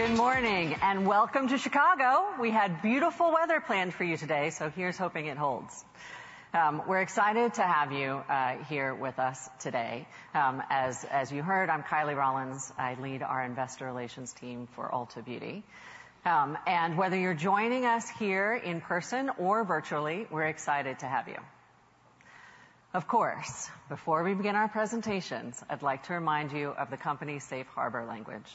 Good morning, and welcome to Chicago! We had beautiful weather planned for you today, so here's hoping it holds. We're excited to have you here with us today. As you heard, I'm Kylie Rawlins. I lead our investor relations team for Ulta Beauty, and whether you're joining us here in person or virtually, we're excited to have you. Of course, before we begin our presentations, I'd like to remind you of the company's safe harbor language.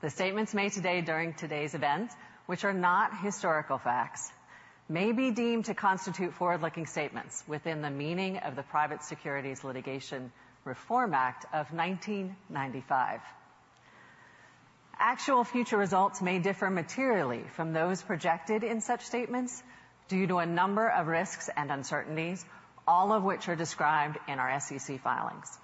The statements made today during today's event, which are not historical facts, may be deemed to constitute forward-looking statements within the meaning of the Private Securities Litigation Reform Act of 1995. Actual future results may differ materially from those projected in such statements due to a number of risks and uncertainties, all of which are described in our SEC filings.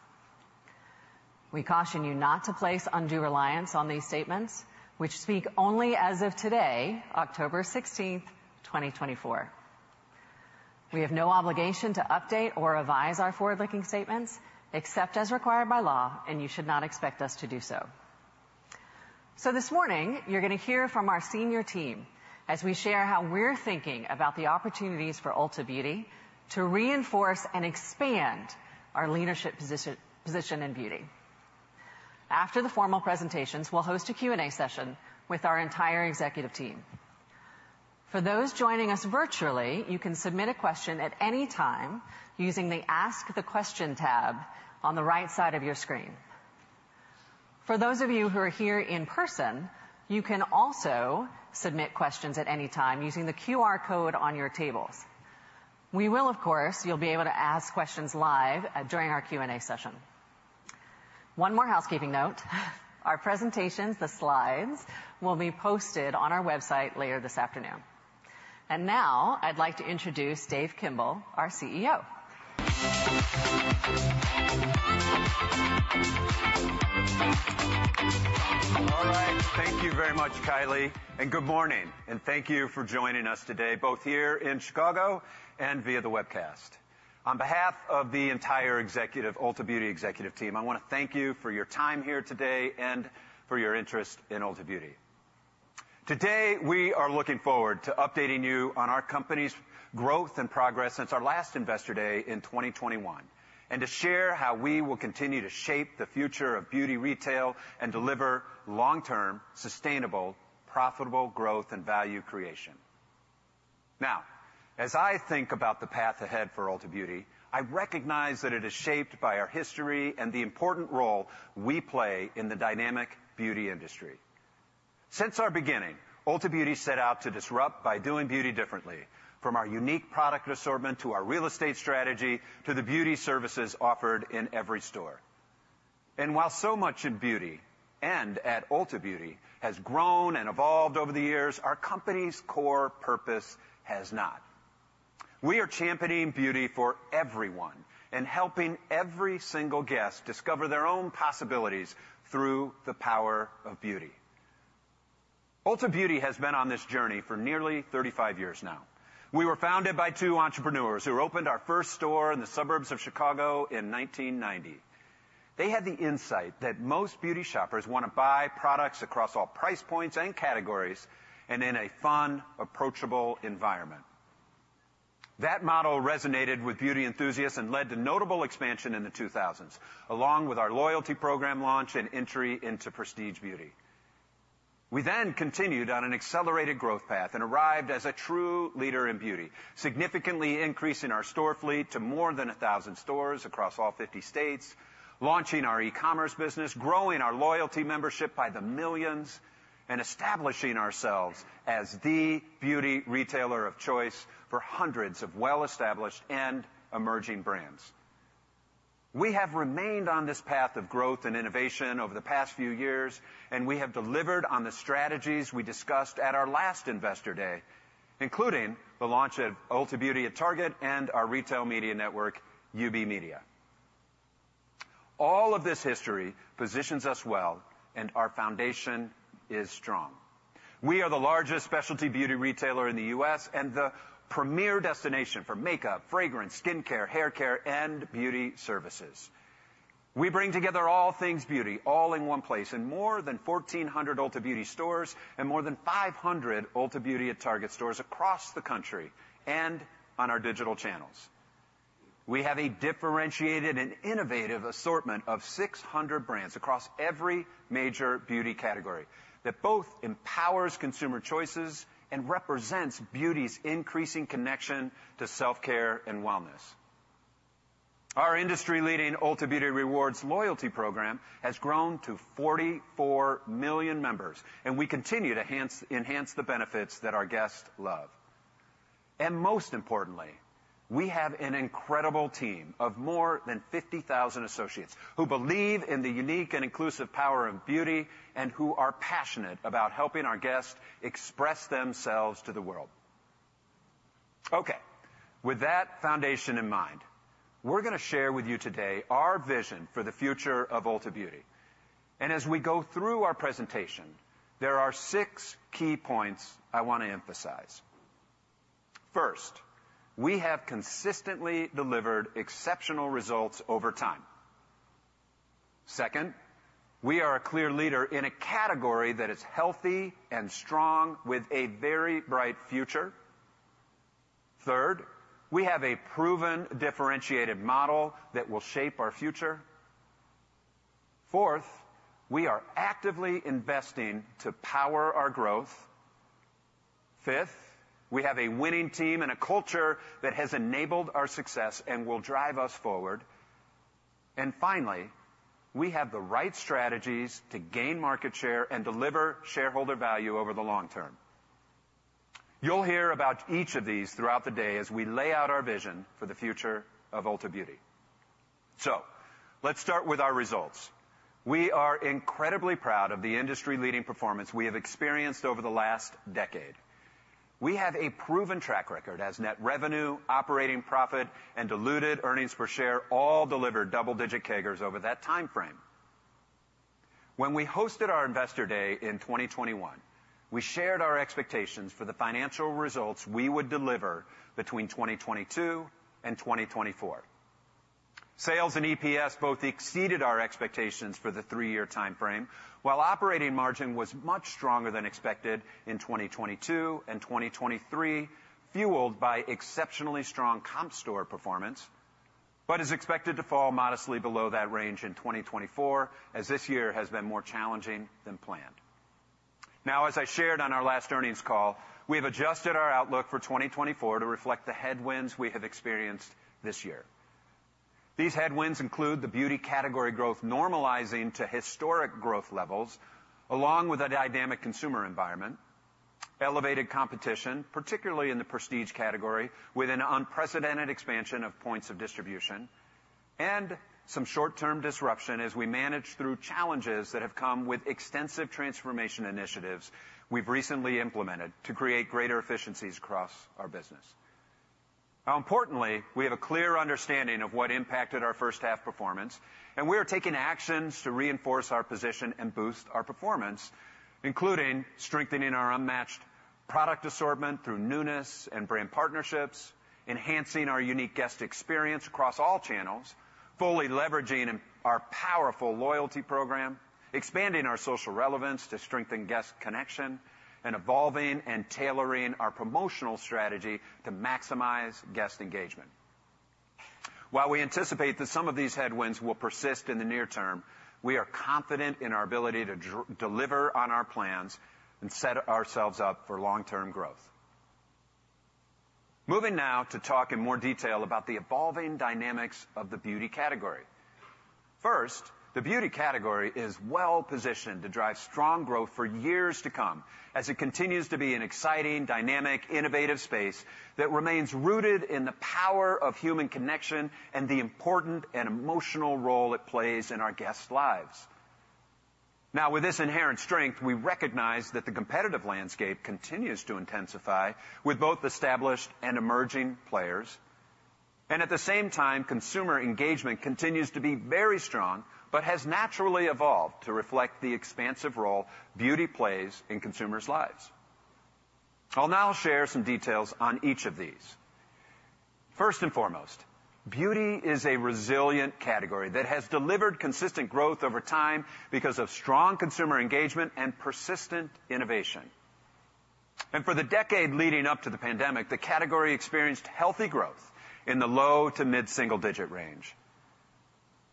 We caution you not to place undue reliance on these statements, which speak only as of today, October sixteenth, twenty twenty-four. We have no obligation to update or revise our forward-looking statements, except as required by law, and you should not expect us to do so. This morning, you're gonna hear from our senior team as we share how we're thinking about the opportunities for Ulta Beauty to reinforce and expand our leadership position in beauty. After the formal presentations, we'll host a Q&A session with our entire executive team. For those joining us virtually, you can submit a question at any time using the Ask the Question tab on the right side of your screen. For those of you who are here in person, you can also submit questions at any time using the QR code on your tables. We will, of course, you'll be able to ask questions live, during our Q&A session. One more housekeeping note, our presentations, the slides, will be posted on our website later this afternoon. And now, I'd like to introduce Dave Kimbell, our CEO. All right, thank you very much, Kylie, and good morning, and thank you for joining us today, both here in Chicago and via the webcast. On behalf of the entire executive, Ulta Beauty executive team, I wanna thank you for your time here today and for your interest in Ulta Beauty. Today, we are looking forward to updating you on our company's growth and progress since our last Investor Day in 2021, and to share how we will continue to shape the future of beauty retail and deliver long-term, sustainable, profitable growth and value creation. Now, as I think about the path ahead for Ulta Beauty, I recognize that it is shaped by our history and the important role we play in the dynamic beauty industry. Since our beginning, Ulta Beauty set out to disrupt by doing beauty differently, from our unique product assortment, to our real estate strategy, to the beauty services offered in every store. And while so much in beauty and at Ulta Beauty has grown and evolved over the years, our company's core purpose has not. We are championing beauty for everyone and helping every single guest discover their own possibilities through the power of beauty. Ulta Beauty has been on this journey for nearly 35 years now. We were founded by two entrepreneurs who opened our first store in the suburbs of Chicago in 1990. They had the insight that most beauty shoppers wanna buy products across all price points and categories, and in a fun, approachable environment. That model resonated with beauty enthusiasts and led to notable expansion in the 2000s, along with our loyalty program launch and entry into prestige beauty. We then continued on an accelerated growth path and arrived as a true leader in beauty, significantly increasing our store fleet to more than a thousand stores across all fifty states, launching our e-commerce business, growing our loyalty membership by the millions, and establishing ourselves as the beauty retailer of choice for hundreds of well-established and emerging brands. We have remained on this path of growth and innovation over the past few years, and we have delivered on the strategies we discussed at our last Investor Day, including the launch of Ulta Beauty at Target and our retail media network, UB Media. All of this history positions us well, and our foundation is strong. We are the largest specialty beauty retailer in the U.S. And the premier destination for makeup, fragrance, skincare, haircare, and beauty services. We bring together all things beauty, all in one place, in more than 1,400 Ulta Beauty stores and more than 500 Ulta Beauty at Target stores across the country and on our digital channels. We have a differentiated and innovative assortment of 600 brands across every major beauty category that both empowers consumer choices and represents beauty's increasing connection to self-care and wellness. Our industry-leading Ulta Beauty Rewards loyalty program has grown to 44 million members, and we continue to enhance the benefits that our guests love. And most importantly, we have an incredible team of more than 50,000 associates who believe in the unique and inclusive power of beauty and who are passionate about helping our guests express themselves to the world. Okay, with that foundation in mind, we're gonna share with you today our vision for the future of Ulta Beauty. And as we go through our presentation, there are six key points I wanna emphasize.... First, we have consistently delivered exceptional results over time. Second, we are a clear leader in a category that is healthy and strong, with a very bright future. Third, we have a proven differentiated model that will shape our future. Fourth, we are actively investing to power our growth. Fifth, we have a winning team and a culture that has enabled our success and will drive us forward. And finally, we have the right strategies to gain market share and deliver shareholder value over the long term. You'll hear about each of these throughout the day as we lay out our vision for the future of Ulta Beauty. So let's start with our results. We are incredibly proud of the industry-leading performance we have experienced over the last decade. We have a proven track record as net revenue, operating profit, and diluted earnings per share, all delivered double-digit CAGRs over that timeframe. When we hosted our Investor Day in 2021, we shared our expectations for the financial results we would deliver between 2022 and 2024. Sales and EPS both exceeded our expectations for the three-year timeframe, while operating margin was much stronger than expected in 2022 and 2023, fueled by exceptionally strong comp store performance, but is expected to fall modestly below that range in 2024, as this year has been more challenging than planned. Now, as I shared on our last earnings call, we have adjusted our outlook for 2024 to reflect the headwinds we have experienced this year. These headwinds include the beauty category growth normalizing to historic growth levels, along with a dynamic consumer environment, elevated competition, particularly in the prestige category, with an unprecedented expansion of points of distribution, and some short-term disruption as we manage through challenges that have come with extensive transformation initiatives we've recently implemented to create greater efficiencies across our business. Now, importantly, we have a clear understanding of what impacted our first half performance, and we are taking actions to reinforce our position and boost our performance, including strengthening our unmatched product assortment through newness and brand partnerships, enhancing our unique guest experience across all channels, fully leveraging our powerful loyalty program, expanding our social relevance to strengthen guest connection, and evolving and tailoring our promotional strategy to maximize guest engagement. While we anticipate that some of these headwinds will persist in the near term, we are confident in our ability to deliver on our plans and set ourselves up for long-term growth. Moving now to talk in more detail about the evolving dynamics of the beauty category. First, the beauty category is well-positioned to drive strong growth for years to come, as it continues to be an exciting, dynamic, innovative space that remains rooted in the power of human connection and the important and emotional role it plays in our guests' lives. Now, with this inherent strength, we recognize that the competitive landscape continues to intensify with both established and emerging players, and at the same time, consumer engagement continues to be very strong, but has naturally evolved to reflect the expansive role beauty plays in consumers' lives. I'll now share some details on each of these. First and foremost, beauty is a resilient category that has delivered consistent growth over time because of strong consumer engagement and persistent innovation. And for the decade leading up to the pandemic, the category experienced healthy growth in the low to mid-single digit range.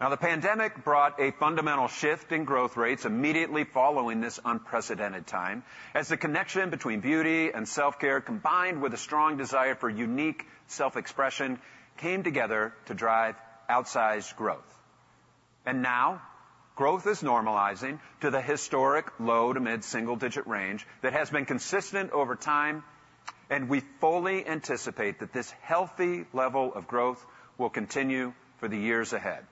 Now, the pandemic brought a fundamental shift in growth rates immediately following this unprecedented time, as the connection between beauty and self-care, combined with a strong desire for unique self-expression, came together to drive outsized growth. And now growth is normalizing to the historic low to mid-single digit range that has been consistent over time, and we fully anticipate that this healthy level of growth will continue for the years ahead.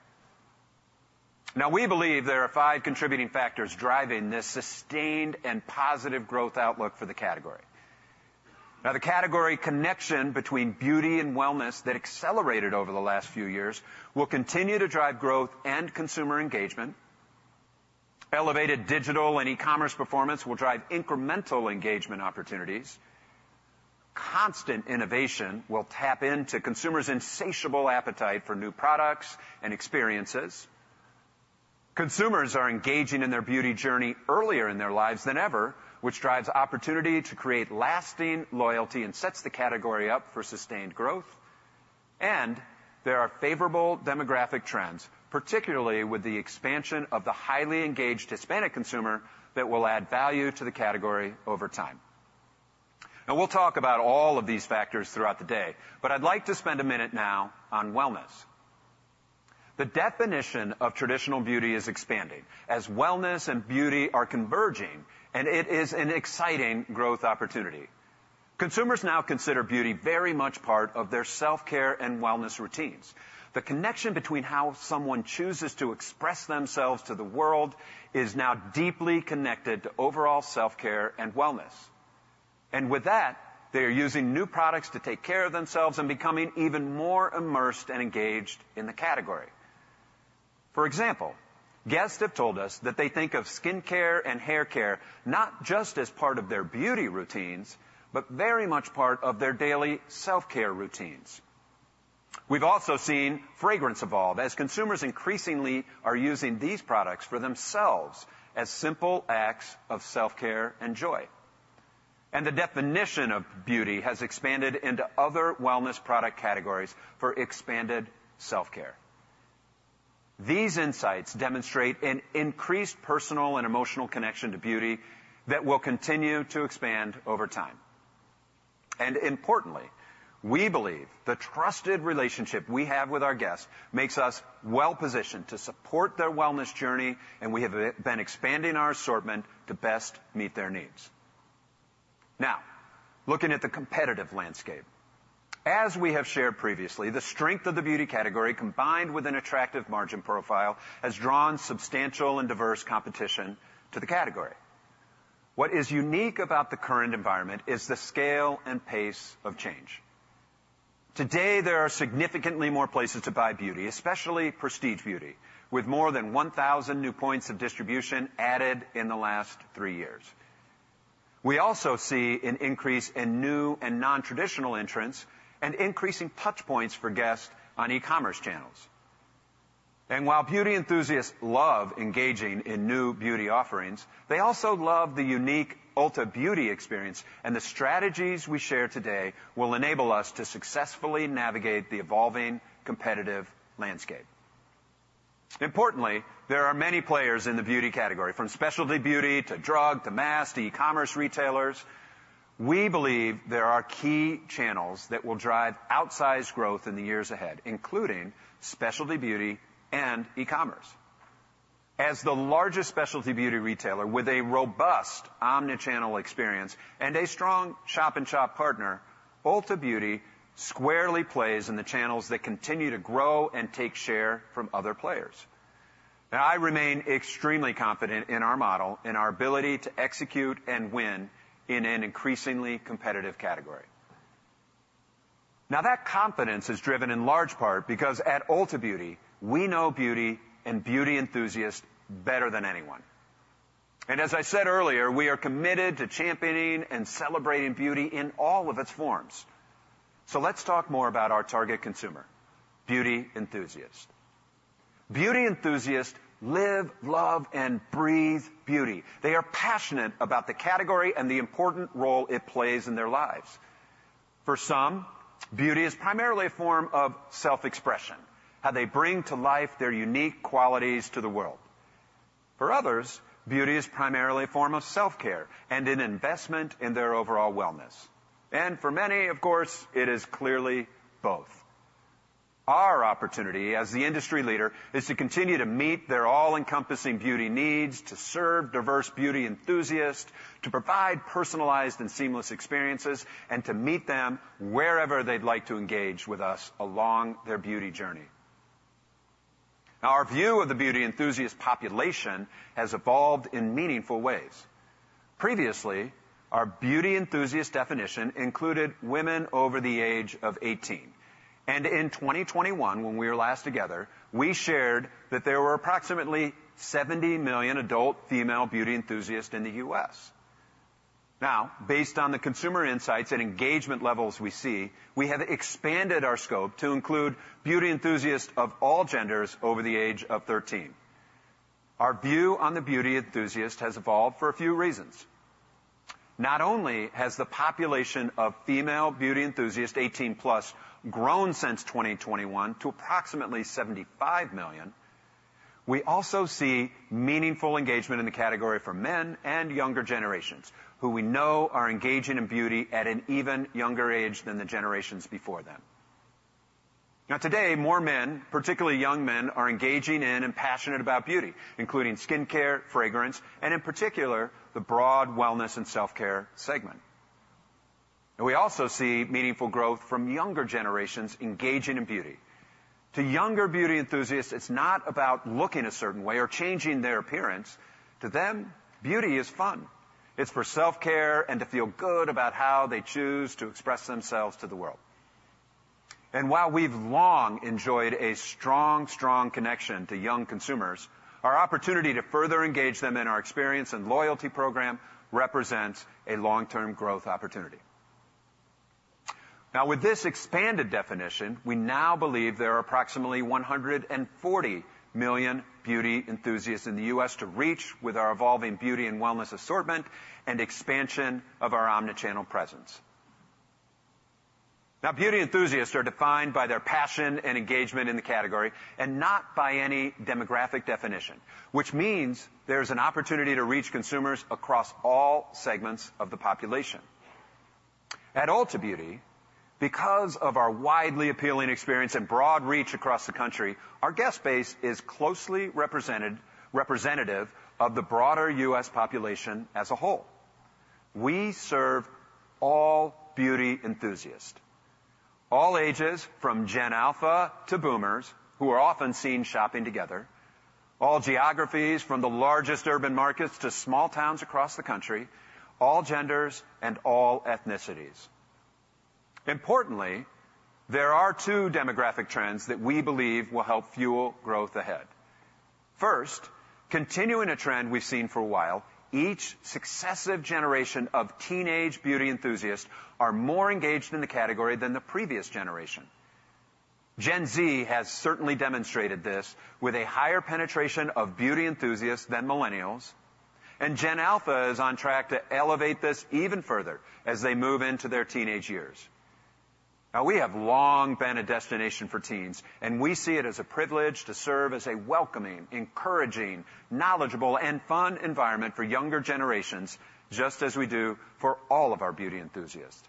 Now, we believe there are five contributing factors driving this sustained and positive growth outlook for the category. Now, the category connection between beauty and wellness that accelerated over the last few years will continue to drive growth and consumer engagement. Elevated digital and e-commerce performance will drive incremental engagement opportunities. Constant innovation will tap into consumers' insatiable appetite for new products and experiences. Consumers are engaging in their beauty journey earlier in their lives than ever, which drives opportunity to create lasting loyalty and sets the category up for sustained growth, and there are favorable demographic trends, particularly with the expansion of the highly engaged Hispanic consumer, that will add value to the category over time. Now, we'll talk about all of these factors throughout the day, but I'd like to spend a minute now on wellness. The definition of traditional beauty is expanding, as wellness and beauty are converging, and it is an exciting growth opportunity. Consumers now consider beauty very much part of their self-care and wellness routines. The connection between how someone chooses to express themselves to the world is now deeply connected to overall self-care and wellness, and with that, they are using new products to take care of themselves and becoming even more immersed and engaged in the category. For example, guests have told us that they think of skincare and haircare not just as part of their beauty routines, but very much part of their daily self-care routines. We've also seen fragrance evolve as consumers increasingly are using these products for themselves as simple acts of self-care and joy, and the definition of beauty has expanded into other wellness product categories for expanded self-care. These insights demonstrate an increased personal and emotional connection to beauty that will continue to expand over time. Importantly, we believe the trusted relationship we have with our guests makes us well-positioned to support their wellness journey, and we have been expanding our assortment to best meet their needs. Now, looking at the competitive landscape. As we have shared previously, the strength of the beauty category, combined with an attractive margin profile, has drawn substantial and diverse competition to the category. What is unique about the current environment is the scale and pace of change. Today, there are significantly more places to buy beauty, especially prestige beauty, with more than 1,000 new points of distribution added in the last three years. We also see an increase in new and nontraditional entrants and increasing touch points for guests on e-commerce channels. While beauty enthusiasts love engaging in new beauty offerings, they also love the unique Ulta Beauty experience, and the strategies we share today will enable us to successfully navigate the evolving competitive landscape. Importantly, there are many players in the beauty category, from specialty beauty to drug to mass to e-commerce retailers. We believe there are key channels that will drive outsized growth in the years ahead, including specialty beauty and e-commerce. As the largest specialty beauty retailer with a robust omnichannel experience and a strong shop-in-shop partner, Ulta Beauty squarely plays in the channels that continue to grow and take share from other players. Now, I remain extremely confident in our model and our ability to execute and win in an increasingly competitive category. Now, that confidence is driven in large part because at Ulta Beauty, we know beauty and beauty enthusiasts better than anyone. As I said earlier, we are committed to championing and celebrating beauty in all of its forms. Let's talk more about our target consumer, beauty enthusiasts. Beauty enthusiasts live, love, and breathe beauty. They are passionate about the category and the important role it plays in their lives. For some, beauty is primarily a form of self-expression, how they bring to life their unique qualities to the world. For others, beauty is primarily a form of self-care and an investment in their overall wellness, and for many, of course, it is clearly both. Our opportunity as the industry leader is to continue to meet their all-encompassing beauty needs, to serve diverse beauty enthusiasts, to provide personalized and seamless experiences, and to meet them wherever they'd like to engage with us along their beauty journey. Now, our view of the beauty enthusiast population has evolved in meaningful ways. Previously, our beauty enthusiast definition included women over the age of 18, and in 2021, when we were last together, we shared that there were approximately 70 million adult female beauty enthusiasts in the U.S. Now, based on the consumer insights and engagement levels we see, we have expanded our scope to include beauty enthusiasts of all genders over the age of 13. Our view on the beauty enthusiast has evolved for a few reasons. Not only has the population of female beauty enthusiasts 18 plus grown since 2021 to approximately 75 million, we also see meaningful engagement in the category for men and younger generations, who we know are engaging in beauty at an even younger age than the generations before them. Now, today, more men, particularly young men, are engaging in and passionate about beauty, including skincare, fragrance, and in particular, the broad wellness and self-care segment, and we also see meaningful growth from younger generations engaging in beauty. To younger beauty enthusiasts, it's not about looking a certain way or changing their appearance. To them, beauty is fun. It's for self-care and to feel good about how they choose to express themselves to the world, and while we've long enjoyed a strong, strong connection to young consumers, our opportunity to further engage them in our experience and loyalty program represents a long-term growth opportunity. Now, with this expanded definition, we now believe there are approximately 140 million beauty enthusiasts in the U.S. to reach with our evolving beauty and wellness assortment and expansion of our omnichannel presence. Now, beauty enthusiasts are defined by their passion and engagement in the category and not by any demographic definition, which means there's an opportunity to reach consumers across all segments of the population. At Ulta Beauty, because of our widely appealing experience and broad reach across the country, our guest base is closely representative of the broader U.S. population as a whole. We serve all beauty enthusiasts, all ages, from Gen Alpha to Boomers, who are often seen shopping together, all geographies, from the largest urban markets to small towns across the country, all genders, and all ethnicities. Importantly, there are two demographic trends that we believe will help fuel growth ahead. First, continuing a trend we've seen for a while, each successive generation of teenage beauty enthusiasts are more engaged in the category than the previous generation. Gen Z has certainly demonstrated this with a higher penetration of beauty enthusiasts than Millennials, and Gen Alpha is on track to elevate this even further as they move into their teenage years. Now, we have long been a destination for teens, and we see it as a privilege to serve as a welcoming, encouraging, knowledgeable, and fun environment for younger generations, just as we do for all of our beauty enthusiasts.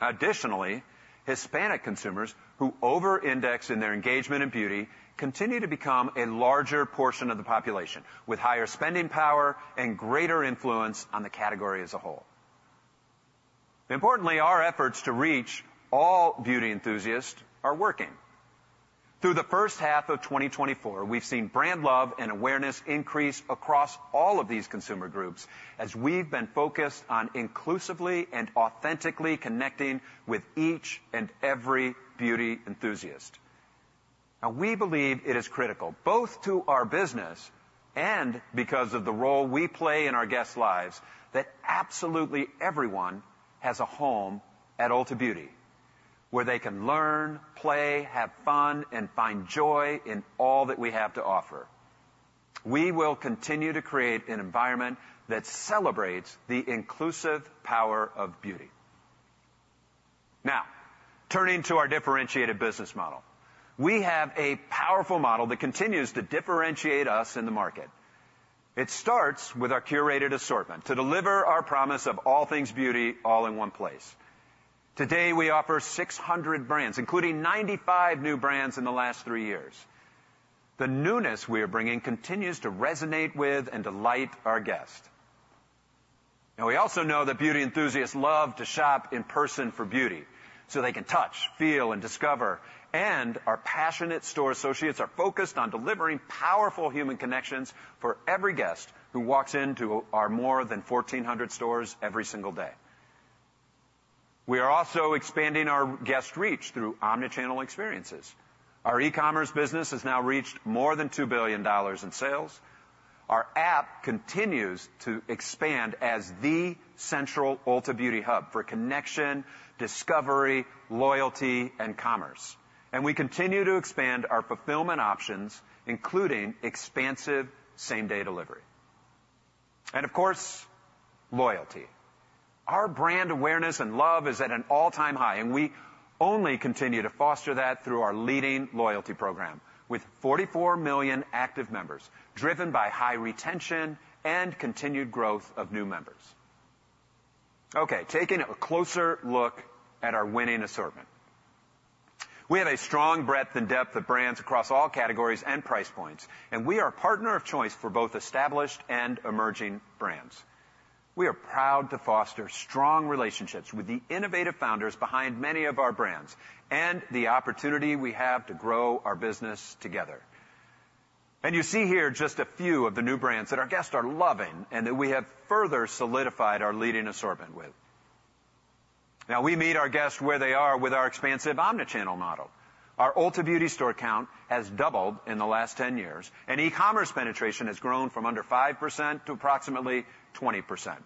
Additionally, Hispanic consumers, who over-index in their engagement in beauty, continue to become a larger portion of the population, with higher spending power and greater influence on the category as a whole. Importantly, our efforts to reach all beauty enthusiasts are working. Through the first half of twenty twenty-four, we've seen brand love and awareness increase across all of these consumer groups, as we've been focused on inclusively and authentically connecting with each and every beauty enthusiast. Now, we believe it is critical, both to our business and because of the role we play in our guests' lives, that absolutely everyone has a home at Ulta Beauty, where they can learn, play, have fun, and find joy in all that we have to offer. We will continue to create an environment that celebrates the inclusive power of beauty. Now, turning to our differentiated business model. We have a powerful model that continues to differentiate us in the market. It starts with our curated assortment to deliver our promise of all things beauty, all in one place. Today, we offer 600 brands, including 95 new brands in the last three years. The newness we are bringing continues to resonate with and delight our guests. Now, we also know that beauty enthusiasts love to shop in person for beauty, so they can touch, feel, and discover, and our passionate store associates are focused on delivering powerful human connections for every guest who walks into our more than 1,400 stores every single day. We are also expanding our guest reach through omnichannel experiences. Our e-commerce business has now reached more than $2 billion in sales. Our app continues to expand as the central Ulta Beauty hub for connection, discovery, loyalty, and commerce, and we continue to expand our fulfillment options, including expansive same-day delivery, and of course, loyalty. Our brand awareness and love is at an all-time high, and we only continue to foster that through our leading loyalty program, with 44 million active members, driven by high retention and continued growth of new members. Okay, taking a closer look at our winning assortment. We have a strong breadth and depth of brands across all categories and price points, and we are partner of choice for both established and emerging brands. We are proud to foster strong relationships with the innovative founders behind many of our brands, and the opportunity we have to grow our business together, and you see here just a few of the new brands that our guests are loving, and that we have further solidified our leading assortment with. Now, we meet our guests where they are with our expansive omnichannel model. Our Ulta Beauty store count has doubled in the last 10 years, and e-commerce penetration has grown from under 5% to approximately 20%.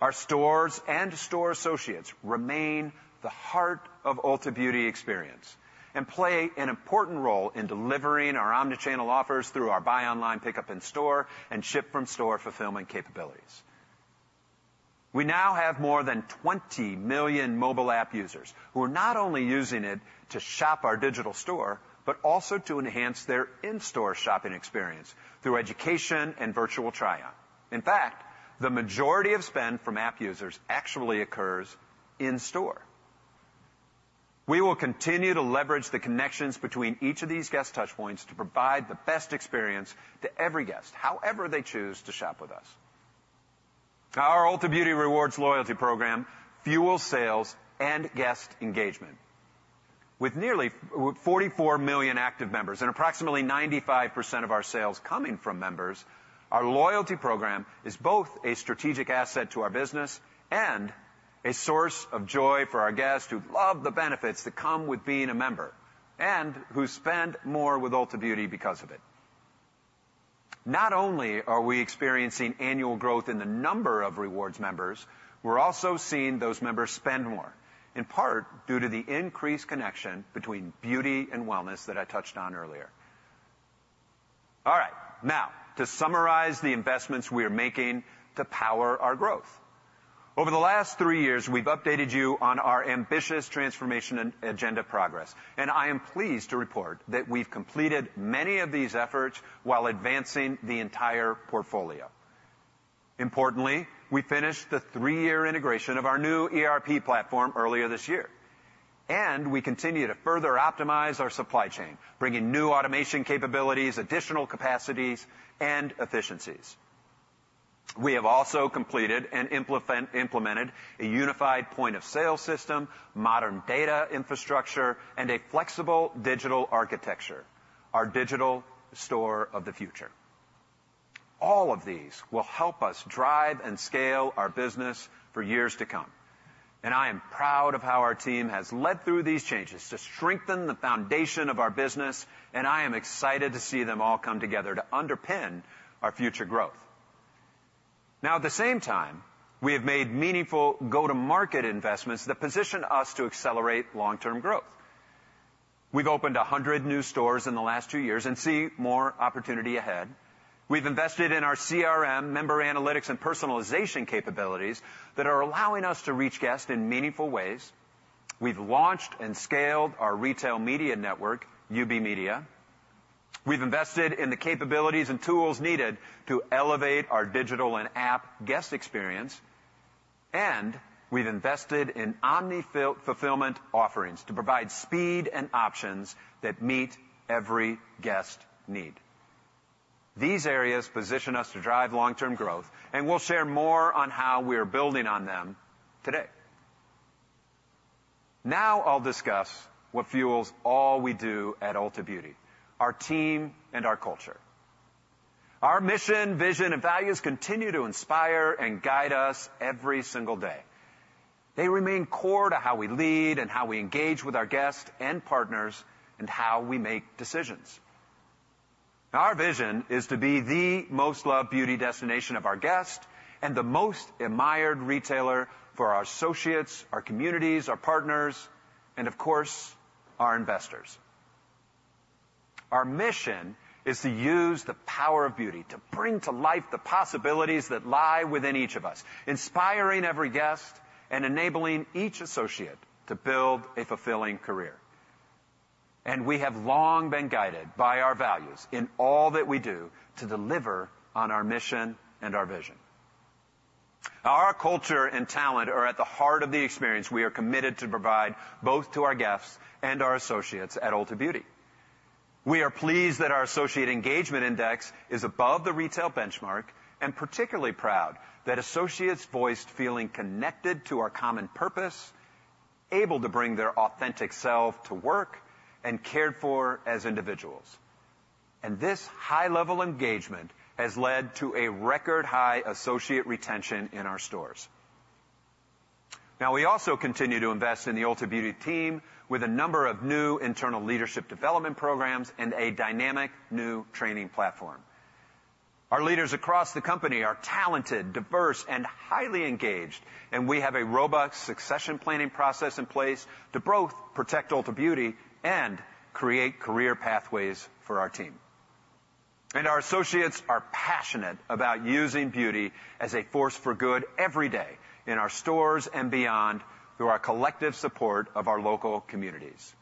Our stores and store associates remain the heart of Ulta Beauty experience and play an important role in delivering our omnichannel offers through our Buy Online, Pick Up in Store, and Ship from Store fulfillment capabilities. We now have more than 20 million mobile app users, who are not only using it to shop our digital store, but also to enhance their in-store shopping experience through education and virtual try-on. In fact, the majority of spend from app users actually occurs in store. We will continue to leverage the connections between each of these guest touch points to provide the best experience to every guest, however they choose to shop with us. Our Ulta Beauty Rewards loyalty program fuels sales and guest engagement. With nearly forty-four million active members and approximately 95% of our sales coming from members, our loyalty program is both a strategic asset to our business and a source of joy for our guests, who love the benefits that come with being a member, and who spend more with Ulta Beauty because of it. Not only are we experiencing annual growth in the number of rewards members, we're also seeing those members spend more, in part due to the increased connection between beauty and wellness that I touched on earlier. All right. Now, to summarize the investments we are making to power our growth. Over the last three years, we've updated you on our ambitious transformation and agenda progress, and I am pleased to report that we've completed many of these efforts while advancing the entire portfolio. Importantly, we finished the three-year integration of our new ERP platform earlier this year, and we continue to further optimize our supply chain, bringing new automation capabilities, additional capacities, and efficiencies. We have also completed and implemented a unified point-of-sale system, modern data infrastructure, and a flexible digital architecture, our Digital Store of the Future. All of these will help us drive and scale our business for years to come, and I am proud of how our team has led through these changes to strengthen the foundation of our business, and I am excited to see them all come together to underpin our future growth. Now, at the same time, we have made meaningful go-to-market investments that position us to accelerate long-term growth. We've opened a hundred new stores in the last two years and see more opportunity ahead. We've invested in our CRM, member analytics, and personalization capabilities that are allowing us to reach guests in meaningful ways. We've launched and scaled our retail media network, UB Media. We've invested in the capabilities and tools needed to elevate our digital and app guest experience, and we've invested in omnichannel fulfillment offerings to provide speed and options that meet every guest need. These areas position us to drive long-term growth, and we'll share more on how we are building on them today. Now I'll discuss what fuels all we do at Ulta Beauty, our team, and our culture. Our mission, vision, and values continue to inspire and guide us every single day. They remain core to how we lead and how we engage with our guests and partners, and how we make decisions. Our vision is to be the most loved beauty destination of our guests and the most admired retailer for our associates, our communities, our partners, and of course, our investors. Our mission is to use the power of beauty to bring to life the possibilities that lie within each of us, inspiring every guest and enabling each associate to build a fulfilling career. And we have long been guided by our values in all that we do to deliver on our mission and our vision. Our culture and talent are at the heart of the experience we are committed to provide, both to our guests and our associates at Ulta Beauty. We are pleased that our associate engagement index is above the retail benchmark, and particularly proud that associates voiced feeling connected to our common purpose, able to bring their authentic self to work, and cared for as individuals, and this high-level engagement has led to a record-high associate retention in our stores. Now, we also continue to invest in the Ulta Beauty team with a number of new internal leadership development programs and a dynamic new training platform. Our leaders across the company are talented, diverse, and highly engaged, and we have a robust succession planning process in place to both protect Ulta Beauty and create career pathways for our team, and our associates are passionate about using beauty as a force for good every day in our stores and beyond, through our collective support of our local communities.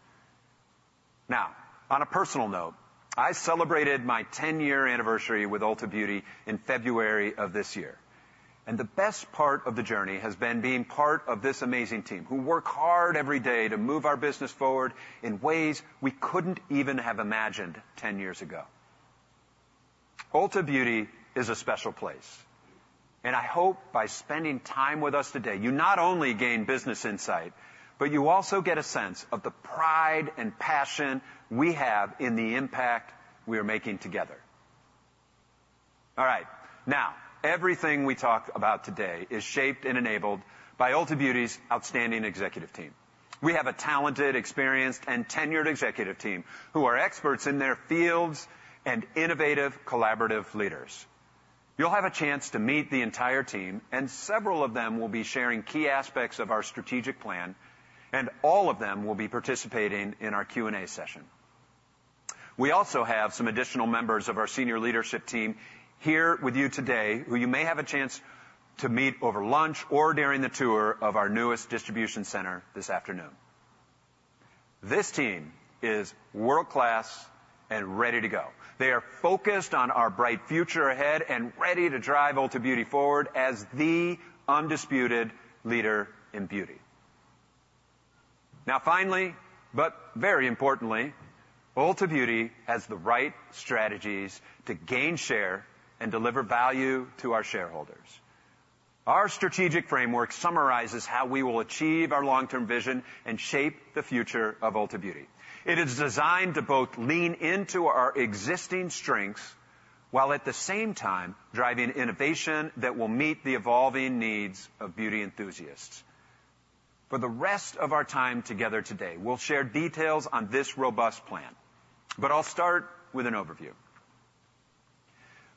Now, on a personal note, I celebrated my ten-year anniversary with Ulta Beauty in February of this year, and the best part of the journey has been being part of this amazing team, who work hard every day to move our business forward in ways we couldn't even have imagined ten years ago. Ulta Beauty is a special place, and I hope by spending time with us today, you not only gain business insight, but you also get a sense of the pride and passion we have in the impact we are making together. All right. Now, everything we talk about today is shaped and enabled by Ulta Beauty's outstanding executive team. We have a talented, experienced, and tenured executive team who are experts in their fields and innovative, collaborative leaders. You'll have a chance to meet the entire team, and several of them will be sharing key aspects of our strategic plan, and all of them will be participating in our Q&A session. We also have some additional members of our senior leadership team here with you today, who you may have a chance to meet over lunch or during the tour of our newest distribution center this afternoon. This team is world-class and ready to go. They are focused on our bright future ahead and ready to drive Ulta Beauty forward as the undisputed leader in beauty. Now, finally, but very importantly, Ulta Beauty has the right strategies to gain share and deliver value to our shareholders. Our strategic framework summarizes how we will achieve our long-term vision and shape the future of Ulta Beauty. It is designed to both lean into our existing strengths, while at the same time, driving innovation that will meet the evolving needs of beauty enthusiasts. For the rest of our time together today, we'll share details on this robust plan. But I'll start with an overview.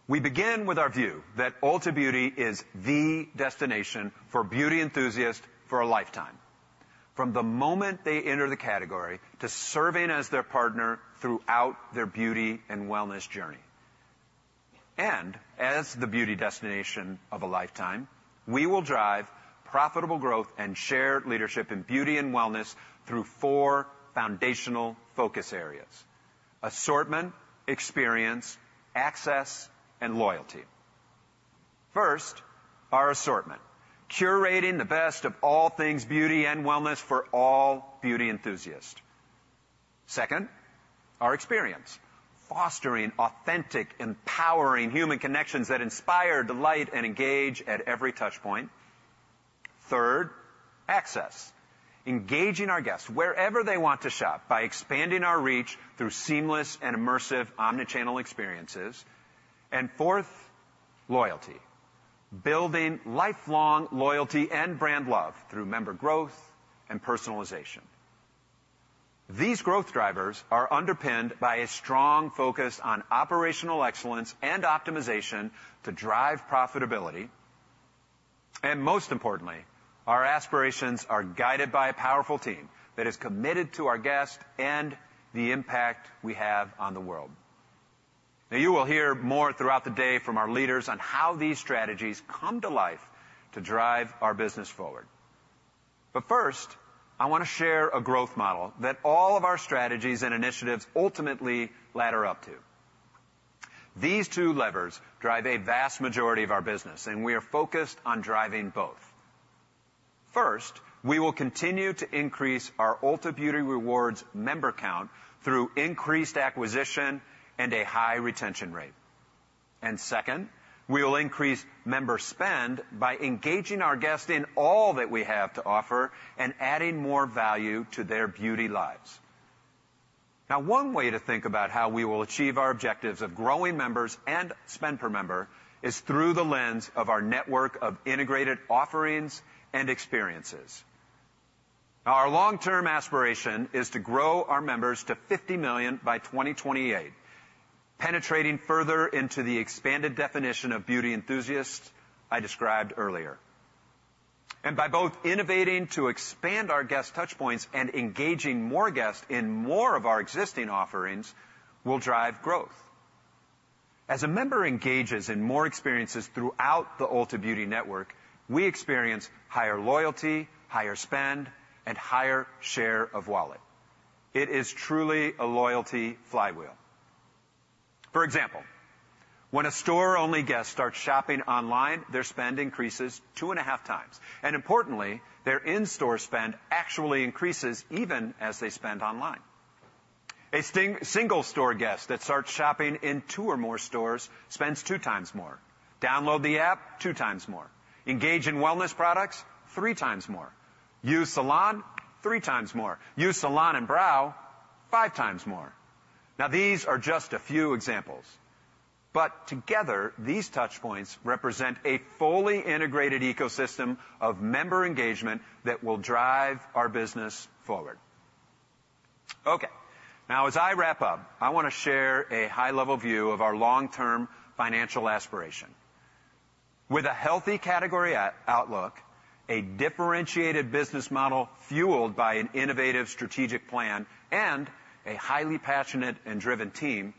We begin with our view that Ulta Beauty is the destination for beauty enthusiasts for a lifetime, from the moment they enter the category to serving as their partner throughout their beauty and wellness journey. And as the beauty destination of a lifetime, we will drive profitable growth and shared leadership in beauty and wellness through four foundational focus areas: assortment, experience, access, and loyalty. First, our assortment, curating the best of all things beauty and wellness for all beauty enthusiasts. Second, our experience, fostering authentic, empowering human connections that inspire, delight, and engage at every touchpoint.... Third, access. Engaging our guests wherever they want to shop by expanding our reach through seamless and immersive omni-channel experiences. And fourth, loyalty. Building lifelong loyalty and brand love through member growth and personalization. These growth drivers are underpinned by a strong focus on operational excellence and optimization to drive profitability. And most importantly, our aspirations are guided by a powerful team that is committed to our guests and the impact we have on the world. Now, you will hear more throughout the day from our leaders on how these strategies come to life to drive our business forward. But first, I want to share a growth model that all of our strategies and initiatives ultimately ladder up to. These two levers drive a vast majority of our business, and we are focused on driving both. First, we will continue to increase our Ulta Beauty Rewards member count through increased acquisition and a high retention rate. And second, we will increase member spend by engaging our guest in all that we have to offer and adding more value to their beauty lives. Now, one way to think about how we will achieve our objectives of growing members and spend per member is through the lens of our network of integrated offerings and experiences. Now, our long-term aspiration is to grow our members to 50 million by 2028, penetrating further into the expanded definition of beauty enthusiasts I described earlier. And by both innovating to expand our guest touch points and engaging more guests in more of our existing offerings, will drive growth. As a member engages in more experiences throughout the Ulta Beauty network, we experience higher loyalty, higher spend, and higher share of wallet. It is truly a loyalty flywheel. For example, when a store-only guest starts shopping online, their spend increases two and a half times, and importantly, their in-store spend actually increases even as they spend online. A single store guest that starts shopping in two or more stores spends two times more. Download the app, two times more. Engage in wellness products, three times more. Use salon, three times more. Use salon and brow, five times more. Now, these are just a few examples, but together, these touch points represent a fully integrated ecosystem of member engagement that will drive our business forward. Okay, now, as I wrap up, I want to share a high-level view of our long-term financial aspiration. With a healthy category outlook, a differentiated business model fueled by an innovative strategic plan, and a highly passionate and driven team,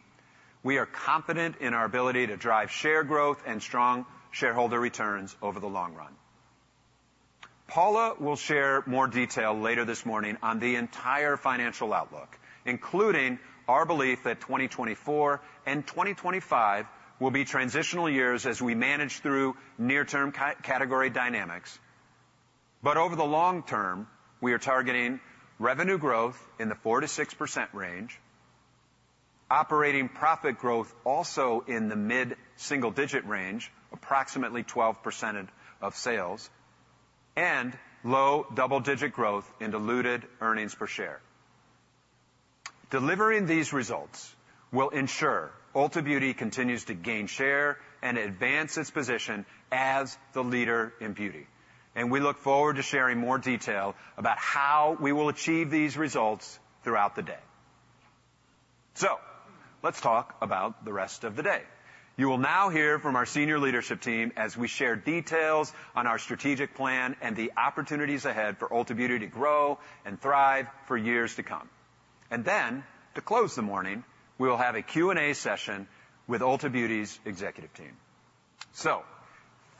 we are confident in our ability to drive share growth and strong shareholder returns over the long run. Paula will share more detail later this morning on the entire financial outlook, including our belief that 2024 and 2025 will be transitional years as we manage through near-term category dynamics. But over the long term, we are targeting revenue growth in the 4-6% range, operating profit growth also in the mid-single-digit range, approximately 12% of sales, and low double-digit growth in diluted earnings per share. Delivering these results will ensure Ulta Beauty continues to gain share and advance its position as the leader in beauty, and we look forward to sharing more detail about how we will achieve these results throughout the day. So let's talk about the rest of the day. You will now hear from our senior leadership team as we share details on our strategic plan and the opportunities ahead for Ulta Beauty to grow and thrive for years to come. And then, to close the morning, we will have a Q&A session with Ulta Beauty's executive team. So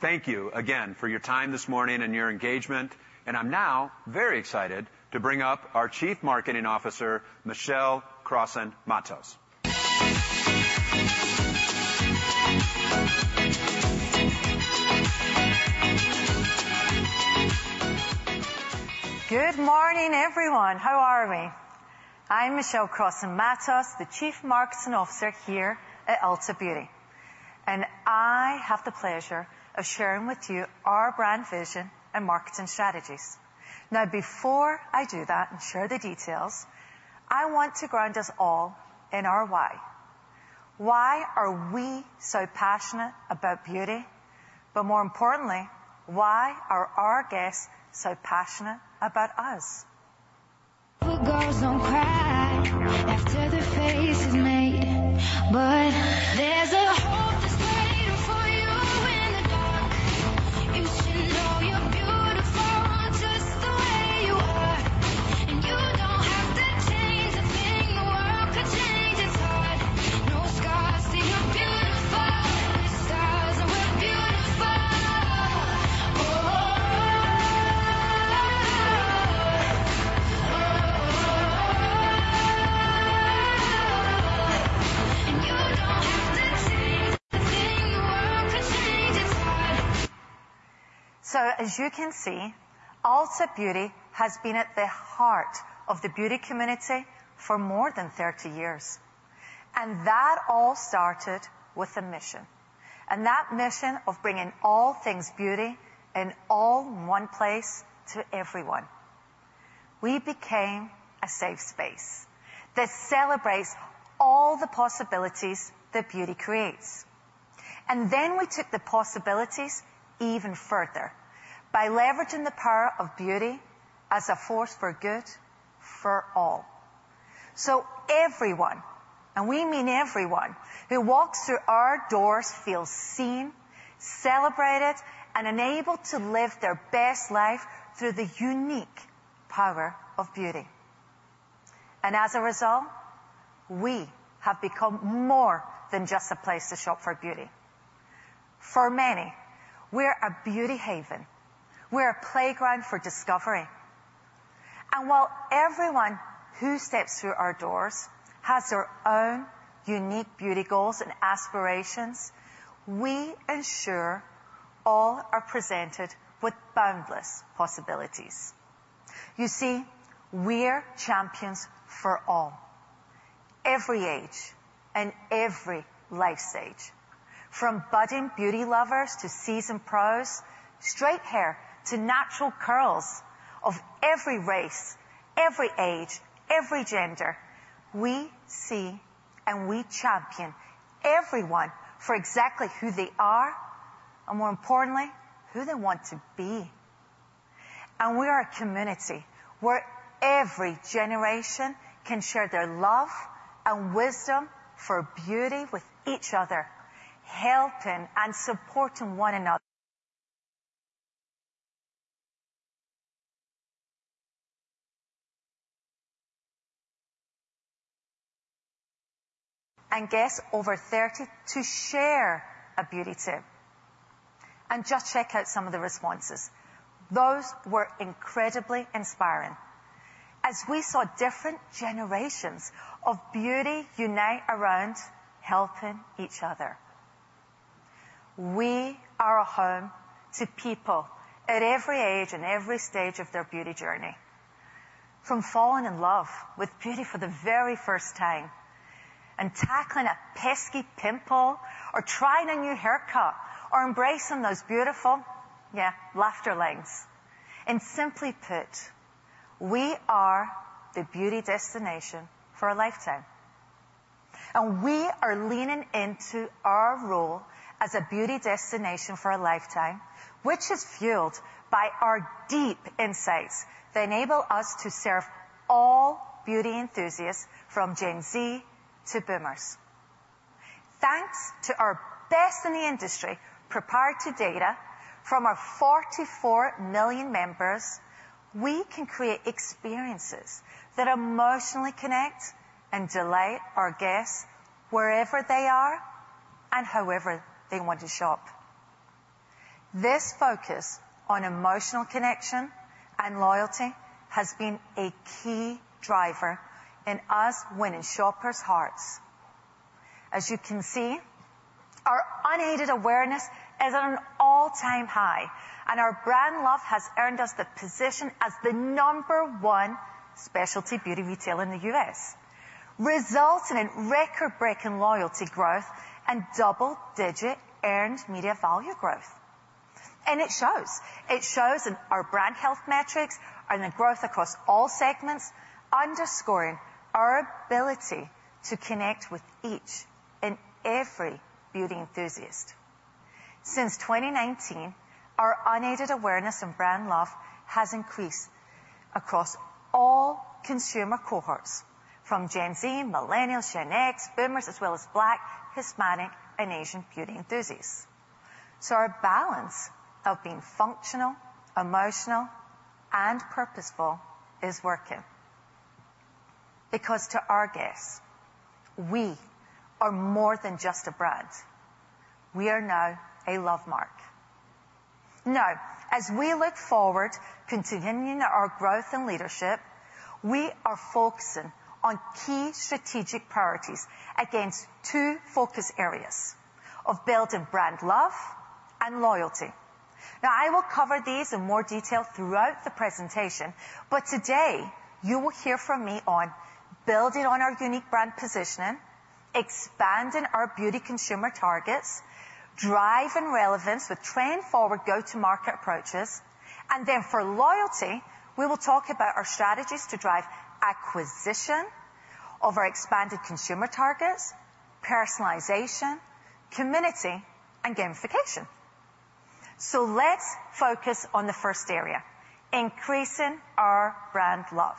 thank you again for your time this morning and your engagement, and I'm now very excited to bring up our Chief Marketing Officer, Michelle Crossan-Matos. Good morning, everyone. How are we? I'm Michelle Crossan-Matos, the Chief Marketing Officer here at Ulta Beauty, and I have the pleasure of sharing with you our brand vision and marketing strategies. Now, before I do that and share the details, I want to ground us all in our why. Why are we so passionate about beauty? But more importantly, why are our guests so passionate about us? Girls don't cry after their face is made. But there's a hope that's waiting for you in the dark. You should know you're beautiful just the way you are, and you don't have to change a thing. The world could change its heart. No scars to your beautiful, we're stars and we're beautiful. Oh, oh, oh! Oh, oh, oh, oh, oh. And you don't have to change a thing. The world could change its heart. So, as you can see, Ulta Beauty has been at the heart of the beauty community for more than 30 years, and that all started with a mission, and that mission of bringing all things beauty in all one place to everyone. We became a safe space that celebrates all the possibilities that beauty creates. And then we took the possibilities even further by leveraging the power of beauty as a force for good for all, so everyone, and we mean everyone, who walks through our doors feels seen, celebrated, and enabled to live their best life through the unique power of beauty. And as a result, we have become more than just a place to shop for beauty. For many, we're a beauty haven, we're a playground for discovery. And while everyone who steps through our doors has their own unique beauty goals and aspirations, we ensure all are presented with boundless possibilities. You see, we're champions for all, every age, and every life stage. From budding beauty lovers to seasoned pros, straight hair to natural curls, of every race, every age, every gender, we see and we champion everyone for exactly who they are, and more importantly, who they want to be. And we are a community where every generation can share their love and wisdom for beauty with each other, helping and supporting one another. And guests over thirty to share a beauty tip, and just check out some of the responses. Those were incredibly inspiring as we saw different generations of beauty unite around helping each other. We are a home to people at every age and every stage of their beauty journey, from falling in love with beauty for the very first time and tackling a pesky pimple, or trying a new haircut, or embracing those beautiful, yeah, laughter lines, and simply put, we are the beauty destination for a lifetime, and we are leaning into our role as a beauty destination for a lifetime, which is fueled by our deep insights that enable us to serve all beauty enthusiasts from Gen Z to boomers. Thanks to our best in the industry, proprietary data from our 44 million members, we can create experiences that emotionally connect and delight our guests wherever they are and however they want to shop. This focus on emotional connection and loyalty has been a key driver in us winning shoppers' hearts. As you can see, our unaided awareness is at an all-time high, and our brand love has earned us the position as the number one specialty beauty retailer in the U.S., resulting in record-breaking loyalty growth and double-digit earned media value growth, and it shows. It shows in our brand health metrics and the growth across all segments, underscoring our ability to connect with each and every beauty enthusiast. Since twenty nineteen, our unaided awareness and brand love has increased across all consumer cohorts, from Gen Z, Millennials, Gen X, boomers, as well as Black, Hispanic, and Asian beauty enthusiasts, so our balance of being functional, emotional, and purposeful is working, because to our guests, we are more than just a brand. We are now a love mark. Now, as we look forward to continuing our growth and leadership, we are focusing on key strategic priorities against two focus areas of building brand love and loyalty. Now, I will cover these in more detail throughout the presentation, but today you will hear from me on building on our unique brand positioning, expanding our beauty consumer targets, driving relevance with trend-forward go-to-market approaches, and then for loyalty, we will talk about our strategies to drive acquisition of our expanded consumer targets, personalization, community, and gamification. So let's focus on the first area, increasing our brand love.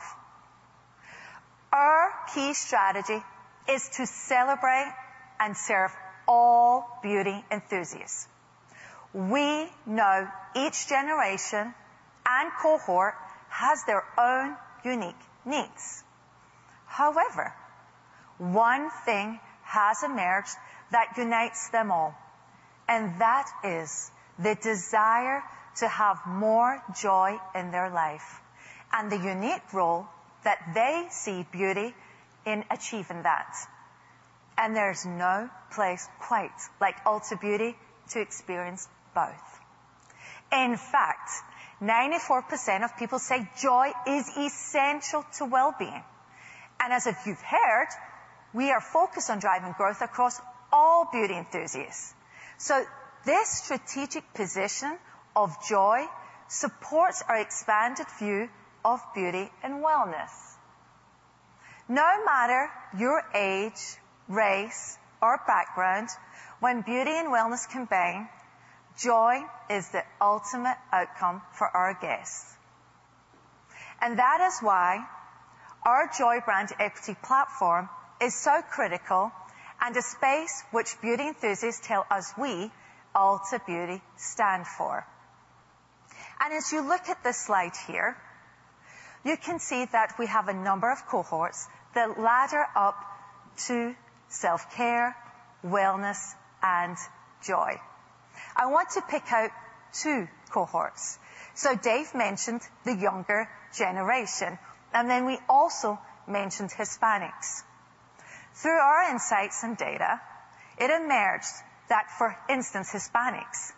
Our key strategy is to celebrate and serve all beauty enthusiasts. We know each generation and cohort has their own unique needs. However, one thing has emerged that unites them all, and that is the desire to have more joy in their life and the unique role that they see beauty in achieving that. And there's no place quite like Ulta Beauty to experience both. In fact, 94% of people say joy is essential to well-being. And as if you've heard, we are focused on driving growth across all beauty enthusiasts. So this strategic position of joy supports our expanded view of beauty and wellness. No matter your age, race, or background, when beauty and wellness combine, joy is the ultimate outcome for our guests. And that is why our joy brand equity platform is so critical, and a space which beauty enthusiasts tell us we, Ulta Beauty, stand for. As you look at this slide here, you can see that we have a number of cohorts that ladder up to self-care, wellness, and joy. I want to pick out two cohorts. So Dave mentioned the younger generation, and then we also mentioned Hispanics. Through our insights and data, it emerged that, for instance, Hispanics,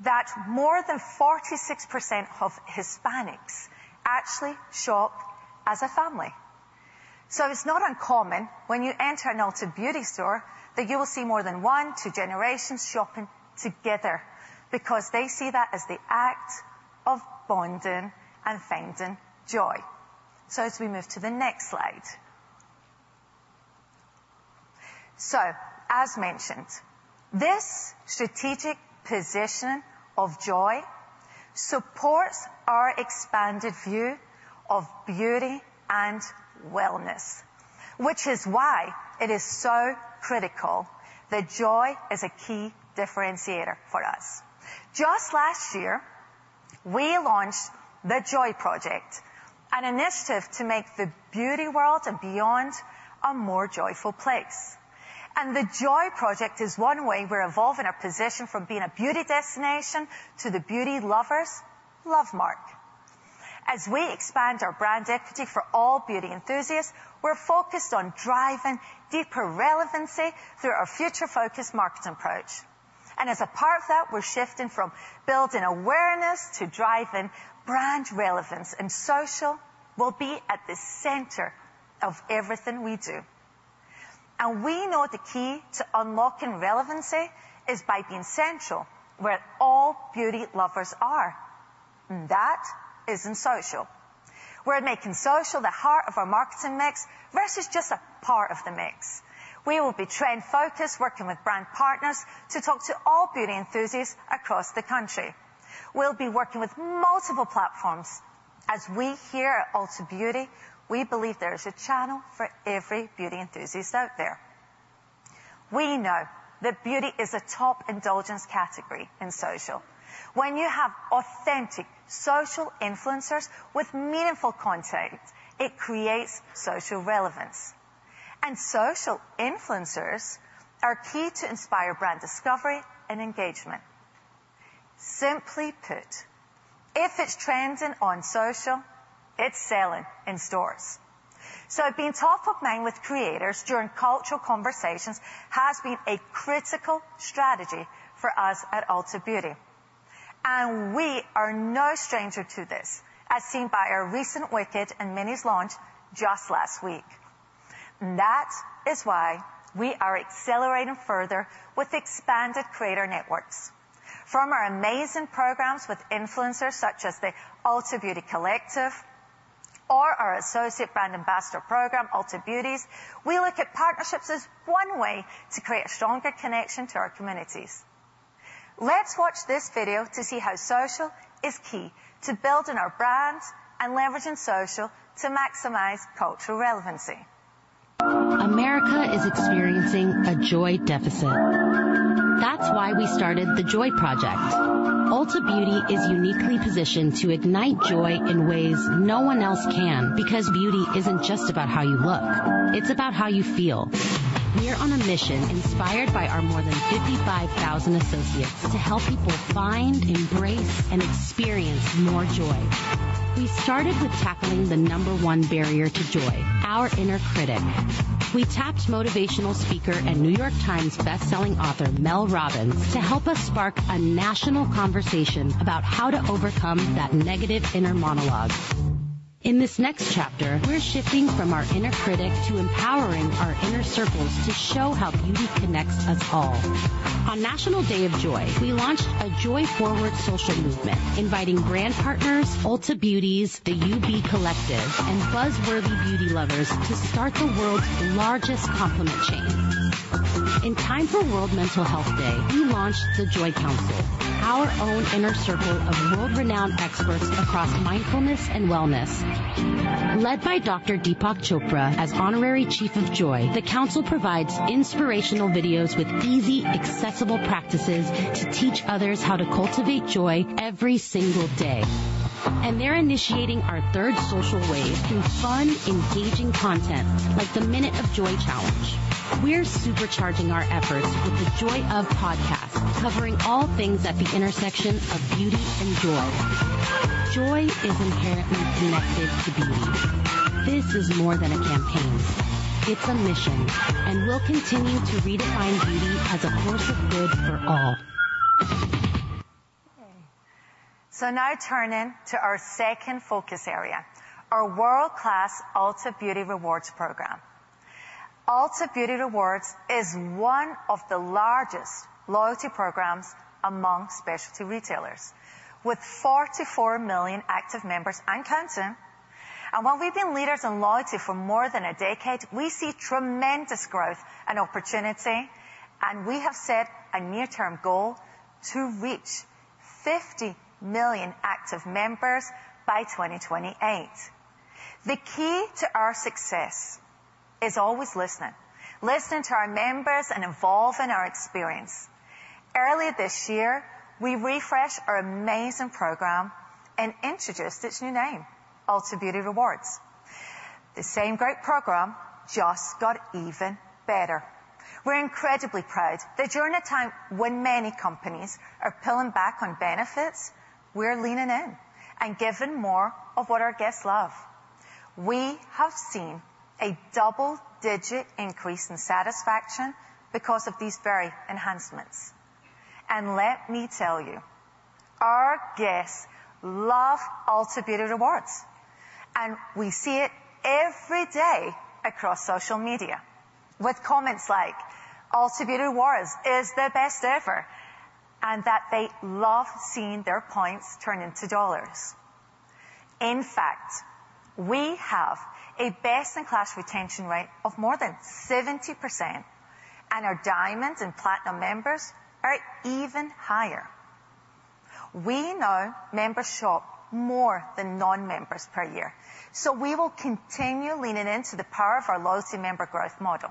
that more than 46% of Hispanics actually shop as a family. So it's not uncommon when you enter an Ulta Beauty store, that you will see more than one, two generations shopping together, because they see that as the act of bonding and finding joy. So as we move to the next slide. So, as mentioned, this strategic position of joy supports our expanded view of beauty and wellness, which is why it is so critical that joy is a key differentiator for us. Just last year, we launched The Joy Project, an initiative to make the beauty world and beyond a more joyful place, and The Joy Project is one way we're evolving our position from being a beauty destination to the beauty lovers' love mark. As we expand our brand equity for all beauty enthusiasts, we're focused on driving deeper relevancy through our future-focused marketing approach, and as a part of that, we're shifting from building awareness to driving brand relevance, and social will be at the center of everything we do, and we know the key to unlocking relevancy is by being central, where all beauty lovers are, and that is in social. We're making social the heart of our marketing mix, versus just a part of the mix. We will be trend-focused, working with brand partners to talk to all beauty enthusiasts across the country. We'll be working with multiple platforms, as we here at Ulta Beauty believe there is a channel for every beauty enthusiast out there. We know that beauty is a top indulgence category in social. When you have authentic social influencers with meaningful content, it creates social relevance, and social influencers are key to inspire brand discovery and engagement. Simply put, if it's trending on social, it's selling in stores, so being top of mind with creators during cultural conversations has been a critical strategy for us at Ulta Beauty, and we are no stranger to this, as seen by our recent Wicked and Mini Brands launch just last week. That is why we are accelerating further with expanded creator networks. From our amazing programs with influencers such as the Ulta Beauty Collective or our associate brand ambassador program, Ulta Beauties, we look at partnerships as one way to create a stronger connection to our communities. Let's watch this video to see how social is key to building our brands and leveraging social to maximize cultural relevancy. America is experiencing a joy deficit. That's why we started The Joy Project. Ulta Beauty is uniquely positioned to ignite joy in ways no one else can, because beauty isn't just about how you look, it's about how you feel. We're on a mission inspired by our more than 55,000 associates to help people find, embrace, and experience more joy. We started with tackling the number one barrier to joy, our inner critic. We tapped motivational speaker and New York Times bestselling author, Mel Robbins, to help us spark a national conversation about how to overcome that negative inner monologue. In this next chapter, we're shifting from our inner critic to empowering our inner circles to show how beauty connects us all. On National Day of Joy, we launched a joy-forward social movement, inviting brand partners, Ulta Beauties, the UB Collective, and buzz-worthy beauty lovers to start the world's largest compliment chain. In time for World Mental Health Day, we launched the Joy Council, our own inner circle of world-renowned experts across mindfulness and wellness. Led by Dr. Deepak Chopra as Honorary Chief of Joy, the council provides inspirational videos with easy, accessible practices to teach others how to cultivate joy every single day, and they're initiating our third social wave through fun, engaging content, like the Minute of Joy Challenge. We're supercharging our efforts with the Joy Of podcast, covering all things at the intersection of beauty and joy.... Joy is inherently connected to beauty. This is more than a campaign, it's a mission, and we'll continue to redefine beauty as a force of good for all. So now turning to our second focus area, our world-class Ulta Beauty Rewards program. Ulta Beauty Rewards is one of the largest loyalty programs among specialty retailers, with 44 million active members and counting. And while we've been leaders in loyalty for more than a decade, we see tremendous growth and opportunity, and we have set a near-term goal to reach 50 million active members by 2028. The key to our success is always listening, listening to our members and evolving our experience. Earlier this year, we refreshed our amazing program and introduced its new name, Ulta Beauty Rewards. The same great program just got even better. We're incredibly proud that during a time when many companies are pulling back on benefits, we're leaning in and giving more of what our guests love. We have seen a double-digit increase in satisfaction because of these very enhancements. And let me tell you, our guests love Ulta Beauty Rewards, and we see it every day across social media, with comments like, "Ulta Beauty Rewards is the best ever!" and that they love seeing their points turn into dollars. In fact, we have a best-in-class retention rate of more than 70%, and our diamond and platinum members are even higher. We know members shop more than non-members per year, so we will continue leaning into the power of our loyalty member growth model,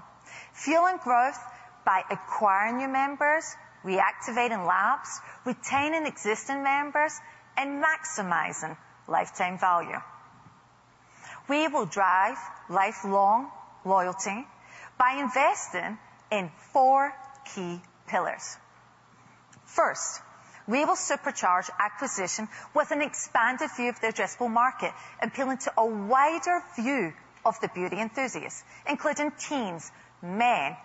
fueling growth by acquiring new members, reactivating lapsed, retaining existing members, and maximizing lifetime value. We will drive lifelong loyalty by investing in four key pillars. First, we will supercharge acquisition with an expanded view of the addressable market, appealing to a wider view of the beauty enthusiasts, including teens, men,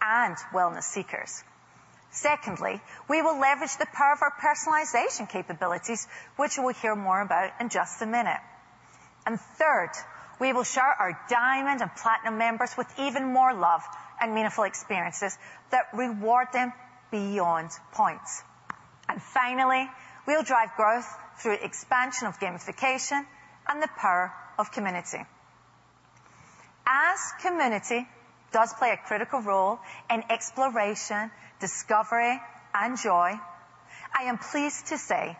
and wellness seekers. Secondly, we will leverage the power of our personalization capabilities, which we'll hear more about in just a minute. And third, we will shower our diamond and platinum members with even more love and meaningful experiences that reward them beyond points. And finally, we'll drive growth through expansion of gamification and the power of community. As community does play a critical role in exploration, discovery, and joy, I am pleased to say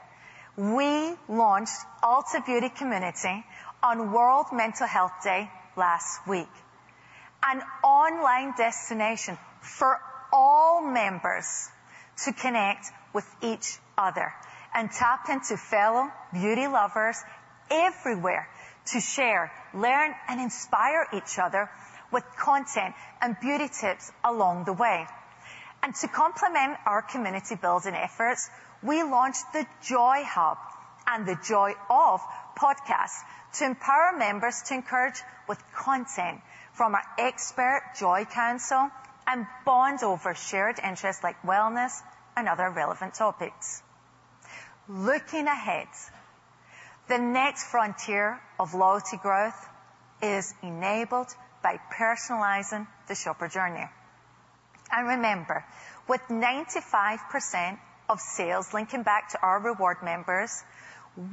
we launched Ulta Beauty Community on World Mental Health Day last week, an online destination for all members to connect with each other and tap into fellow beauty lovers everywhere to share, learn, and inspire each other with content and beauty tips along the way. To complement our community-building efforts, we launched the Joy Hub and the Joy Of podcast to empower members to encourage with content from our expert Joy Council, and bond over shared interests like wellness and other relevant topics. Looking ahead, the next frontier of loyalty growth is enabled by personalizing the shopper journey. Remember, with 95% of sales linking back to our reward members,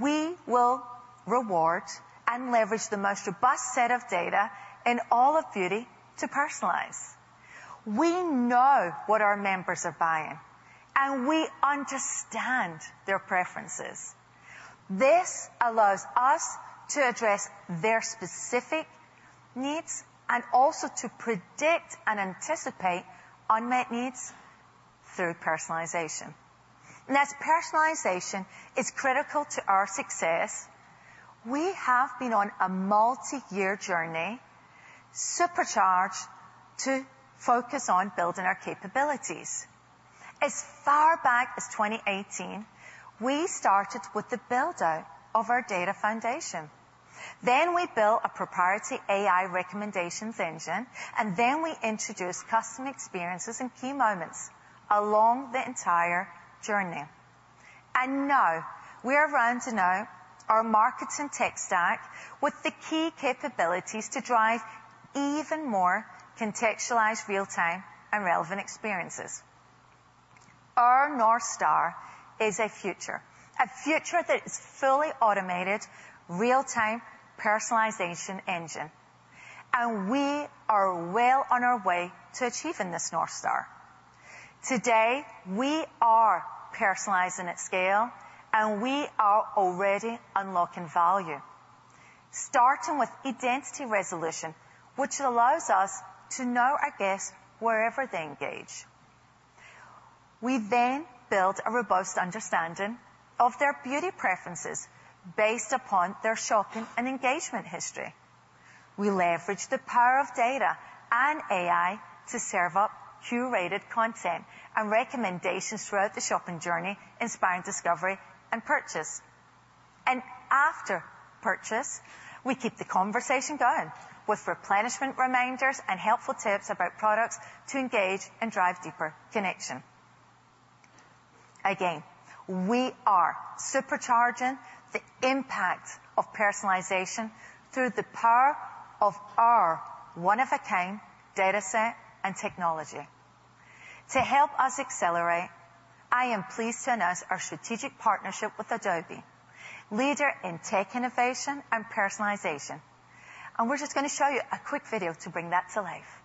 we will reward and leverage the most robust set of data in all of beauty to personalize. We know what our members are buying, and we understand their preferences. This allows us to address their specific needs and also to predict and anticipate unmet needs through personalization. As personalization is critical to our success, we have been on a multiyear journey, supercharged to focus on building our capabilities. As far back as 2018, we started with the build-out of our data foundation. Then we built a proprietary AI recommendations engine, and then we introduced custom experiences and key moments along the entire journey. And now we are ready to know our members and tech stack with the key capabilities to drive even more contextualized, real-time, and relevant experiences. Our North Star is a future, a future that is fully automated, real-time personalization engine, and we are well on our way to achieving this North Star. Today, we are personalizing at scale, and we are already unlocking value, starting with identity resolution, which allows us to know our guests wherever they engage. We then build a robust understanding of their beauty preferences based upon their shopping and engagement history. We leverage the power of data and AI to serve up curated content and recommendations throughout the shopping journey, inspiring discovery and purchase. After purchase, we keep the conversation going with replenishment reminders and helpful tips about products to engage and drive deeper connection. Again, we are supercharging the impact of personalization through the power of our one-of-a-kind data set and technology. To help us accelerate, I am pleased to announce our strategic partnership with Adobe, leader in tech innovation and personalization. We're just gonna show you a quick video to bring that to life.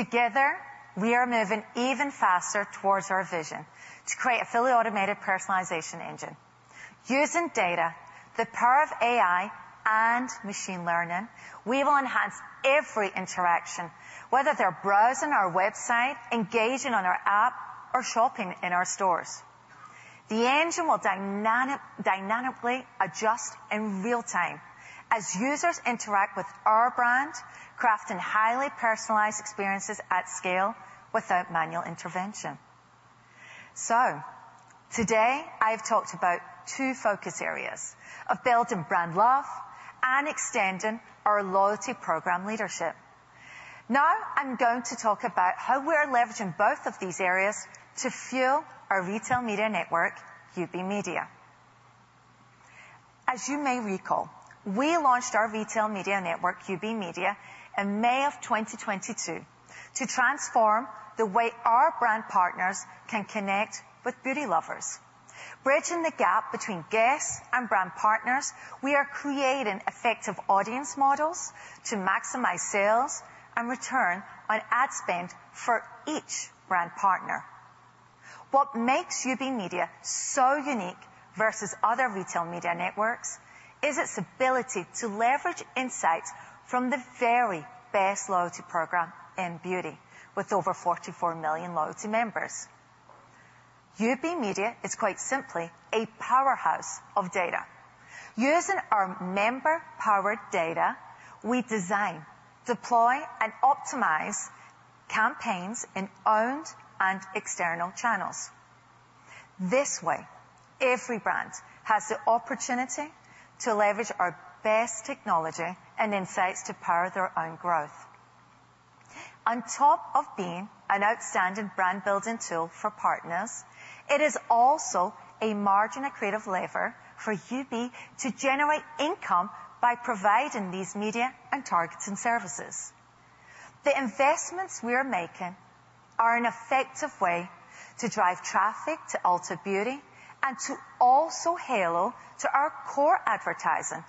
Together, we are moving even faster toward our vision to create a fully automated personalization engine. Using data, the power of AI, and machine learning, we will enhance every interaction, whether they're browsing our website, engaging on our app, or shopping in our stores. The engine will dynamically adjust in real time as users interact with our brand, crafting highly personalized experiences at scale without manual intervention, so today, I've talked about two focus areas of building brand love and extending our loyalty program leadership. Now, I'm going to talk about how we're leveraging both of these areas to fuel our retail media network, UB Media. As you may recall, we launched our retail media network, UB Media, in May of twenty twenty-two, to transform the way our brand partners can connect with beauty lovers. Bridging the gap between guests and brand partners, we are creating effective audience models to maximize sales and return on ad spend for each brand partner. What makes UB Media so unique versus other retail media networks is its ability to leverage insights from the very best loyalty program in beauty, with over forty-four million loyalty members. UB Media is quite simply a powerhouse of data. Using our member-powered data, we design, deploy, and optimize campaigns in owned and external channels. This way, every brand has the opportunity to leverage our best technology and insights to power their own growth. On top of being an outstanding brand-building tool for partners, it is also a margin accretive lever for UB to generate income by providing these media and targeting services. The investments we are making are an effective way to drive traffic to Ulta Beauty and to also halo to our core advertising,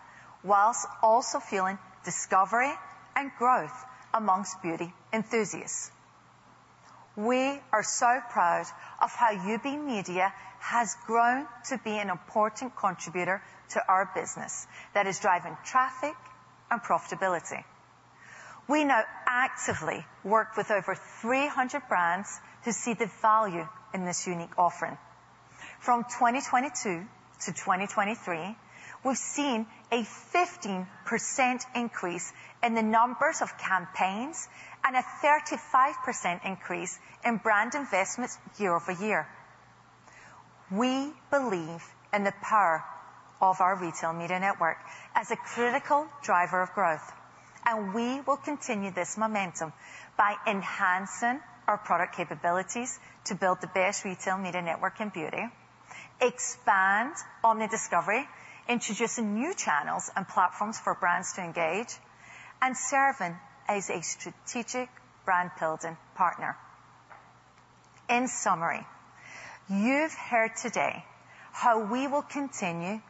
while also fueling discovery and growth among beauty enthusiasts. We are so proud of how UB Media has grown to be an important contributor to our business that is driving traffic and profitability. We now actively work with over 300 brands who see the value in this unique offering. From 2022-2023 we've seen a 15% increase in the numbers of campaigns and a 35% increase in brand investments year over year. We believe in the power of our retail media network as a critical driver of growth, and we will continue this momentum by enhancing our product capabilities to build the best retail media network in beauty, expand on the discovery, introducing new channels and platforms for brands to engage, and serving as a strategic brand-building partner. In summary, you've heard today how we will continue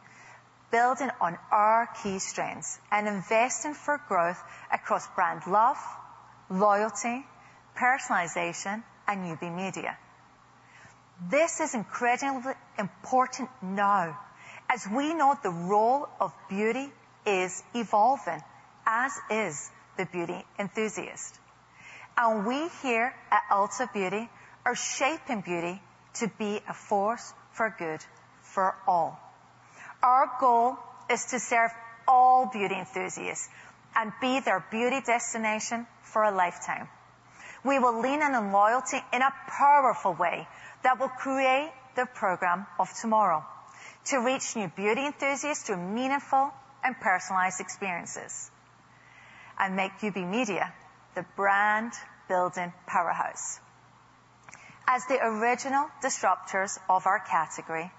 building on our key strengths and investing for growth across brand love, loyalty, personalization, and UB Media. This is incredibly important now, as we know the role of beauty is evolving, as is the beauty enthusiast. And we here at Ulta Beauty are shaping beauty to be a force for good for all. Our goal is to serve all beauty enthusiasts and be their beauty destination for a lifetime. We will lean in on loyalty in a powerful way that will create the program of tomorrow, to reach new beauty enthusiasts through meaningful and personalized experiences, and make UB Media the brand-building powerhouse. As the original disruptors of our category,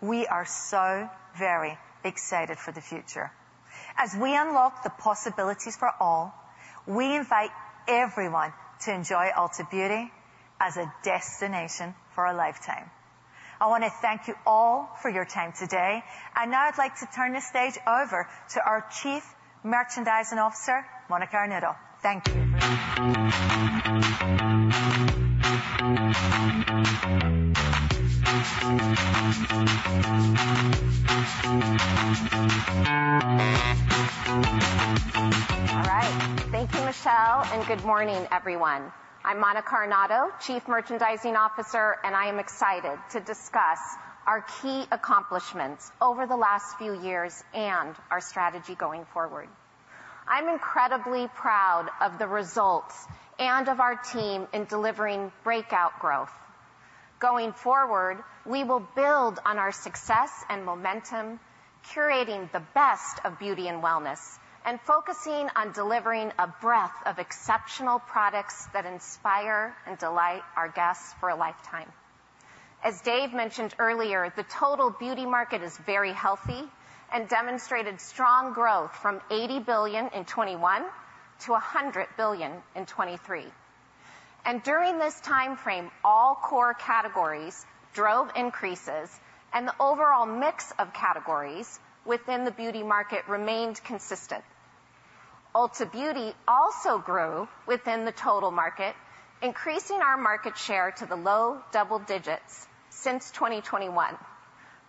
we are so very excited for the future. As we unlock the possibilities for all, we invite everyone to enjoy Ulta Beauty as a destination for a lifetime. I wanna thank you all for your time today, and now I'd like to turn the stage over to our Chief Merchandising Officer, Monica Arnaudo. Thank you. All right. Thank you, Michelle, and good morning, everyone. I'm Monica Arnaudo, Chief Merchandising Officer, and I am excited to discuss our key accomplishments over the last few years and our strategy going forward. I'm incredibly proud of the results and of our team in delivering breakout growth. Going forward, we will build on our success and momentum, curating the best of beauty and wellness, and focusing on delivering a breadth of exceptional products that inspire and delight our guests for a lifetime. As Dave mentioned earlier, the total beauty market is very healthy and demonstrated strong growth from $80 billion in 2021 to $100 billion in 2023, and during this timeframe, all core categories drove increases, and the overall mix of categories within the beauty market remained consistent. Ulta Beauty also grew within the total market, increasing our market share to the low double digits since 2021,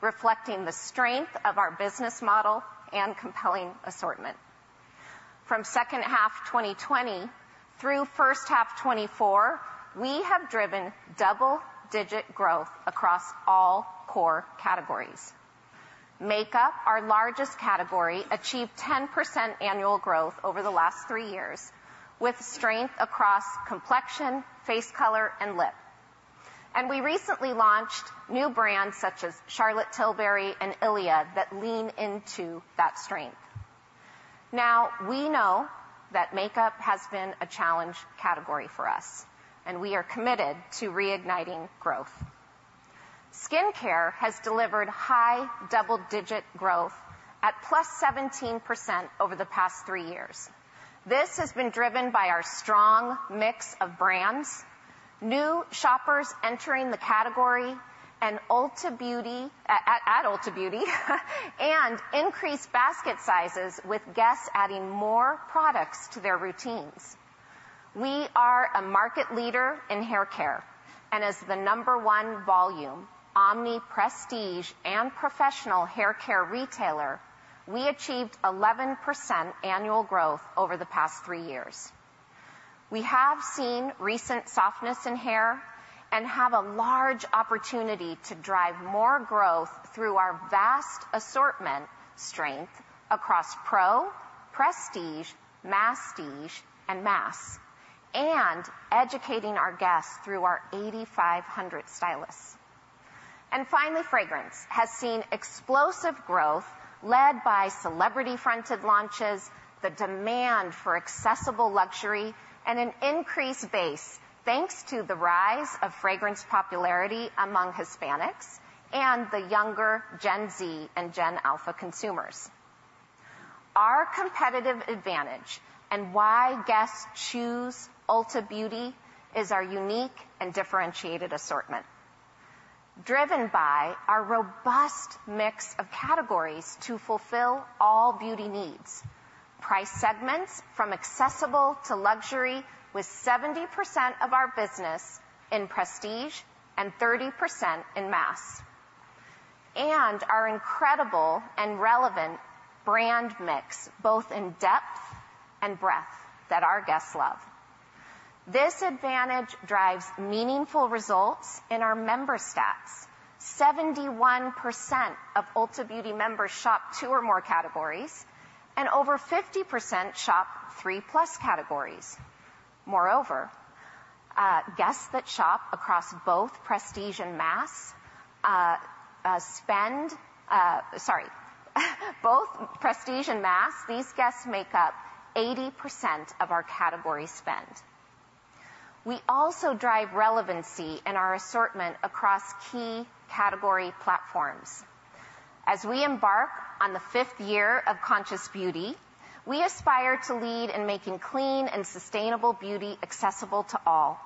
reflecting the strength of our business model and compelling assortment. From second half 2020 through first half 2024, we have driven double-digit growth across all core categories. Makeup, our largest category, achieved 10% annual growth over the last three years, with strength across complexion, face color, and lip. And we recently launched new brands, such as Charlotte Tilbury and Ilia, that lean into that strength. Now, we know that makeup has been a challenge category for us, and we are committed to reigniting growth. Skincare has delivered high double-digit growth at +17% over the past three years. This has been driven by our strong mix of brands, new shoppers entering the category, and Ulta Beauty at Ulta Beauty, and increased basket sizes, with guests adding more products to their routines. We are a market leader in haircare, and as the number one volume, omni, prestige, and professional haircare retailer, we achieved 11% annual growth over the past three years. We have seen recent softness in hair and have a large opportunity to drive more growth through our vast assortment strength across pro, prestige, masstige, and mass, and educating our guests through our 8,500 stylists. And finally, fragrance has seen explosive growth, led by celebrity-fronted launches, the demand for accessible luxury, and an increased base, thanks to the rise of fragrance popularity among Hispanics and the younger Gen Z and Gen Alpha consumers. Our competitive advantage and why guests choose Ulta Beauty is our unique and differentiated assortment, driven by our robust mix of categories to fulfill all beauty needs, price segments from accessible to luxury, with 70% of our business in prestige and 30% in mass, and our incredible and relevant brand mix, both in depth and breadth, that our guests love. This advantage drives meaningful results in our member stats. 71% of Ulta Beauty members shop two or more categories, and over 50% shop three-plus categories. Moreover, guests that shop across both prestige and mass, these guests make up 80% of our category spend. We also drive relevancy in our assortment across key category platforms. As we embark on the fifth year of conscious beauty, we aspire to lead in making clean and sustainable beauty accessible to all.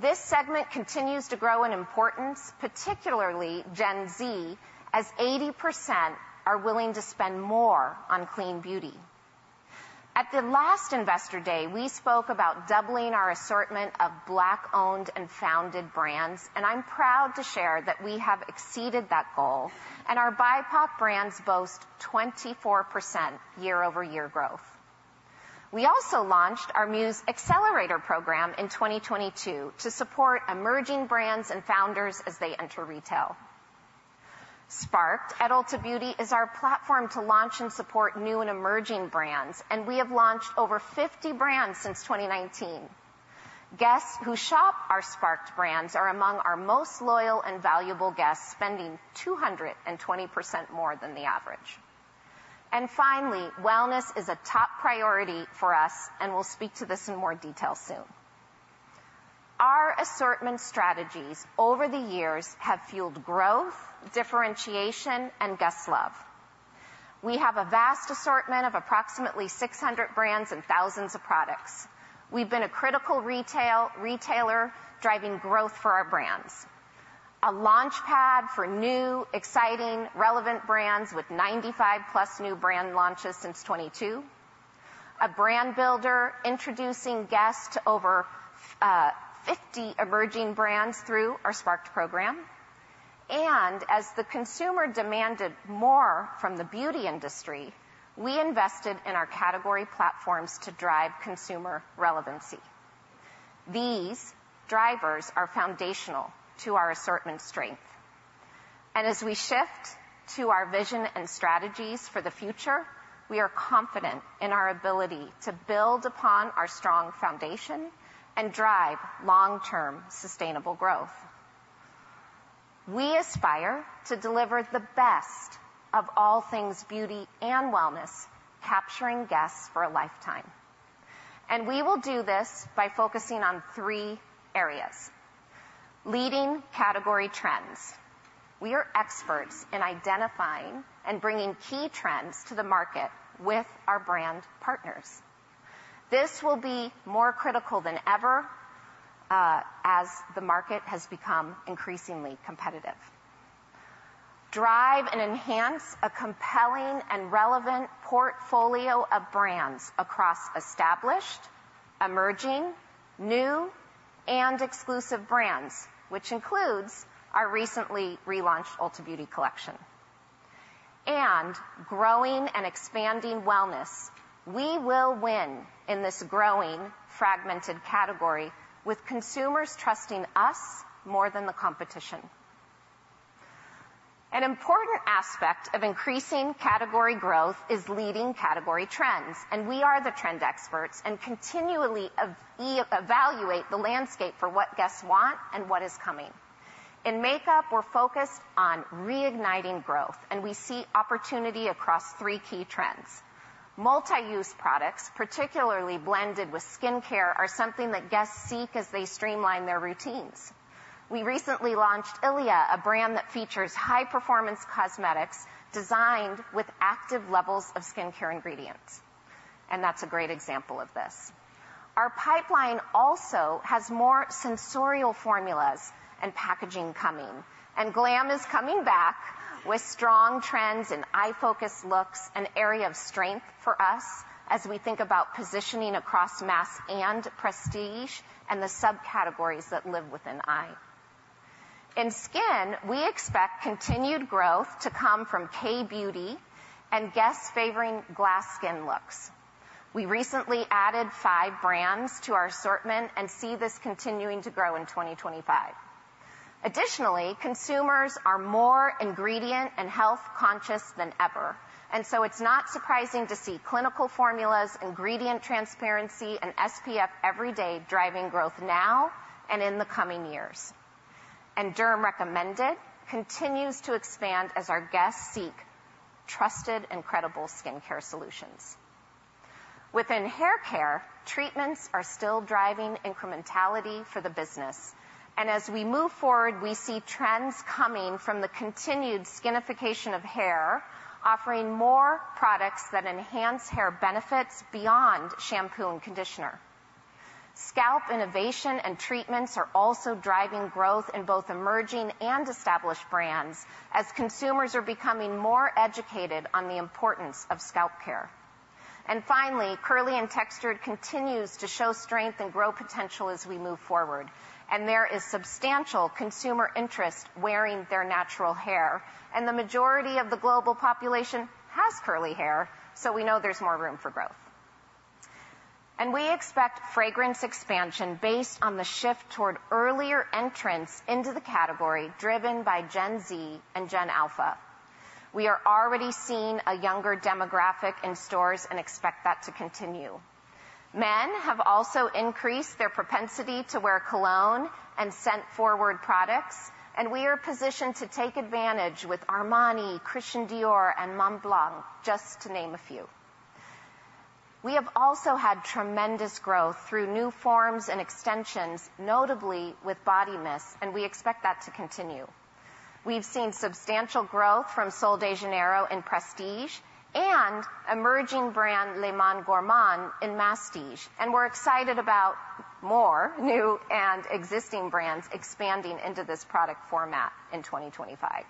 This segment continues to grow in importance, particularly Gen Z, as 80% are willing to spend more on clean beauty. At the last Investor Day, we spoke about doubling our assortment of Black-owned and founded brands, and I'm proud to share that we have exceeded that goal, and our BIPOC brands boast 24% year-over-year growth. We also launched our Muse Accelerator program in 2022 to support emerging brands and founders as they enter retail. Sparked at Ulta Beauty is our platform to launch and support new and emerging brands, and we have launched over 50 brands since 2019. Guests who shop our Sparked brands are among our most loyal and valuable guests, spending 220% more than the average… And finally, wellness is a top priority for us, and we'll speak to this in more detail soon. Our assortment strategies over the years have fueled growth, differentiation, and guest love. We have a vast assortment of approximately 600 brands and thousands of products. We've been a critical retailer, driving growth for our brands. A launchpad for new, exciting, relevant brands with 95+ new brand launches since 2022, a brand builder, introducing guests to over 50 emerging brands through our Sparked program. And as the consumer demanded more from the beauty industry, we invested in our category platforms to drive consumer relevancy. These drivers are foundational to our assortment strength. As we shift to our vision and strategies for the future, we are confident in our ability to build upon our strong foundation and drive long-term sustainable growth. We aspire to deliver the best of all things beauty and wellness, capturing guests for a lifetime, and we will do this by focusing on three areas. Leading category trends. We are experts in identifying and bringing key trends to the market with our brand partners. This will be more critical than ever as the market has become increasingly competitive. Drive and enhance a compelling and relevant portfolio of brands across established, emerging, new, and exclusive brands, which includes our recently relaunched Ulta Beauty Collection. Growing and expanding wellness. We will win in this growing, fragmented category, with consumers trusting us more than the competition. An important aspect of increasing category growth is leading category trends, and we are the trend experts and continually evaluate the landscape for what guests want and what is coming. In makeup, we're focused on reigniting growth, and we see opportunity across three key trends. Multi-use products, particularly blended with skincare, are something that guests seek as they streamline their routines. We recently launched ILIA, a brand that features high-performance cosmetics designed with active levels of skincare ingredients, and that's a great example of this. Our pipeline also has more sensorial formulas and packaging coming, and glam is coming back with strong trends in eye-focused looks, an area of strength for us as we think about positioning across mass and prestige and the subcategories that live within eye. In skin, we expect continued growth to come from K-beauty and guests favoring glass skin looks. We recently added five brands to our assortment and see this continuing to grow in 2025. Additionally, consumers are more ingredient and health-conscious than ever, and so it's not surprising to see clinical formulas, ingredient transparency, and SPF every day, driving growth now and in the coming years. Derm-recommended continues to expand as our guests seek trusted and credible skincare solutions. Within hair care, treatments are still driving incrementality for the business, and as we move forward, we see trends coming from the continued skinification of hair, offering more products that enhance hair benefits beyond shampoo and conditioner. Scalp innovation and treatments are also driving growth in both emerging and established brands as consumers are becoming more educated on the importance of scalp care. Finally, curly and textured continues to show strength and growth potential as we move forward. There is substantial consumer interest wearing their natural hair, and the majority of the global population has curly hair, so we know there's more room for growth. We expect fragrance expansion based on the shift toward earlier entrants into the category, driven by Gen Z and Gen Alpha. We are already seeing a younger demographic in stores and expect that to continue. Men have also increased their propensity to wear cologne and scent-forward products, and we are positioned to take advantage with Armani, Christian Dior, and Montblanc, just to name a few. We have also had tremendous growth through new forms and extensions, notably with body mist, and we expect that to continue. We've seen substantial growth from Sol de Janeiro in prestige and emerging brand Le Monde Gourmand in masstige, and we're excited about more new and existing brands expanding into this product format in 2025.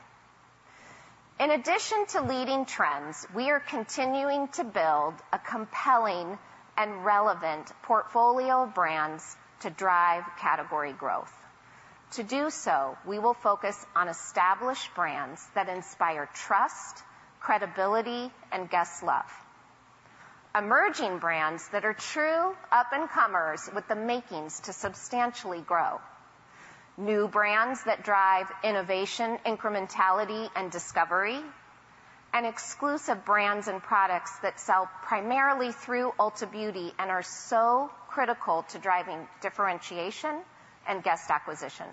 In addition to leading trends, we are continuing to build a compelling and relevant portfolio of brands to drive category growth. To do so, we will focus on established brands that inspire trust, credibility, and guest love. Emerging brands that are true up-and-comers with the makings to substantially grow, new brands that drive innovation, incrementality, and discovery, and exclusive brands and products that sell primarily through Ulta Beauty and are so critical to driving differentiation and guest acquisition...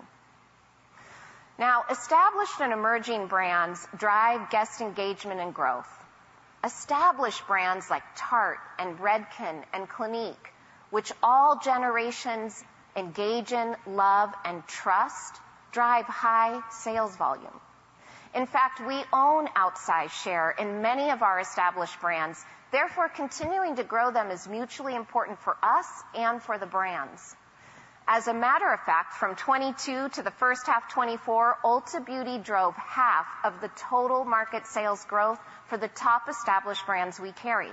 Now, established and emerging brands drive guest engagement and growth. Established brands like Tarte, and Redken, and Clinique, which all generations engage in, love, and trust, drive high sales volume. In fact, we own outsized share in many of our established brands, therefore, continuing to grow them is mutually important for us and for the brands. As a matter of fact, from 2022 to the first half 2024, Ulta Beauty drove half of the total market sales growth for the top established brands we carry.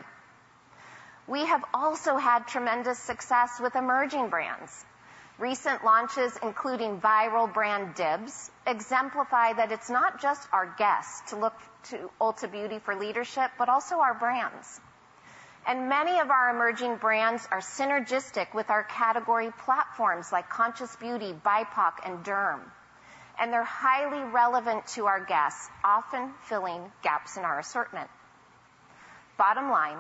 We have also had tremendous success with emerging brands. Recent launches, including viral brand DIBS, exemplify that it's not just our guests to look to Ulta Beauty for leadership, but also our brands. And many of our emerging brands are synergistic with our category platforms like Conscious Beauty, BIPOC, and Derm, and they're highly relevant to our guests, often filling gaps in our assortment. Bottom line,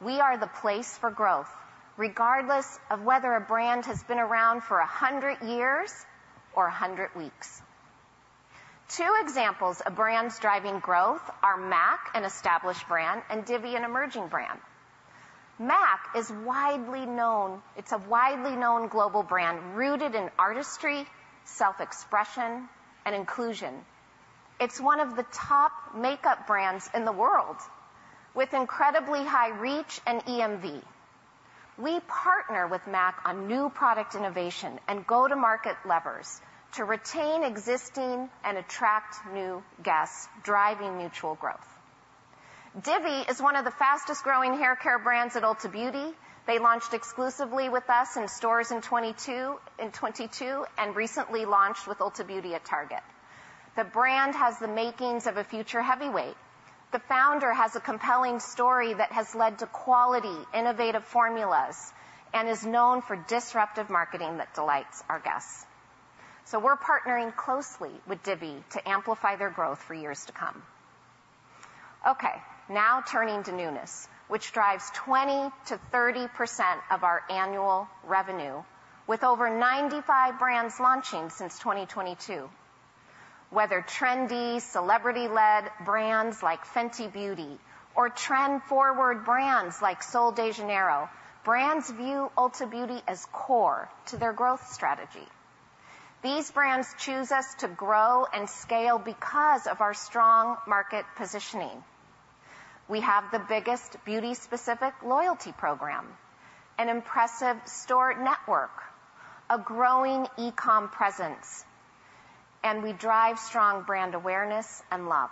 we are the place for growth, regardless of whether a brand has been around for a hundred years or a hundred weeks. Two examples of brands driving growth are MAC, an established brand, and Divi, an emerging brand. MAC is widely known. It's a widely known global brand, rooted in artistry, self-expression, and inclusion. It's one of the top makeup brands in the world, with incredibly high reach and EMV. We partner with MAC on new product innovation and go-to-market levers to retain existing and attract new guests, driving mutual growth. Divi is one of the fastest-growing haircare brands at Ulta Beauty. They launched exclusively with us in stores in 2022 and recently launched with Ulta Beauty at Target. The brand has the makings of a future heavyweight. The founder has a compelling story that has led to quality, innovative formulas and is known for disruptive marketing that delights our guests. So we're partnering closely with Divi to amplify their growth for years to come. Okay, now turning to newness, which drives 20%-30% of our annual revenue, with over 95 brands launching since 2022. Whether trendy, celebrity-led brands like Fenty Beauty or trend-forward brands like Sol de Janeiro, brands view Ulta Beauty as core to their growth strategy. These brands choose us to grow and scale because of our strong market positioning. We have the biggest beauty-specific loyalty program, an impressive store network, a growing e-com presence, and we drive strong brand awareness and love.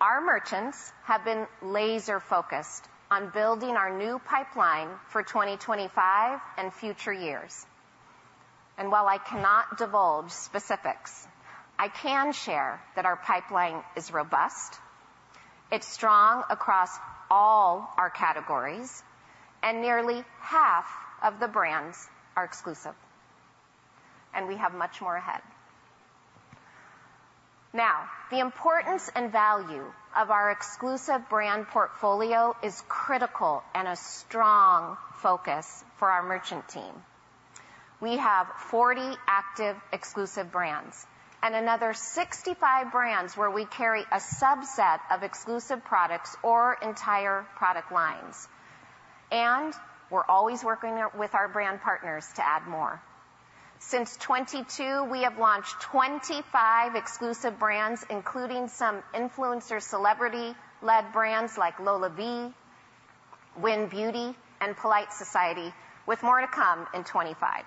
Our merchants have been laser-focused on building our new pipeline for 2025 and future years. And while I cannot divulge specifics, I can share that our pipeline is robust, it's strong across all our categories, and nearly half of the brands are exclusive, and we have much more ahead. Now, the importance and value of our exclusive brand portfolio is critical and a strong focus for our merchant team. We have forty active exclusive brands and another sixty-five brands where we carry a subset of exclusive products or entire product lines, and we're always working with our brand partners to add more. Since 2022, we have launched twenty-five exclusive brands, including some influencer, celebrity-led brands like LolaVie, Wyn Beauty, and Polite Society, with more to come in 2025.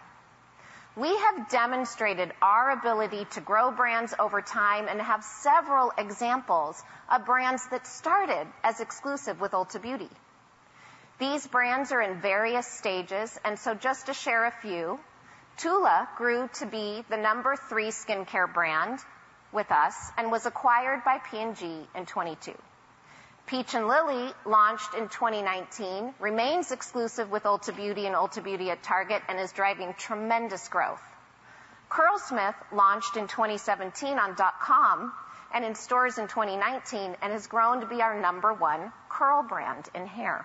We have demonstrated our ability to grow brands over time and have several examples of brands that started as exclusive with Ulta Beauty. These brands are in various stages, and so just to share a few, Tula grew to be the number three skincare brand with us and was acquired by P&G in 2022. Peach & Lily, launched in 2019, remains exclusive with Ulta Beauty and Ulta Beauty at Target and is driving tremendous growth. Curlsmith launched in 2017 on .com and in stores in 2019 and has grown to be our number one curl brand in hair,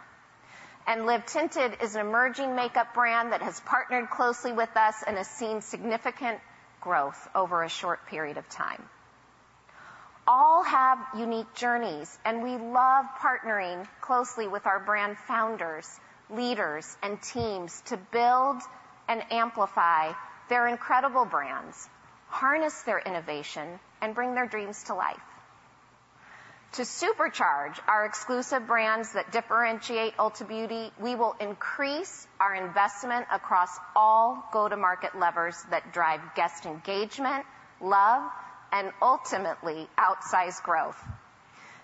and Live Tinted is an emerging makeup brand that has partnered closely with us and has seen significant growth over a short period of time. All have unique journeys, and we love partnering closely with our brand founders, leaders, and teams to build and amplify their incredible brands, harness their innovation, and bring their dreams to life. To supercharge our exclusive brands that differentiate Ulta Beauty, we will increase our investment across all go-to-market levers that drive guest engagement, love, and ultimately, outsized growth.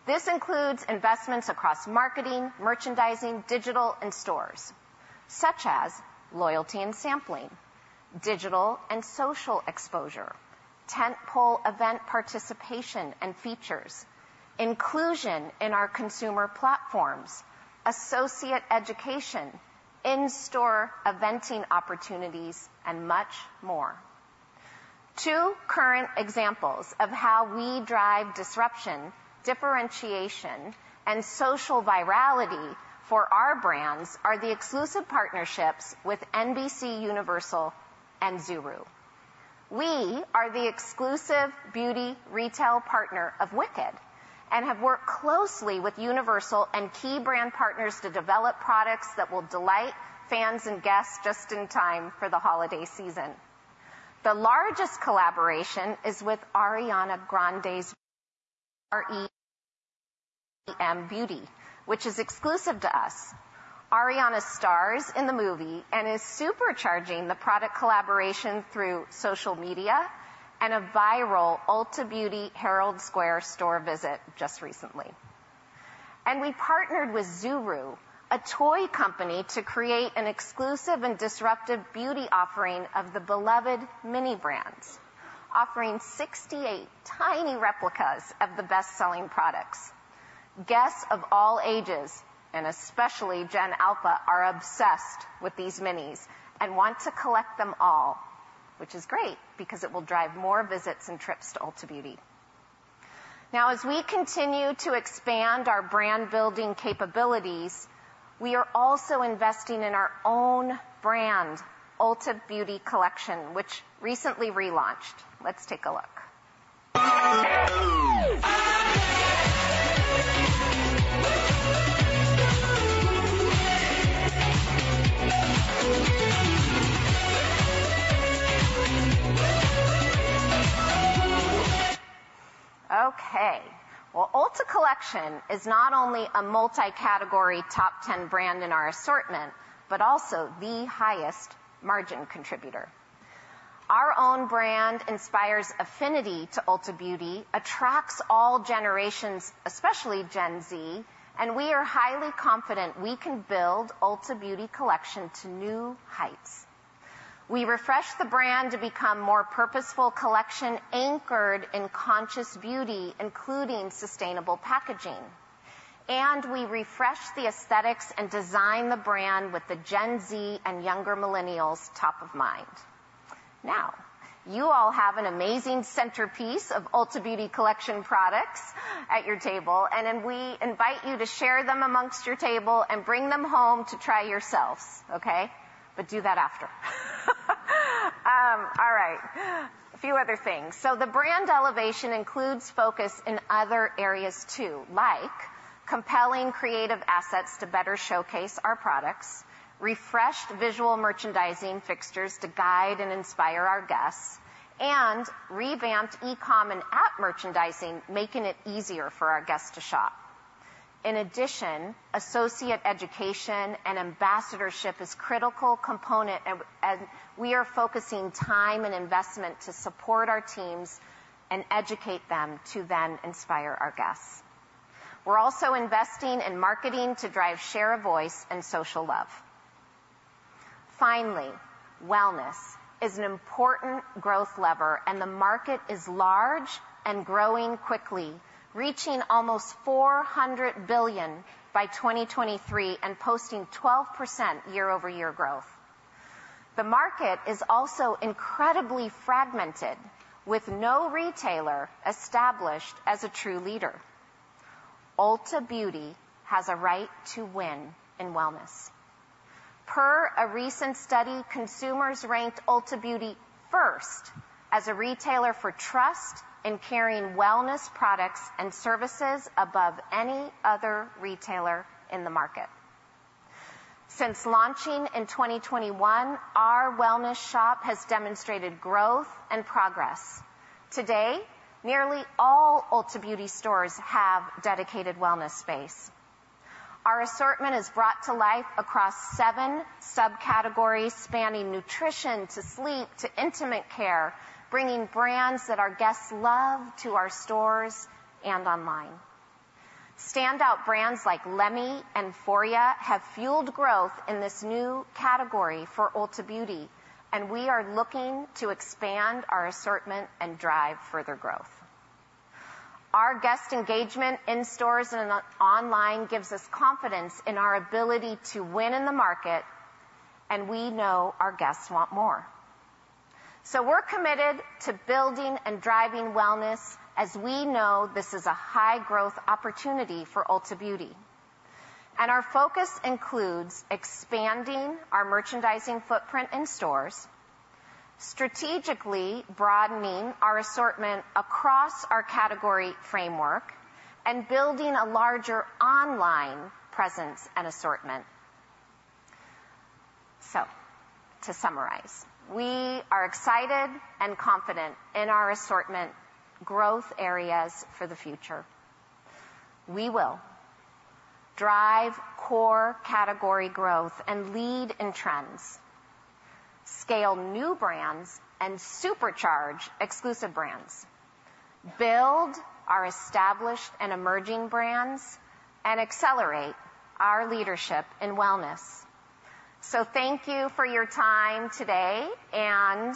This includes investments across marketing, merchandising, digital, and stores, such as loyalty and sampling, digital and social exposure, tentpole event participation and features, inclusion in our consumer platforms, associate education, in-store eventing opportunities, and much more. Two current examples of how we drive disruption, differentiation, and social virality for our brands are the exclusive partnerships with NBCUniversal and ZURU. We are the exclusive beauty retail partner of Wicked, and have worked closely with Universal and key brand partners to develop products that will delight fans and guests just in time for the holiday season. The largest collaboration is with Ariana Grande's r.e.m. beauty, which is exclusive to us. Ariana stars in the movie and is supercharging the product collaboration through social media and a viral Ulta Beauty Herald Square store visit just recently. And we partnered with ZURU, a toy company, to create an exclusive and disruptive beauty offering of the beloved Mini Brands, offering 68 tiny replicas of the best-selling products. Guests of all ages, and especially Gen Alpha, are obsessed with these minis and want to collect them all, which is great because it will drive more visits and trips to Ulta Beauty. Now, as we continue to expand our brand-building capabilities, we are also investing in our own brand, Ulta Beauty Collection, which recently relaunched. Let's take a look. Okay, well, Ulta Collection is not only a multi-category top ten brand in our assortment, but also the highest margin contributor. Our own brand inspires affinity to Ulta Beauty, attracts all generations, especially Gen Z, and we are highly confident we can build Ulta Beauty Collection to new heights. We refreshed the brand to become more purposeful collection, anchored in conscious beauty, including sustainable packaging, and we refreshed the aesthetics and design the brand with the Gen Z and younger millennials top of mind. Now, you all have an amazing centerpiece of Ulta Beauty Collection products at your table, and then we invite you to share them amongst your table and bring them home to try yourselves, okay, but do that after. All right, a few other things, so the brand elevation includes focus in other areas, too, like compelling creative assets to better showcase our products, refreshed visual merchandising fixtures to guide and inspire our guests, and revamped e-com and app merchandising, making it easier for our guests to shop. In addition, associate education and ambassadorship is critical component, and we are focusing time and investment to support our teams and educate them to then inspire our guests. We're also investing in marketing to drive share of voice and social love. Finally, wellness is an important growth lever, and the market is large and growing quickly, reaching almost $400 billion by 2023 and posting 12% year-over-year growth. The market is also incredibly fragmented, with no retailer established as a true leader. Ulta Beauty has a right to win in wellness. Per a recent study, consumers ranked Ulta Beauty first as a retailer for trust in carrying wellness products and services above any other retailer in the market. Since launching in 2021, our wellness shop has demonstrated growth and progress. Today, nearly all Ulta Beauty stores have dedicated wellness space. Our assortment is brought to life across 7 subcategories, spanning nutrition, to sleep, to intimate care, bringing brands that our guests love to our stores and online. Standout brands like Lemme and Foria have fueled growth in this new category for Ulta Beauty, and we are looking to expand our assortment and drive further growth. Our guest engagement in stores and online gives us confidence in our ability to win in the market, and we know our guests want more, so we're committed to building and driving wellness as we know this is a high-growth opportunity for Ulta Beauty, and our focus includes expanding our merchandising footprint in stores, strategically broadening our assortment across our category framework, and building a larger online presence and assortment, so to summarize, we are excited and confident in our assortment growth areas for the future. We will drive core category growth and lead in trends, scale new brands and supercharge exclusive brands, build our established and emerging brands, and accelerate our leadership in wellness. So thank you for your time today, and,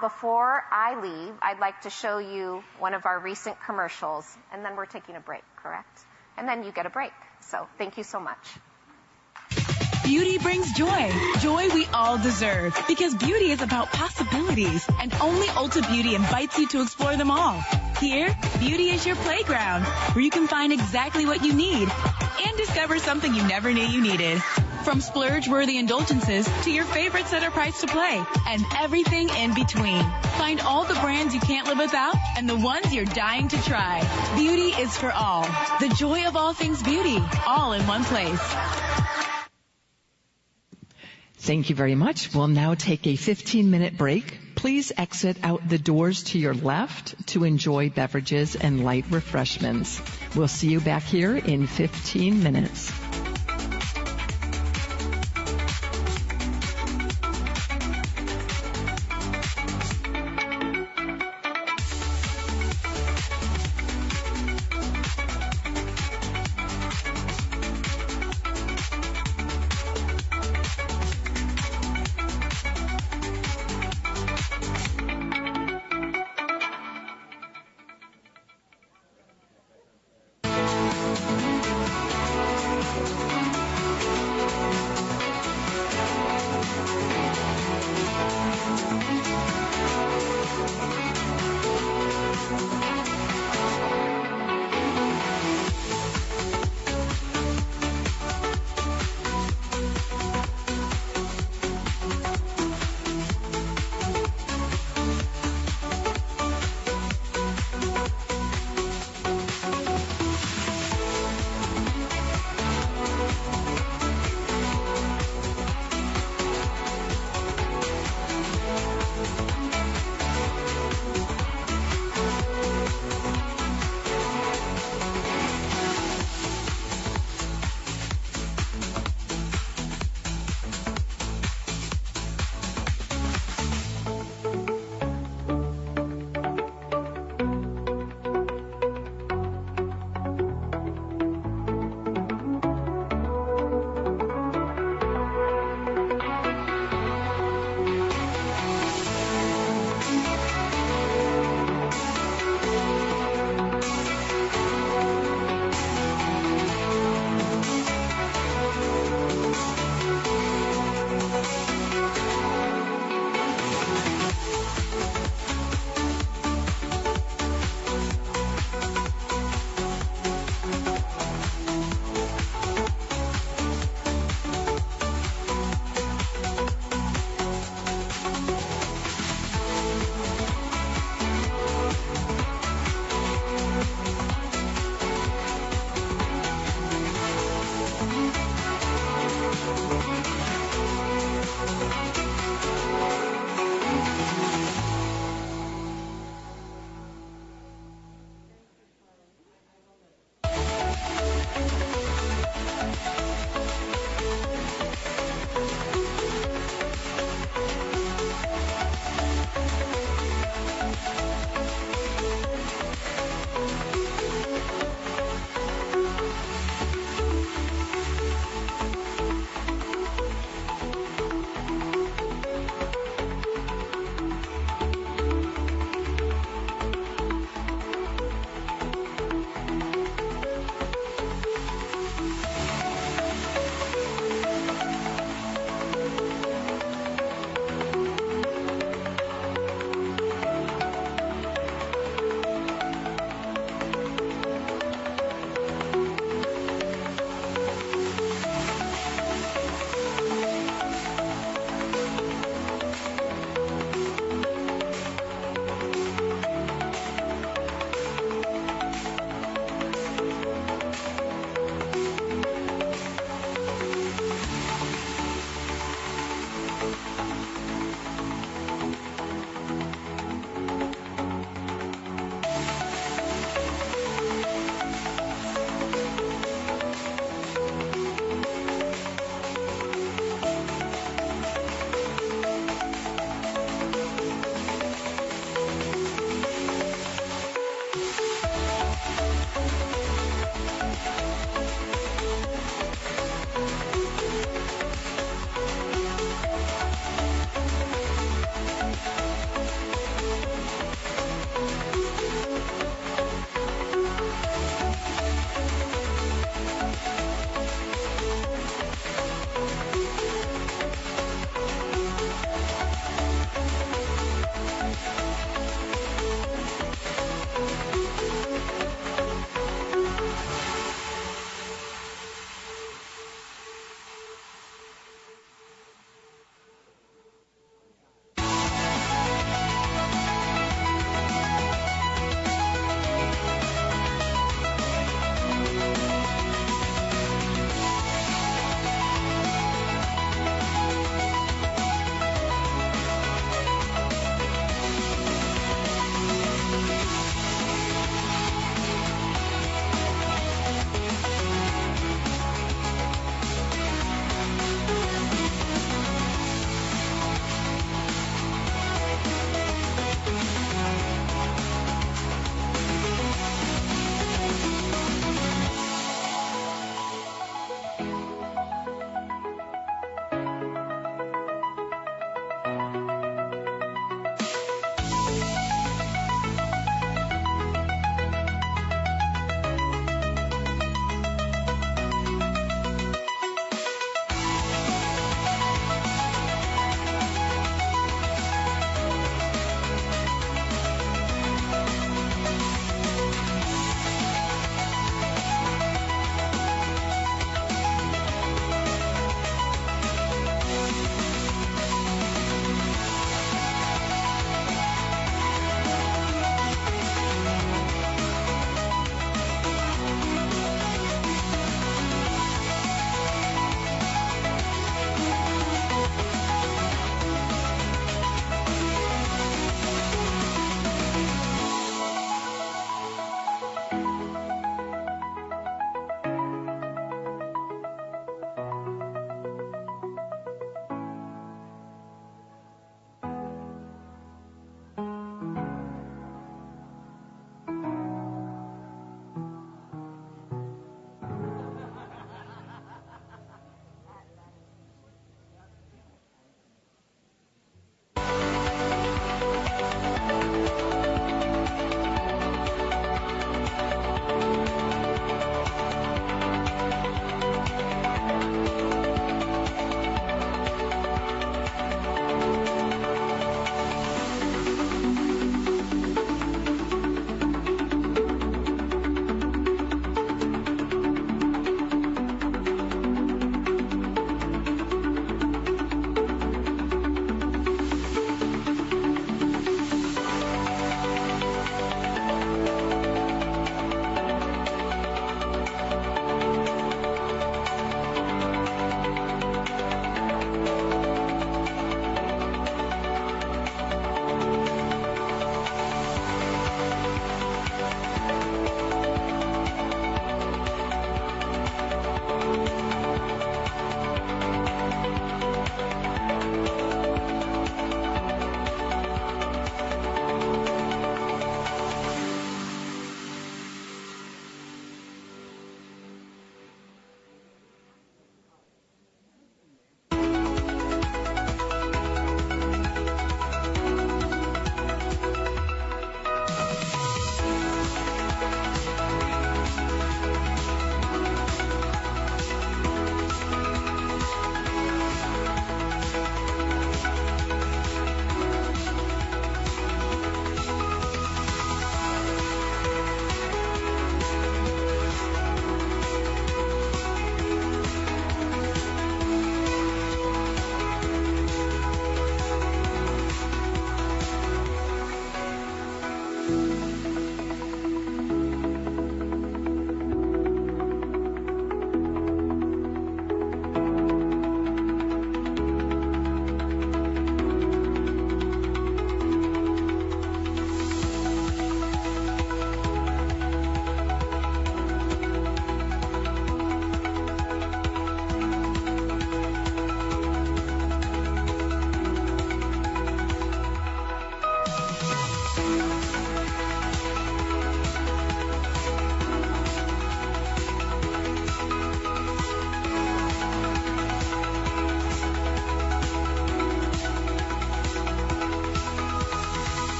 before I leave, I'd like to show you one of our recent commercials, and then we're taking a break, correct? And then you get a break. So thank you so much.... Beauty brings joy. Joy we all deserve, because beauty is about possibilities, and only Ulta Beauty invites you to explore them all. Here, beauty is your playground, where you can find exactly what you need and discover something you never knew you needed. From splurge-worthy indulgences to your favorites that are priced to play and everything in between. Find all the brands you can't live without and the ones you're dying to try. Beauty is for all. The joy of all things beauty, all in one place. Thank you very much. We'll now take a fifteen-minute break. Please exit out the doors to your left to enjoy beverages and light refreshments. We'll see you back here in fifteen minutes.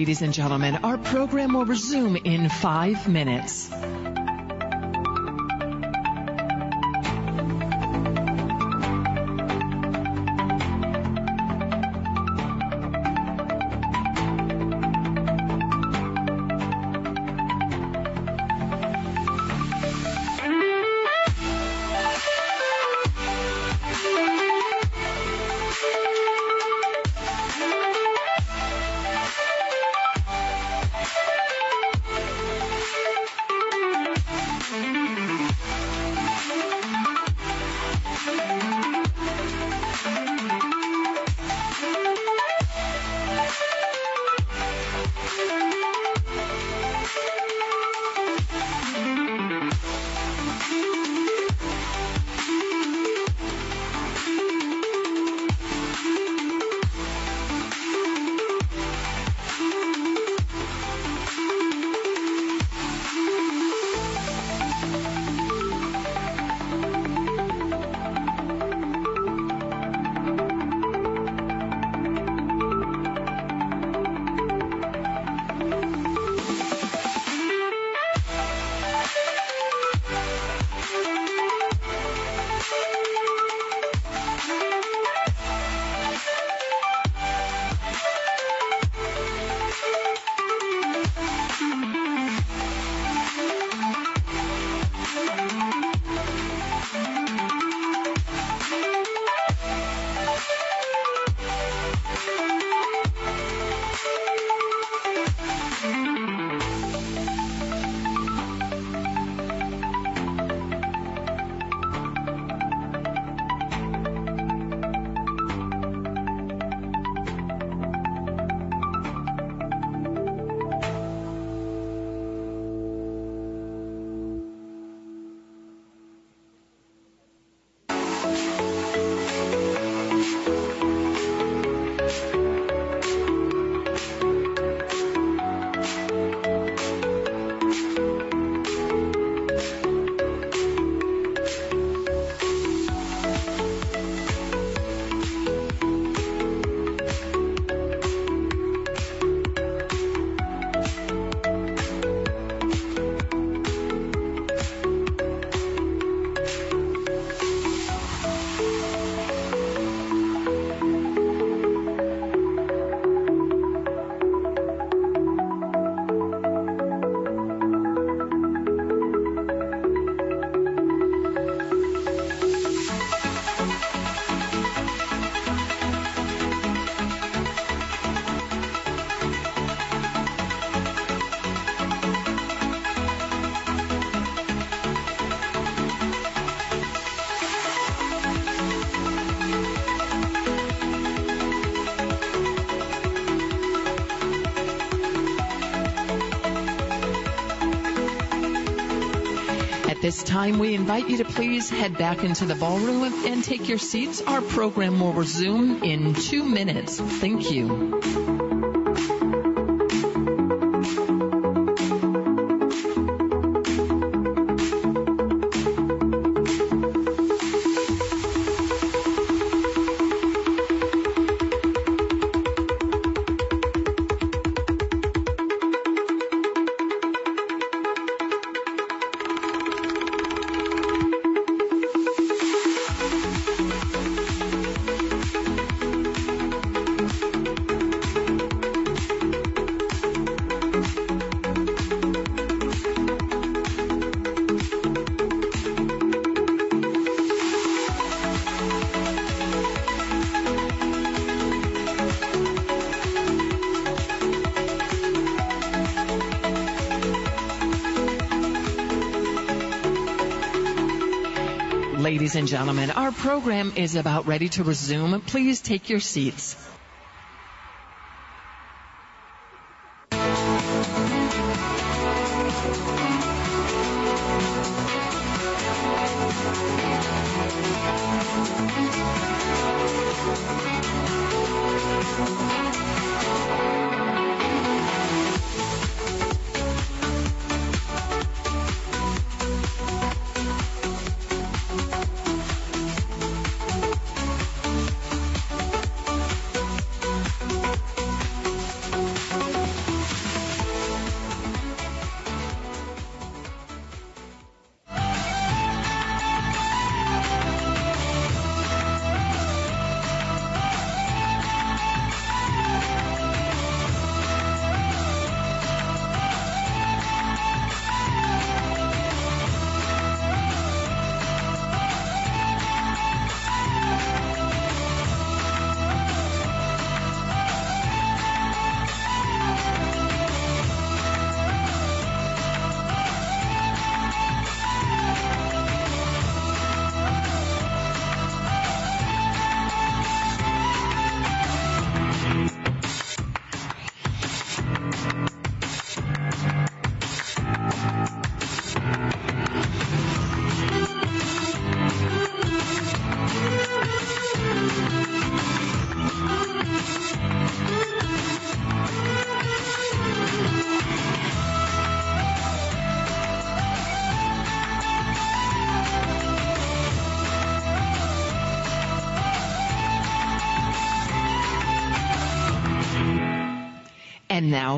At this time, we invite you to please head back into the ballroom and take your seats. Our program will resume in two minutes. Thank you. Ladies and gentlemen, our program is about ready to resume. Please take your seats.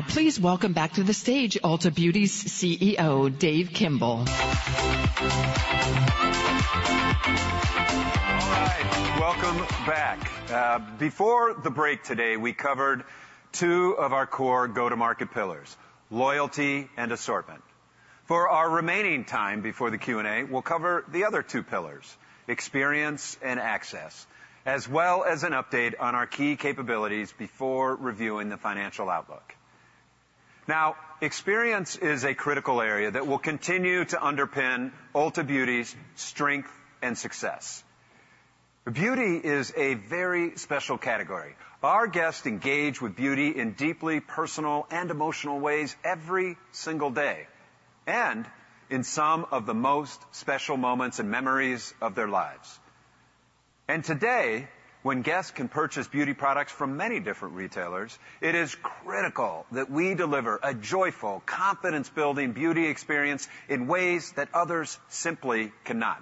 And now, please welcome back to the stage Ulta Beauty's CEO, Dave Kimbell. All right, welcome back. Before the break today, we covered two of our core go-to-market pillars: loyalty and assortment. For our remaining time before the Q&A, we'll cover the other two pillars, experience and access, as well as an update on our key capabilities before reviewing the financial outlook. Now, experience is a critical area that will continue to underpin Ulta Beauty's strength and success. Beauty is a very special category. Our guests engage with beauty in deeply personal and emotional ways every single day, and in some of the most special moments and memories of their lives. And today, when guests can purchase beauty products from many different retailers, it is critical that we deliver a joyful, confidence-building beauty experience in ways that others simply cannot.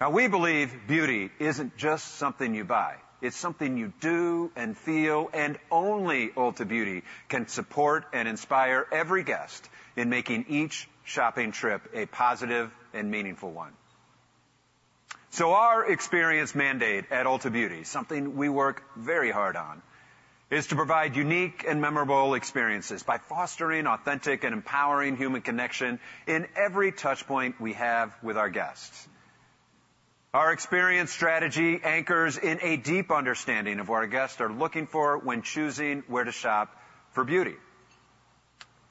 Now, we believe beauty isn't just something you buy, it's something you do and feel, and only Ulta Beauty can support and inspire every guest in making each shopping trip a positive and meaningful one. So our experience mandate at Ulta Beauty, something we work very hard on, is to provide unique and memorable experiences by fostering authentic and empowering human connection in every touch point we have with our guests.... Our experience strategy anchors in a deep understanding of what our guests are looking for when choosing where to shop for beauty.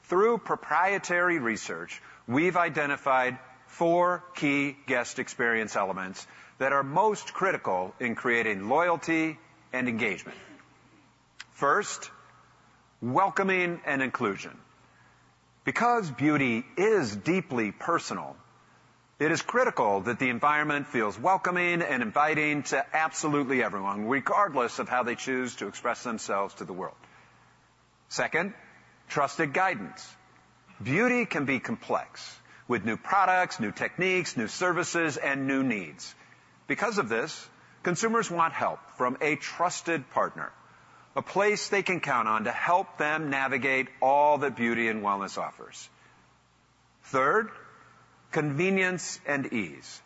Through proprietary research, we've identified four key guest experience elements that are most critical in creating loyalty and engagement. First, welcoming and inclusion. Because beauty is deeply personal, it is critical that the environment feels welcoming and inviting to absolutely everyone, regardless of how they choose to express themselves to the world. Second, trusted guidance. Beauty can be complex, with new products, new techniques, new services, and new needs. Because of this, consumers want help from a trusted partner, a place they can count on to help them navigate all that beauty and wellness offers. Third, convenience and ease.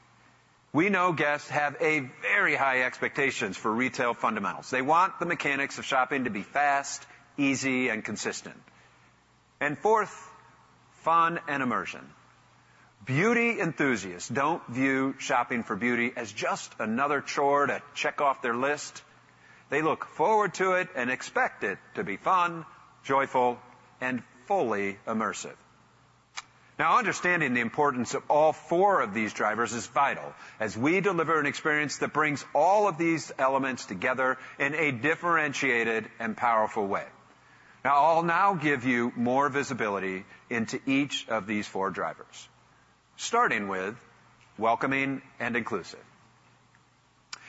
We know guests have a very high expectations for retail fundamentals. They want the mechanics of shopping to be fast, easy, and consistent. And fourth, fun and immersion. Beauty enthusiasts don't view shopping for beauty as just another chore to check off their list. They look forward to it and expect it to be fun, joyful, and fully immersive. Now, understanding the importance of all four of these drivers is vital as we deliver an experience that brings all of these elements together in a differentiated and powerful way. Now, I'll give you more visibility into each of these four drivers, starting with welcoming and inclusive.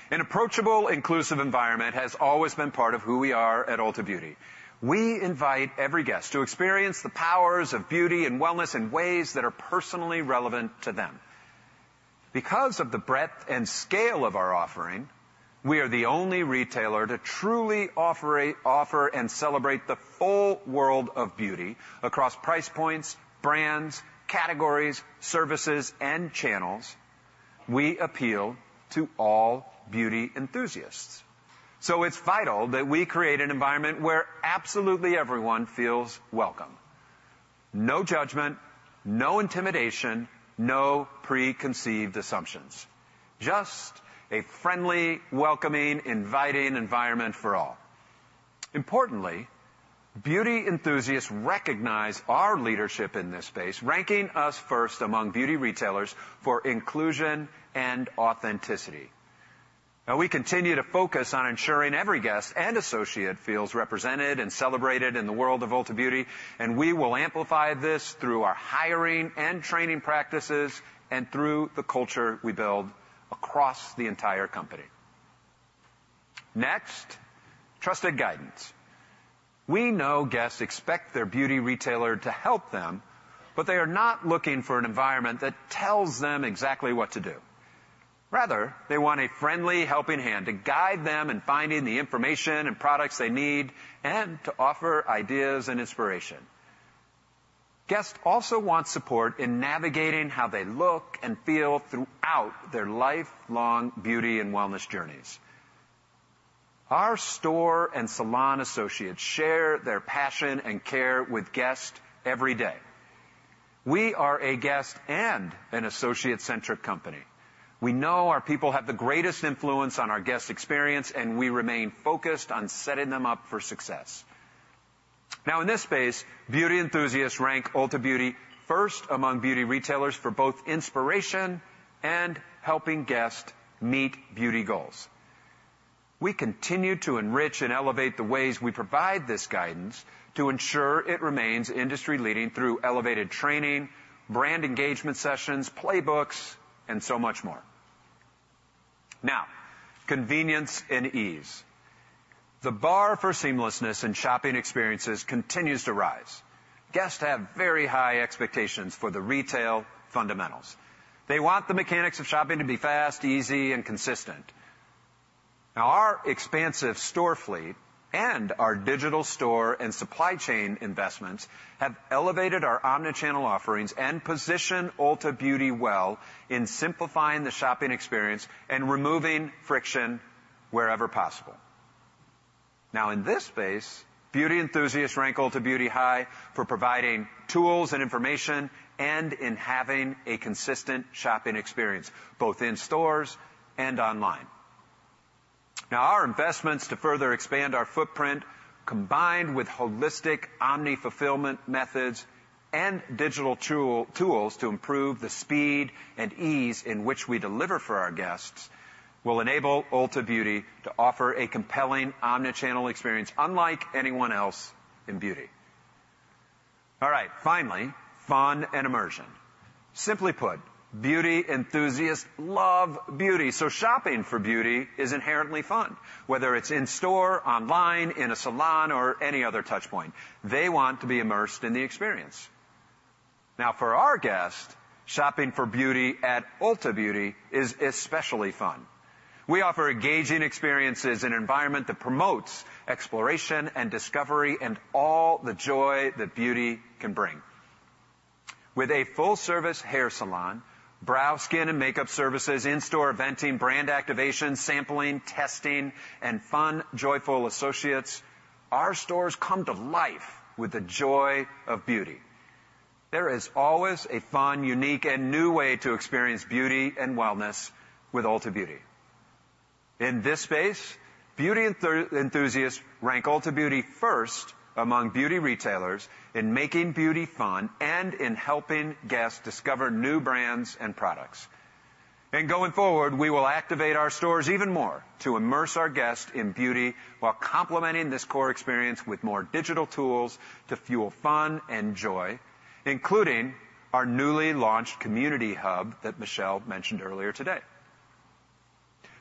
An approachable, inclusive environment has always been part of who we are at Ulta Beauty. We invite every guest to experience the powers of beauty and wellness in ways that are personally relevant to them. Because of the breadth and scale of our offering, we are the only retailer to truly offer and celebrate the full world of beauty across price points, brands, categories, services, and channels. We appeal to all beauty enthusiasts, so it's vital that we create an environment where absolutely everyone feels welcome. No judgment, no intimidation, no preconceived assumptions, just a friendly, welcoming, inviting environment for all. Importantly, beauty enthusiasts recognize our leadership in this space, ranking us first among beauty retailers for inclusion and authenticity. Now, we continue to focus on ensuring every guest and associate feels represented and celebrated in the world of Ulta Beauty, and we will amplify this through our hiring and training practices, and through the culture we build across the entire company. Next, trusted guidance. We know guests expect their beauty retailer to help them, but they are not looking for an environment that tells them exactly what to do. Rather, they want a friendly, helping hand to guide them in finding the information and products they need, and to offer ideas and inspiration. Guests also want support in navigating how they look and feel throughout their lifelong beauty and wellness journeys. Our store and salon associates share their passion and care with guests every day. We are a guest and an associate-centric company. We know our people have the greatest influence on our guest experience, and we remain focused on setting them up for success. Now, in this space, beauty enthusiasts rank Ulta Beauty first among beauty retailers for both inspiration and helping guests meet beauty goals. We continue to enrich and elevate the ways we provide this guidance to ensure it remains industry-leading through elevated training, brand engagement sessions, playbooks, and so much more. Now, convenience and ease. The bar for seamlessness in shopping experiences continues to rise. Guests have very high expectations for the retail fundamentals. They want the mechanics of shopping to be fast, easy, and consistent. Now, our expansive store fleet and our digital store and supply chain investments have elevated our omnichannel offerings and position Ulta Beauty well in simplifying the shopping experience and removing friction wherever possible. Now, in this space, beauty enthusiasts rank Ulta Beauty high for providing tools and information, and in having a consistent shopping experience, both in stores and online. Now, our investments to further expand our footprint, combined with holistic omni-fulfillment methods and digital tools to improve the speed and ease in which we deliver for our guests, will enable Ulta Beauty to offer a compelling omnichannel experience unlike anyone else in beauty. All right, finally, fun and immersion. Simply put, beauty enthusiasts love beauty, so shopping for beauty is inherently fun, whether it's in store, online, in a salon, or any other touchpoint. They want to be immersed in the experience. Now, for our guests, shopping for beauty at Ulta Beauty is especially fun. We offer engaging experiences and environment that promotes exploration and discovery and all the joy that beauty can bring. With a full-service hair salon, brow, skin, and makeup services, in-store eventing, brand activation, sampling, testing, and fun, joyful associates, our stores come to life with the joy of beauty. There is always a fun, unique, and new way to experience beauty and wellness with Ulta Beauty. In this space, beauty enthusiasts rank Ulta Beauty first among beauty retailers in making beauty fun and in helping guests discover new brands and products. And going forward, we will activate our stores even more to immerse our guests in beauty while complementing this core experience with more digital tools to fuel fun and joy, including our newly launched community hub that Michelle mentioned earlier today.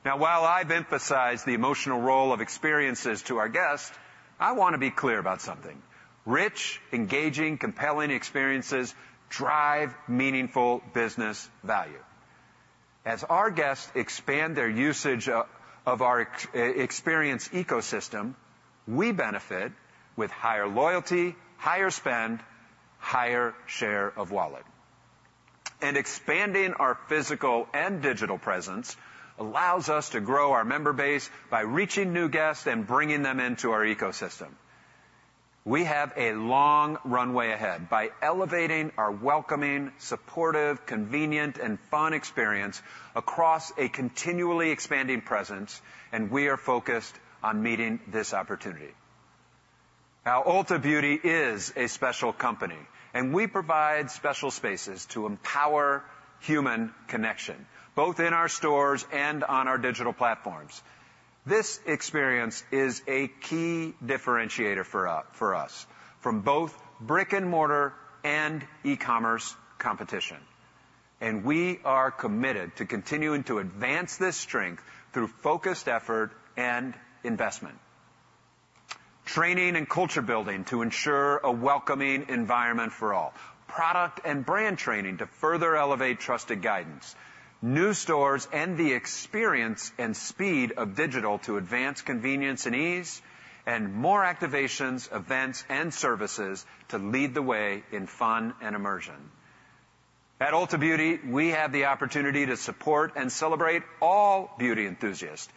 Now, while I've emphasized the emotional role of experiences to our guests, I want to be clear about something. Rich, engaging, compelling experiences drive meaningful business value. As our guests expand their usage of our experience ecosystem, we benefit with higher loyalty, higher spend, higher share of wallet. And expanding our physical and digital presence allows us to grow our member base by reaching new guests and bringing them into our ecosystem. We have a long runway ahead by elevating our welcoming, supportive, convenient, and fun experience across a continually expanding presence, and we are focused on meeting this opportunity. Now, Ulta Beauty is a special company, and we provide special spaces to empower human connection, both in our stores and on our digital platforms. This experience is a key differentiator for us from both brick-and-mortar and e-commerce competition, and we are committed to continuing to advance this strength through focused effort and investment. Training and culture building to ensure a welcoming environment for all, product and brand training to further elevate trusted guidance, new stores and the experience and speed of digital to advance convenience and ease, and more activations, events, and services to lead the way in fun and immersion. At Ulta Beauty, we have the opportunity to support and celebrate all beauty enthusiasts,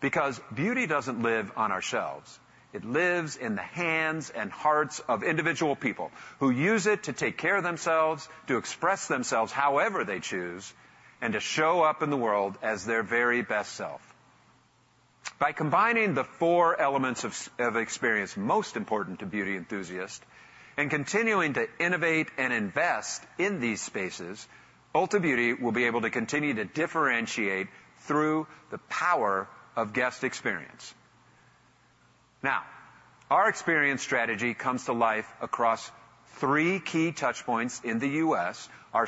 because beauty doesn't live on our shelves. It lives in the hands and hearts of individual people who use it to take care of themselves, to express themselves however they choose, and to show up in the world as their very best self. By combining the four elements of experience most important to beauty enthusiasts and continuing to innovate and invest in these spaces, Ulta Beauty will be able to continue to differentiate through the power of guest experience. Now, our experience strategy comes to life across three key touchpoints in the U.S., our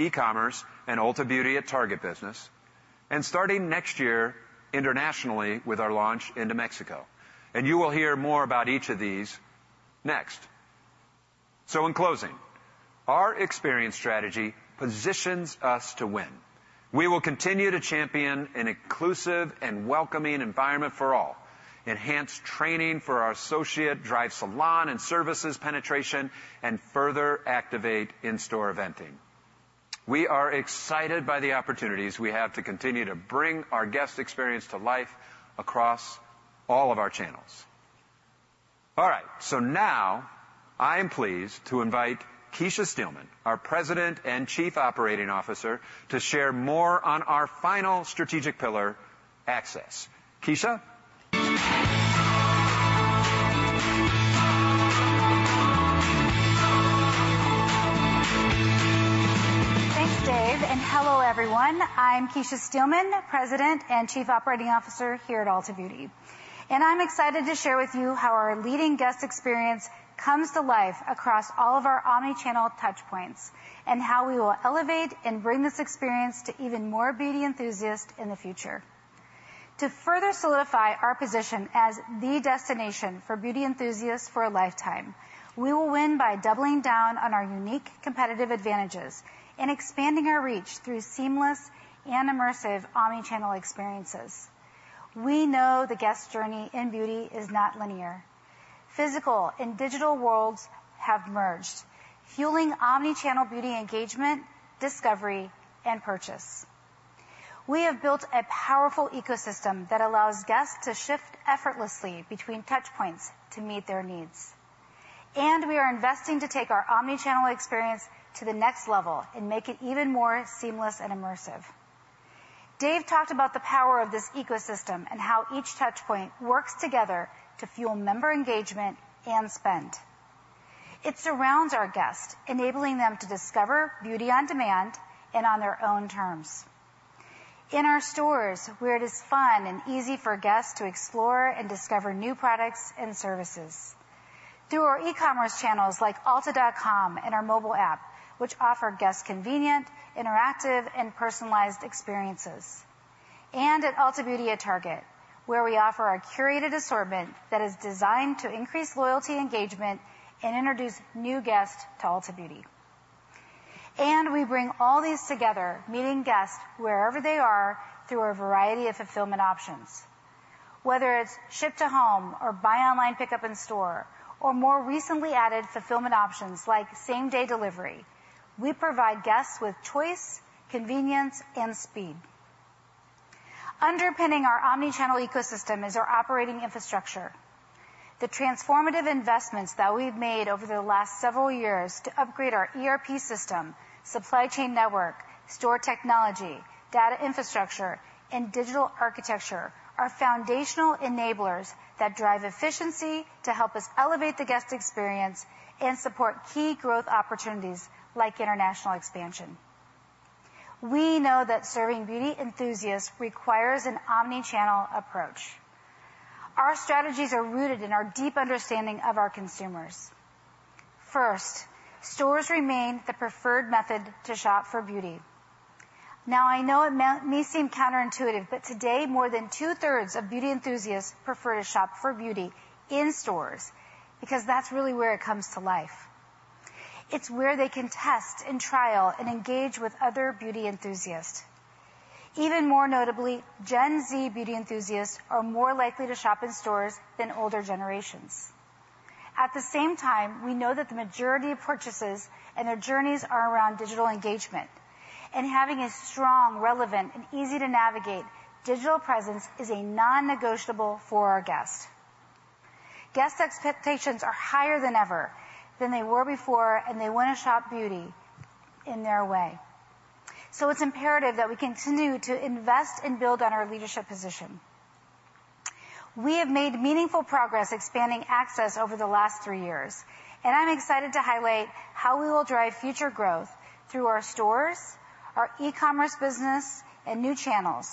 stores, e-commerce, and Ulta Beauty at Target business, and starting next year, internationally with our launch into Mexico, and you will hear more about each of these next, so in closing, our experience strategy positions us to win. We will continue to champion an inclusive and welcoming environment for all, enhance training for our associate, drive salon and services penetration, and further activate in-store eventing. We are excited by the opportunities we have to continue to bring our guest experience to life across all of our channels. All right, so now I'm pleased to invite Kecia Steelman, our President and Chief Operating Officer, to share more on our final strategic pillar, access. Kecia? Thanks, Dave, and hello, everyone. I'm Kecia Steelman, President and Chief Operating Officer here at Ulta Beauty, and I'm excited to share with you how our leading guest experience comes to life across all of our omni-channel touchpoints, and how we will elevate and bring this experience to even more beauty enthusiasts in the future. To further solidify our position as the destination for beauty enthusiasts for a lifetime, we will win by doubling down on our unique competitive advantages and expanding our reach through seamless and immersive omni-channel experiences. We know the guest journey in beauty is not linear. Physical and digital worlds have merged, fueling omni-channel beauty engagement, discovery, and purchase. We have built a powerful ecosystem that allows guests to shift effortlessly between touchpoints to meet their needs, and we are investing to take our omni-channel experience to the next level and make it even more seamless and immersive. Dave talked about the power of this ecosystem and how each touchpoint works together to fuel member engagement and spend. It surrounds our guests, enabling them to discover beauty on demand and on their own terms. In our stores, where it is fun and easy for guests to explore and discover new products and services, through our e-commerce channels like ulta.com and our mobile app, which offer guests convenient, interactive, and personalized experiences, and at Ulta Beauty at Target, where we offer our curated assortment that is designed to increase loyalty engagement and introduce new guests to Ulta Beauty. We bring all these together, meeting guests wherever they are, through a variety of fulfillment options. Whether it's ship to home or buy online, pickup in store, or more recently added fulfillment options like same-day delivery, we provide guests with choice, convenience, and speed. Underpinning our omni-channel ecosystem is our operating infrastructure. The transformative investments that we've made over the last several years to upgrade our ERP system, supply chain network, store technology, data infrastructure, and digital architecture are foundational enablers that drive efficiency to help us elevate the guest experience and support key growth opportunities like international expansion. We know that serving beauty enthusiasts requires an omni-channel approach. Our strategies are rooted in our deep understanding of our consumers. First, stores remain the preferred method to shop for beauty. Now, I know it may seem counterintuitive, but today, more than two-thirds of beauty enthusiasts prefer to shop for beauty in stores, because that's really where it comes to life. It's where they can test and trial and engage with other beauty enthusiasts. Even more notably, Gen Z beauty enthusiasts are more likely to shop in stores than older generations. At the same time, we know that the majority of purchases and their journeys are around digital engagement, and having a strong, relevant, and easy-to-navigate digital presence is a non-negotiable for our guests. Guest expectations are higher than ever than they were before, and they want to shop beauty in their way. So it's imperative that we continue to invest and build on our leadership position. We have made meaningful progress expanding access over the last three years, and I'm excited to highlight how we will drive future growth through our stores, our e-commerce business, and new channels,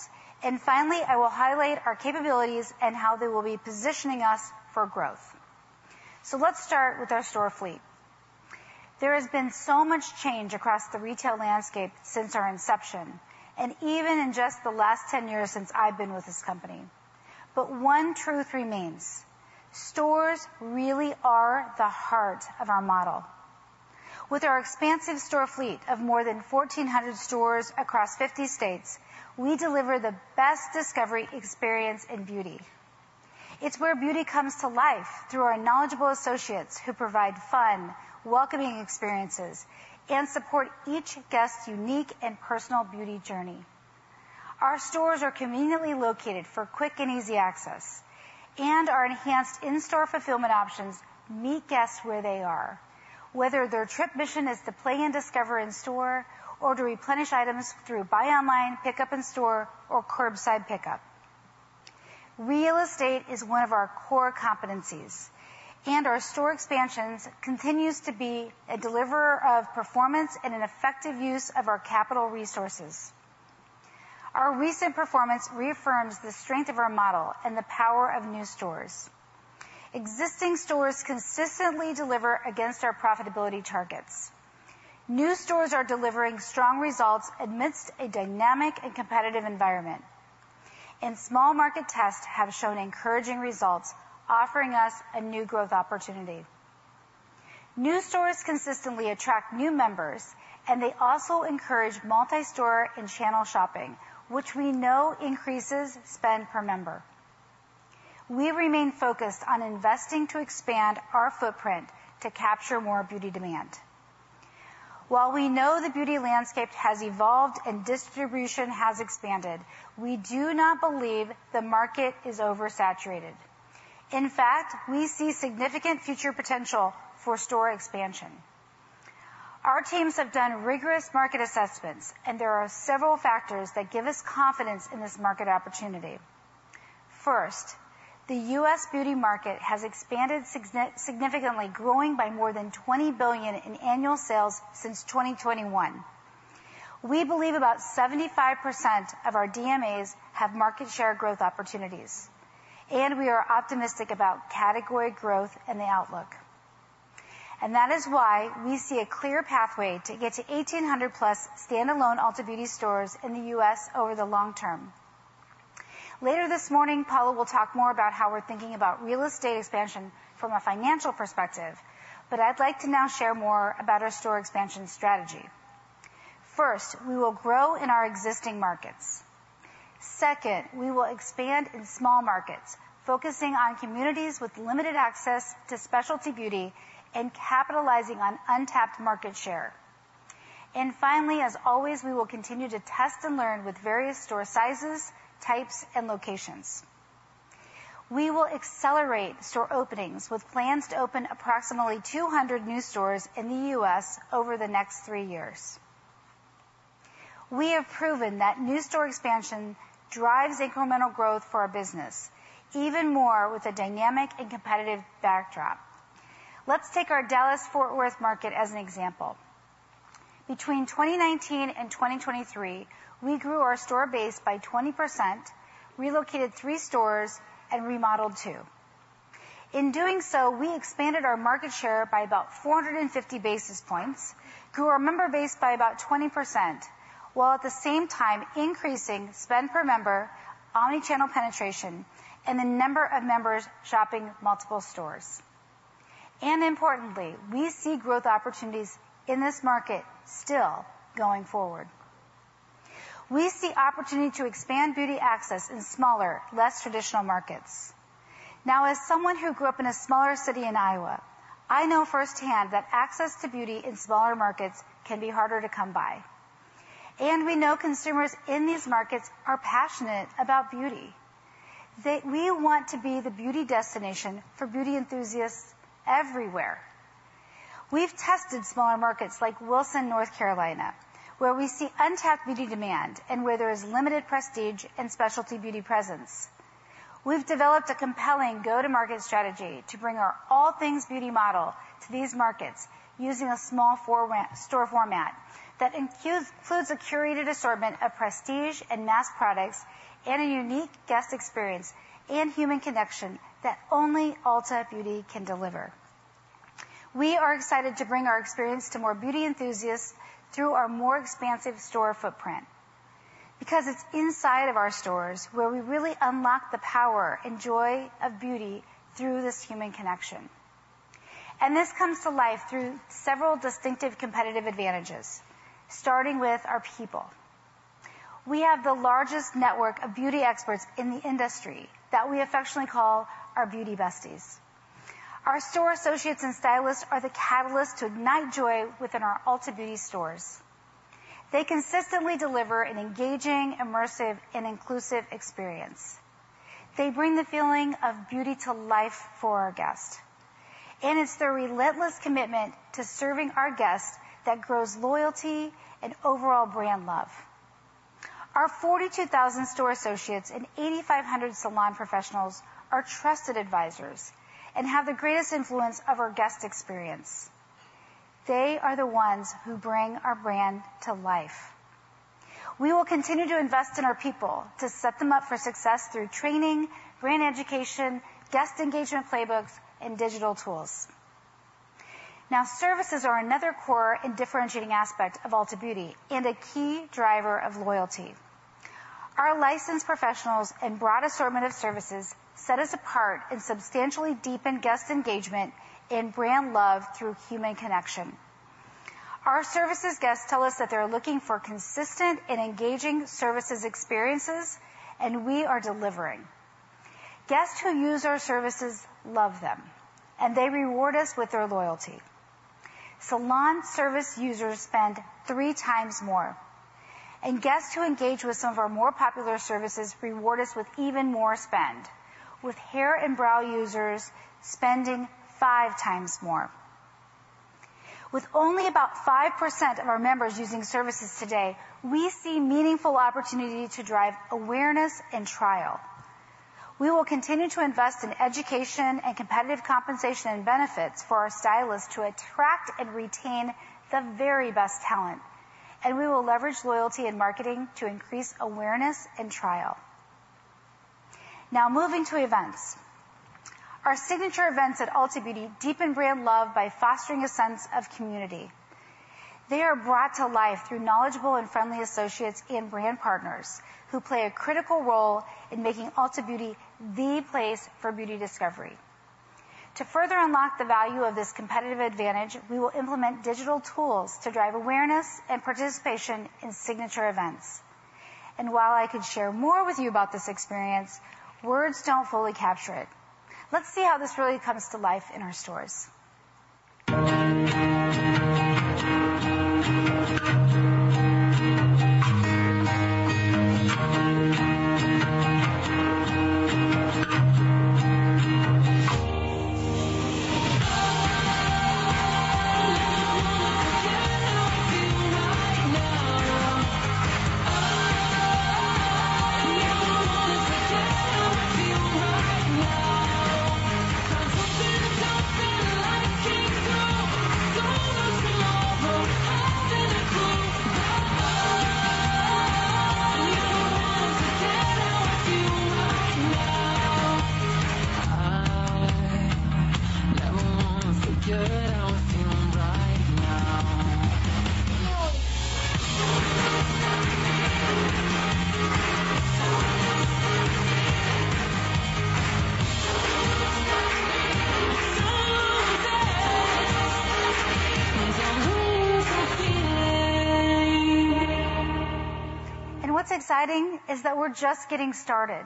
and finally, I will highlight our capabilities and how they will be positioning us for growth, so let's start with our store fleet. There has been so much change across the retail landscape since our inception, and even in just the last 10 years since I've been with this company, but one truth remains, stores really are the heart of our model. With our expansive store fleet of more than 1,400 stores across 50 states, we deliver the best discovery, experience, and beauty. It's where beauty comes to life through our knowledgeable associates, who provide fun, welcoming experiences and support each guest's unique and personal beauty journey. Our stores are conveniently located for quick and easy access, and our enhanced in-store fulfillment options meet guests where they are, whether their trip mission is to play and discover in store or to replenish items through buy online, pickup in store, or curbside pickup. Real estate is one of our core competencies, and our store expansion continues to be a deliverer of performance and an effective use of our capital resources. Our recent performance reaffirms the strength of our model and the power of new stores. Existing stores consistently deliver against our profitability targets. New stores are delivering strong results amidst a dynamic and competitive environment, and small market tests have shown encouraging results, offering us a new growth opportunity. New stores consistently attract new members, and they also encourage multi-store and channel shopping, which we know increases spend per member. We remain focused on investing to expand our footprint to capture more beauty demand. While we know the beauty landscape has evolved and distribution has expanded, we do not believe the market is oversaturated. In fact, we see significant future potential for store expansion. Our teams have done rigorous market assessments, and there are several factors that give us confidence in this market opportunity. First, the U.S. beauty market has expanded significantly, growing by more than $20 billion in annual sales since 2021. We believe about 75% of our DMAs have market share growth opportunities, and we are optimistic about category growth and the outlook, and that is why we see a clear pathway to get to 1,800+ standalone Ulta Beauty stores in the U.S. over the long term. Later this morning, Paula will talk more about how we're thinking about real estate expansion from a financial perspective, but I'd like to now share more about our store expansion strategy. First, we will grow in our existing markets. Second, we will expand in small markets, focusing on communities with limited access to specialty beauty and capitalizing on untapped market share, and finally, as always, we will continue to test and learn with various store sizes, types, and locations. We will accelerate store openings with plans to open approximately 200 new stores in the U.S. over the next three years. We have proven that new store expansion drives incremental growth for our business, even more with a dynamic and competitive backdrop. Let's take our Dallas-Fort Worth market as an example. Between 2019 and 2023, we grew our store base by 20%, relocated three stores and remodeled two. In doing so, we expanded our market share by about 450 basis points, grew our member base by about 20%, while at the same time increasing spend per member, omni-channel penetration, and the number of members shopping multiple stores, and importantly, we see growth opportunities in this market still going forward. We see opportunity to expand beauty access in smaller, less traditional markets... Now, as someone who grew up in a smaller city in Iowa, I know firsthand that access to beauty in smaller markets can be harder to come by, and we know consumers in these markets are passionate about beauty. We want to be the beauty destination for beauty enthusiasts everywhere. We've tested smaller markets like Wilson, North Carolina, where we see untapped beauty demand and where there is limited prestige and specialty beauty presence. We've developed a compelling go-to-market strategy to bring our all things beauty model to these markets using a small format store format that includes a curated assortment of prestige and mass products, and a unique guest experience and human connection that only Ulta Beauty can deliver. We are excited to bring our experience to more beauty enthusiasts through our more expansive store footprint, because it's inside of our stores where we really unlock the power and joy of beauty through this human connection. This comes to life through several distinctive competitive advantages, starting with our people. We have the largest network of beauty experts in the industry that we affectionately call our Beauty Besties. Our store associates and stylists are the catalyst to ignite joy within our Ulta Beauty stores. They consistently deliver an engaging, immersive, and inclusive experience. They bring the feeling of beauty to life for our guests, and it's their relentless commitment to serving our guests that grows loyalty and overall brand love. Our 42,000 store associates and 8,500 salon professionals are trusted advisors and have the greatest influence of our guest experience. They are the ones who bring our brand to life. We will continue to invest in our people to set them up for success through training, brand education, guest engagement playbooks, and digital tools. Now, services are another core and differentiating aspect of Ulta Beauty and a key driver of loyalty. Our licensed professionals and broad assortment of services set us apart and substantially deepen guest engagement and brand love through human connection. Our services guests tell us that they're looking for consistent and engaging services experiences, and we are delivering. Guests who use our services love them, and they reward us with their loyalty. Salon service users spend three times more, and guests who engage with some of our more popular services reward us with even more spend, with hair and brow users spending five times more. With only about 5% of our members using services today, we see meaningful opportunity to drive awareness and trial. We will continue to invest in education and competitive compensation and benefits for our stylists to attract and retain the very best talent, and we will leverage loyalty and marketing to increase awareness and trial. Now, moving to events. Our signature events at Ulta Beauty deepen brand love by fostering a sense of community. They are brought to life through knowledgeable and friendly associates and brand partners, who play a critical role in making Ulta Beauty the place for beauty discovery. To further unlock the value of this competitive advantage, we will implement digital tools to drive awareness and participation in signature events, and while I could share more with you about this experience, words don't fully capture it. Let's see how this really comes to life in our stores, and what's exciting is that we're just getting started.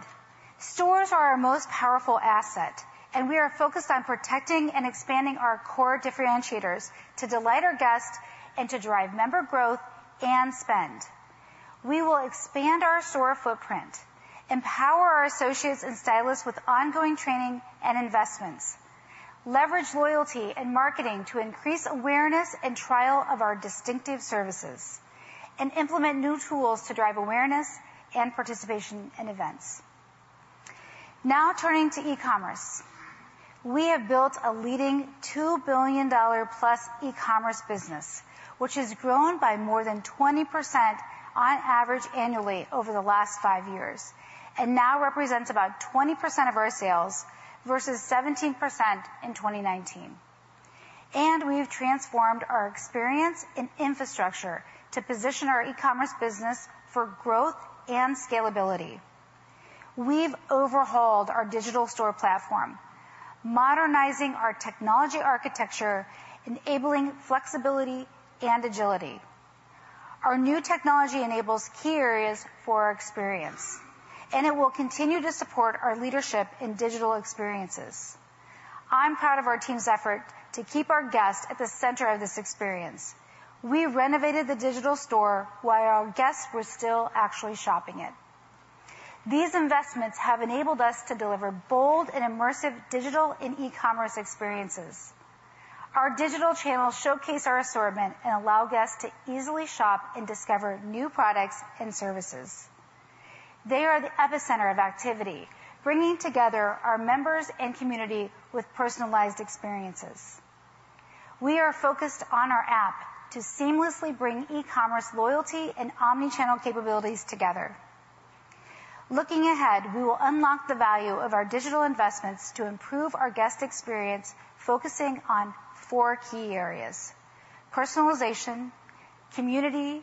Stores are our most powerful asset, and we are focused on protecting and expanding our core differentiators to delight our guests and to drive member growth and spend. We will expand our store footprint, empower our associates and stylists with ongoing training and investments, leverage loyalty and marketing to increase awareness and trial of our distinctive services, and implement new tools to drive awareness and participation in events. Now, turning to e-commerce. We have built a leading $2 billion-plus e-commerce business, which has grown by more than 20% on average annually over the last five years, and now represents about 20% of our sales versus 17% in 2019. We've transformed our experience and infrastructure to position our e-commerce business for growth and scalability. We've overhauled our digital store platform, modernizing our technology architecture, enabling flexibility and agility. Our new technology enables key areas for our experience, and it will continue to support our leadership in digital experiences. I'm proud of our team's effort to keep our guests at the center of this experience. We renovated the digital store while our guests were still actually shopping it. These investments have enabled us to deliver bold and immersive digital and e-commerce experiences. Our digital channels showcase our assortment and allow guests to easily shop and discover new products and services. They are the epicenter of activity, bringing together our members and community with personalized experiences. We are focused on our app to seamlessly bring e-commerce, loyalty, and omni-channel capabilities together. Looking ahead, we will unlock the value of our digital investments to improve our guest experience, focusing on four key areas: personalization, community,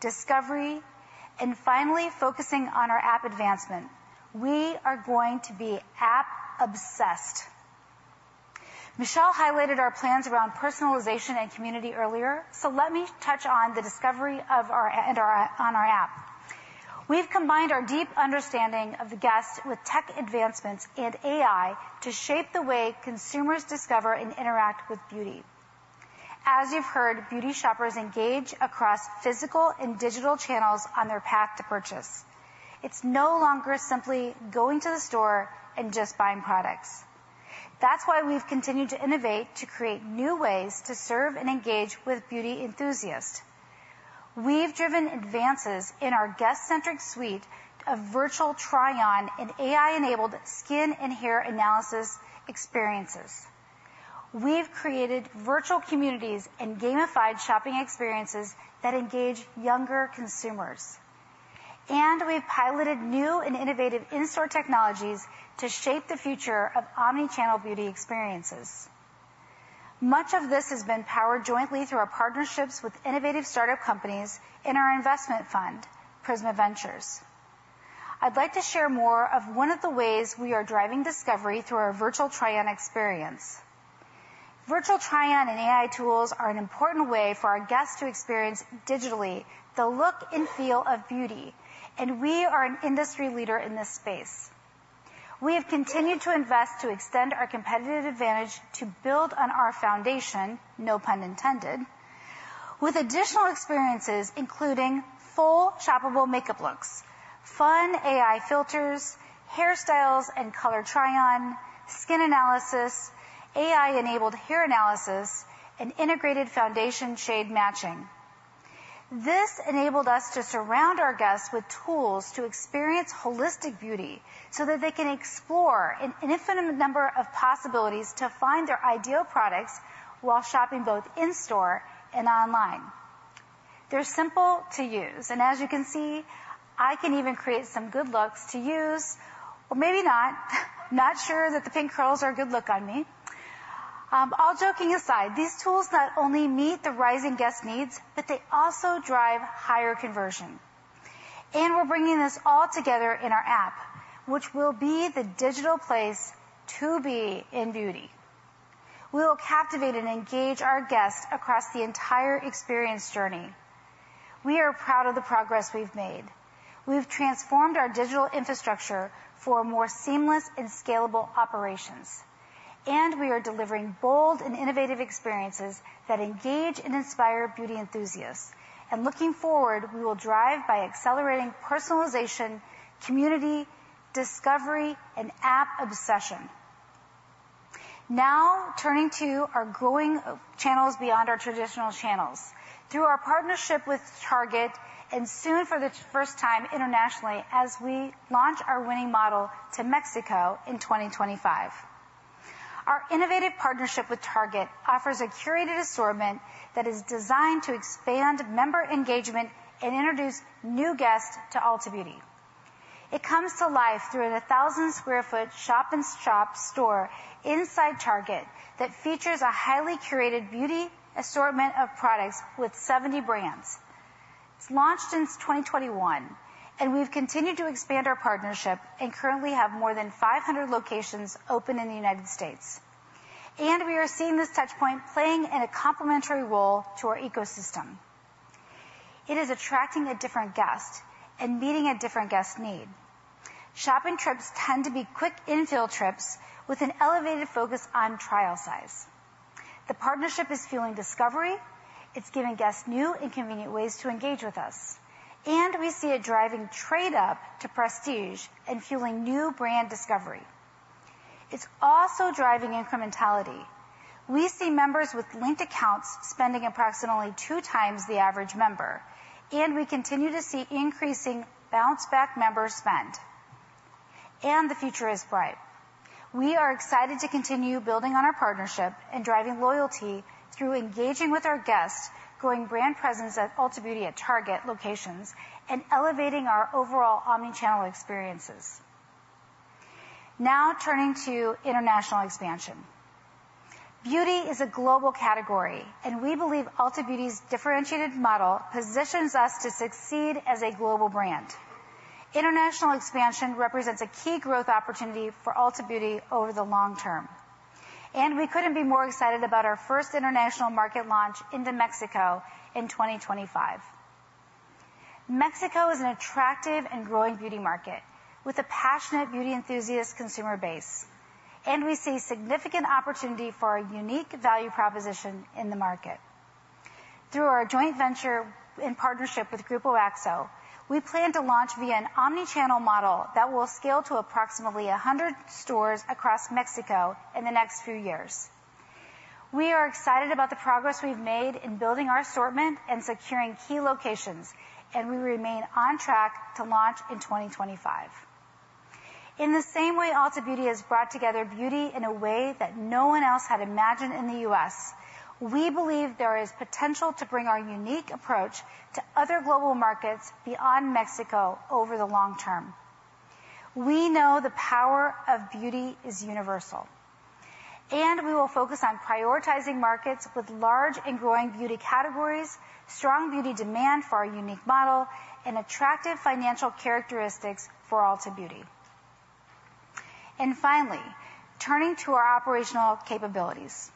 discovery, and finally, focusing on our app advancement. We are going to be app-obsessed. Michelle highlighted our plans around personalization and community earlier, so let me touch on the discovery and our app. We've combined our deep understanding of the guest with tech advancements and AI to shape the way consumers discover and interact with beauty. As you've heard, beauty shoppers engage across physical and digital channels on their path to purchase. It's no longer simply going to the store and just buying products. That's why we've continued to innovate, to create new ways to serve and engage with beauty enthusiasts. We've driven advances in our guest-centric suite of virtual try-on and AI-enabled skin and hair analysis experiences. We've created virtual communities and gamified shopping experiences that engage younger consumers, and we've piloted new and innovative in-store technologies to shape the future of omni-channel beauty experiences. Much of this has been powered jointly through our partnerships with innovative startup companies in our investment fund, Prisma Ventures. I'd like to share more of one of the ways we are driving discovery through our virtual try-on experience. Virtual try-on and AI tools are an important way for our guests to experience digitally, the look and feel of beauty, and we are an industry leader in this space. We have continued to invest to extend our competitive advantage to build on our foundation, no pun intended, with additional experiences, including full shoppable makeup looks, fun AI filters, hairstyles and color try-on, skin analysis, AI-enabled hair analysis, and integrated foundation shade matching. This enabled us to surround our guests with tools to experience holistic beauty, so that they can explore an infinite number of possibilities to find their ideal products while shopping, both in store and online. They're simple to use, and as you can see, I can even create some good looks to use... Or maybe not. Not sure that the pink curls are a good look on me. All joking aside, these tools not only meet the rising guest needs, but they also drive higher conversion, and we're bringing this all together in our app, which will be the digital place to be in beauty. We will captivate and engage our guests across the entire experience journey. We are proud of the progress we've made. We've transformed our digital infrastructure for more seamless and scalable operations, and we are delivering bold and innovative experiences that engage and inspire beauty enthusiasts. Looking forward, we will drive by accelerating personalization, community, discovery, and app obsession. Now, turning to our growing channels beyond our traditional channels. Through our partnership with Target, and soon, for the first time internationally, as we launch our winning model to Mexico in 2025. Our innovative partnership with Target offers a curated assortment that is designed to expand member engagement and introduce new guests to Ulta Beauty. It comes to life through a 1,000-sq-ft shop-in-shop store inside Target that features a highly curated beauty assortment of products with 70 brands. It's launched since 2021, and we've continued to expand our partnership and currently have more than 500 locations open in the United States. And we are seeing this touchpoint playing in a complementary role to our ecosystem. It is attracting a different guest and meeting a different guest need. Shopping trips tend to be quick in-store trips with an elevated focus on trial size. The partnership is fueling discovery; it's giving guests new and convenient ways to engage with us, and we see it driving trade-up to prestige and fueling new brand discovery. It's also driving incrementality. We see members with linked accounts spending approximately two times the average member, and we continue to see increasing bounce-back member spend. And the future is bright. We are excited to continue building on our partnership and driving loyalty through engaging with our guests, growing brand presence at Ulta Beauty at Target locations, and elevating our overall omni-channel experiences. Now, turning to international expansion. Beauty is a global category, and we believe Ulta Beauty's differentiated model positions us to succeed as a global brand. International expansion represents a key growth opportunity for Ulta Beauty over the long term. We couldn't be more excited about our first international market launch into Mexico in 2025. Mexico is an attractive and growing beauty market, with a passionate beauty enthusiast consumer base, and we see significant opportunity for a unique value proposition in the market. Through our joint venture in partnership with Grupo Axo, we plan to launch via an omni-channel model that will scale to approximately 100 stores across Mexico in the next few years. We are excited about the progress we've made in building our assortment and securing key locations, and we remain on track to launch in 2025. In the same way Ulta Beauty has brought together beauty in a way that no one else had imagined in the U.S., we believe there is potential to bring our unique approach to other global markets beyond Mexico over the long term. We know the power of beauty is universal, and we will focus on prioritizing markets with large and growing beauty categories, strong beauty demand for our unique model, and attractive financial characteristics for Ulta Beauty. Finally, turning to our operational capabilities.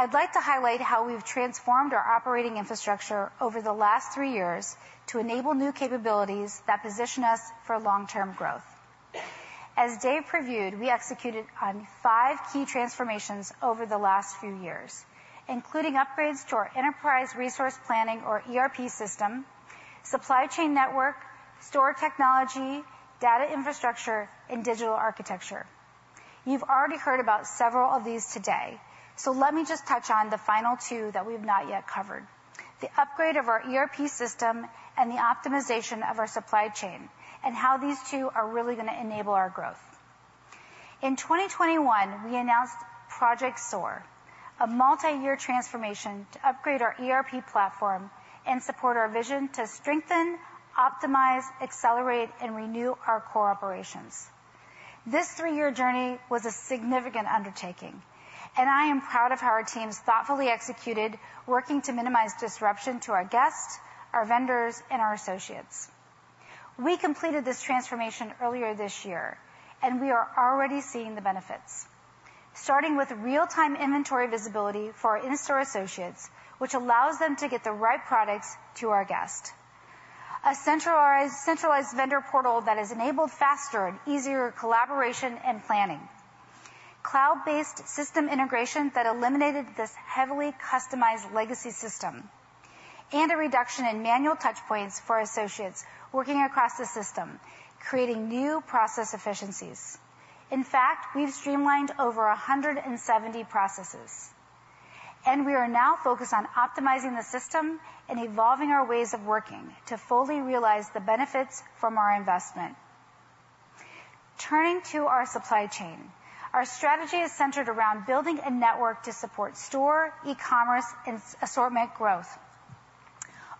I'd like to highlight how we've transformed our operating infrastructure over the last three years to enable new capabilities that position us for long-term growth. As Dave previewed, we executed on five key transformations over the last few years, including upgrades to our enterprise resource planning, or ERP, system, supply chain network, store technology, data infrastructure, and digital architecture. You've already heard about several of these today, so let me just touch on the final two that we've not yet covered, the upgrade of our ERP system and the optimization of our supply chain, and how these two are really going to enable our growth. In twenty twenty-one, we announced Project SOAR, a multi-year transformation to upgrade our ERP platform and support our vision to strengthen, optimize, accelerate, and renew our core operations. This three-year journey was a significant undertaking, and I am proud of how our teams thoughtfully executed, working to minimize disruption to our guests, our vendors, and our associates. We completed this transformation earlier this year, and we are already seeing the benefits, starting with real-time inventory visibility for our in-store associates, which allows them to get the right products to our guests. A centralized vendor portal that has enabled faster and easier collaboration and planning. Cloud-based system integration that eliminated this heavily customized legacy system, and a reduction in manual touch points for associates working across the system, creating new process efficiencies. In fact, we've streamlined over 170 processes, and we are now focused on optimizing the system and evolving our ways of working to fully realize the benefits from our investment. Turning to our supply chain, our strategy is centered around building a network to support store, e-commerce, and assortment growth.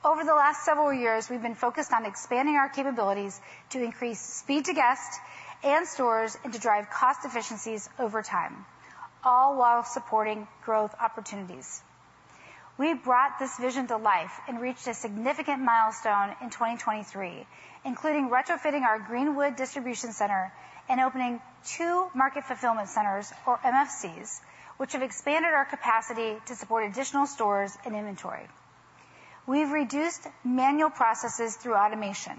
Over the last several years, we've been focused on expanding our capabilities to increase speed to guests and stores and to drive cost efficiencies over time, all while supporting growth opportunities. We brought this vision to life and reached a significant milestone in 2023, including retrofitting our Greenwood distribution center and opening two market fulfillment centers, or MFCs, which have expanded our capacity to support additional stores and inventory. We've reduced manual processes through automation,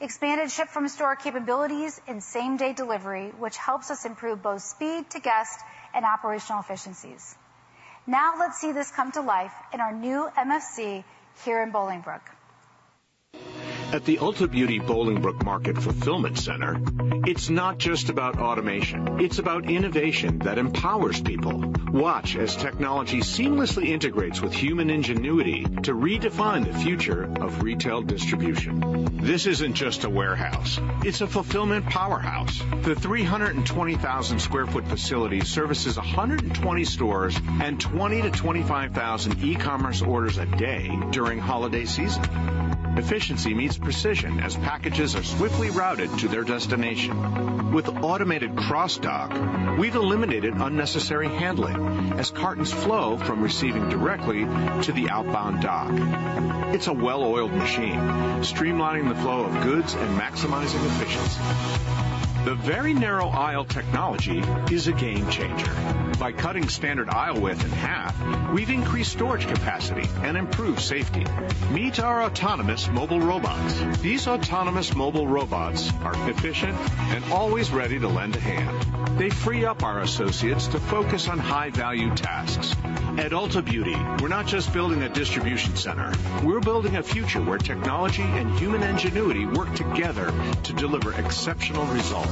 expanded ship-from-store capabilities and same-day delivery, which helps us improve both speed to guests and operational efficiencies. Now, let's see this come to life in our new MFC here in Bolingbrook. At the Ulta Beauty Bolingbrook Market Fulfillment Center, it's not just about automation, it's about innovation that empowers people. Watch as technology seamlessly integrates with human ingenuity to redefine the future of retail distribution. This isn't just a warehouse, it's a fulfillment powerhouse. The 300,000 sq ft facility services 120 stores and 20-25,000 e-commerce orders a day during holiday season. Efficiency meets precision as packages are swiftly routed to their destination. With automated cross-dock, we've eliminated unnecessary handling, as cartons flow from receiving directly to the outbound dock. It's a well-oiled machine, streamlining the flow of goods and maximizing efficiency. The very narrow aisle technology is a game changer. By cutting standard aisle width in half, we've increased storage capacity and improved safety. Meet our autonomous mobile robots. These autonomous mobile robots are efficient and always ready to lend a hand. They free up our associates to focus on high-value tasks. At Ulta Beauty, we're not just building a distribution center, we're building a future where technology and human ingenuity work together to deliver exceptional results.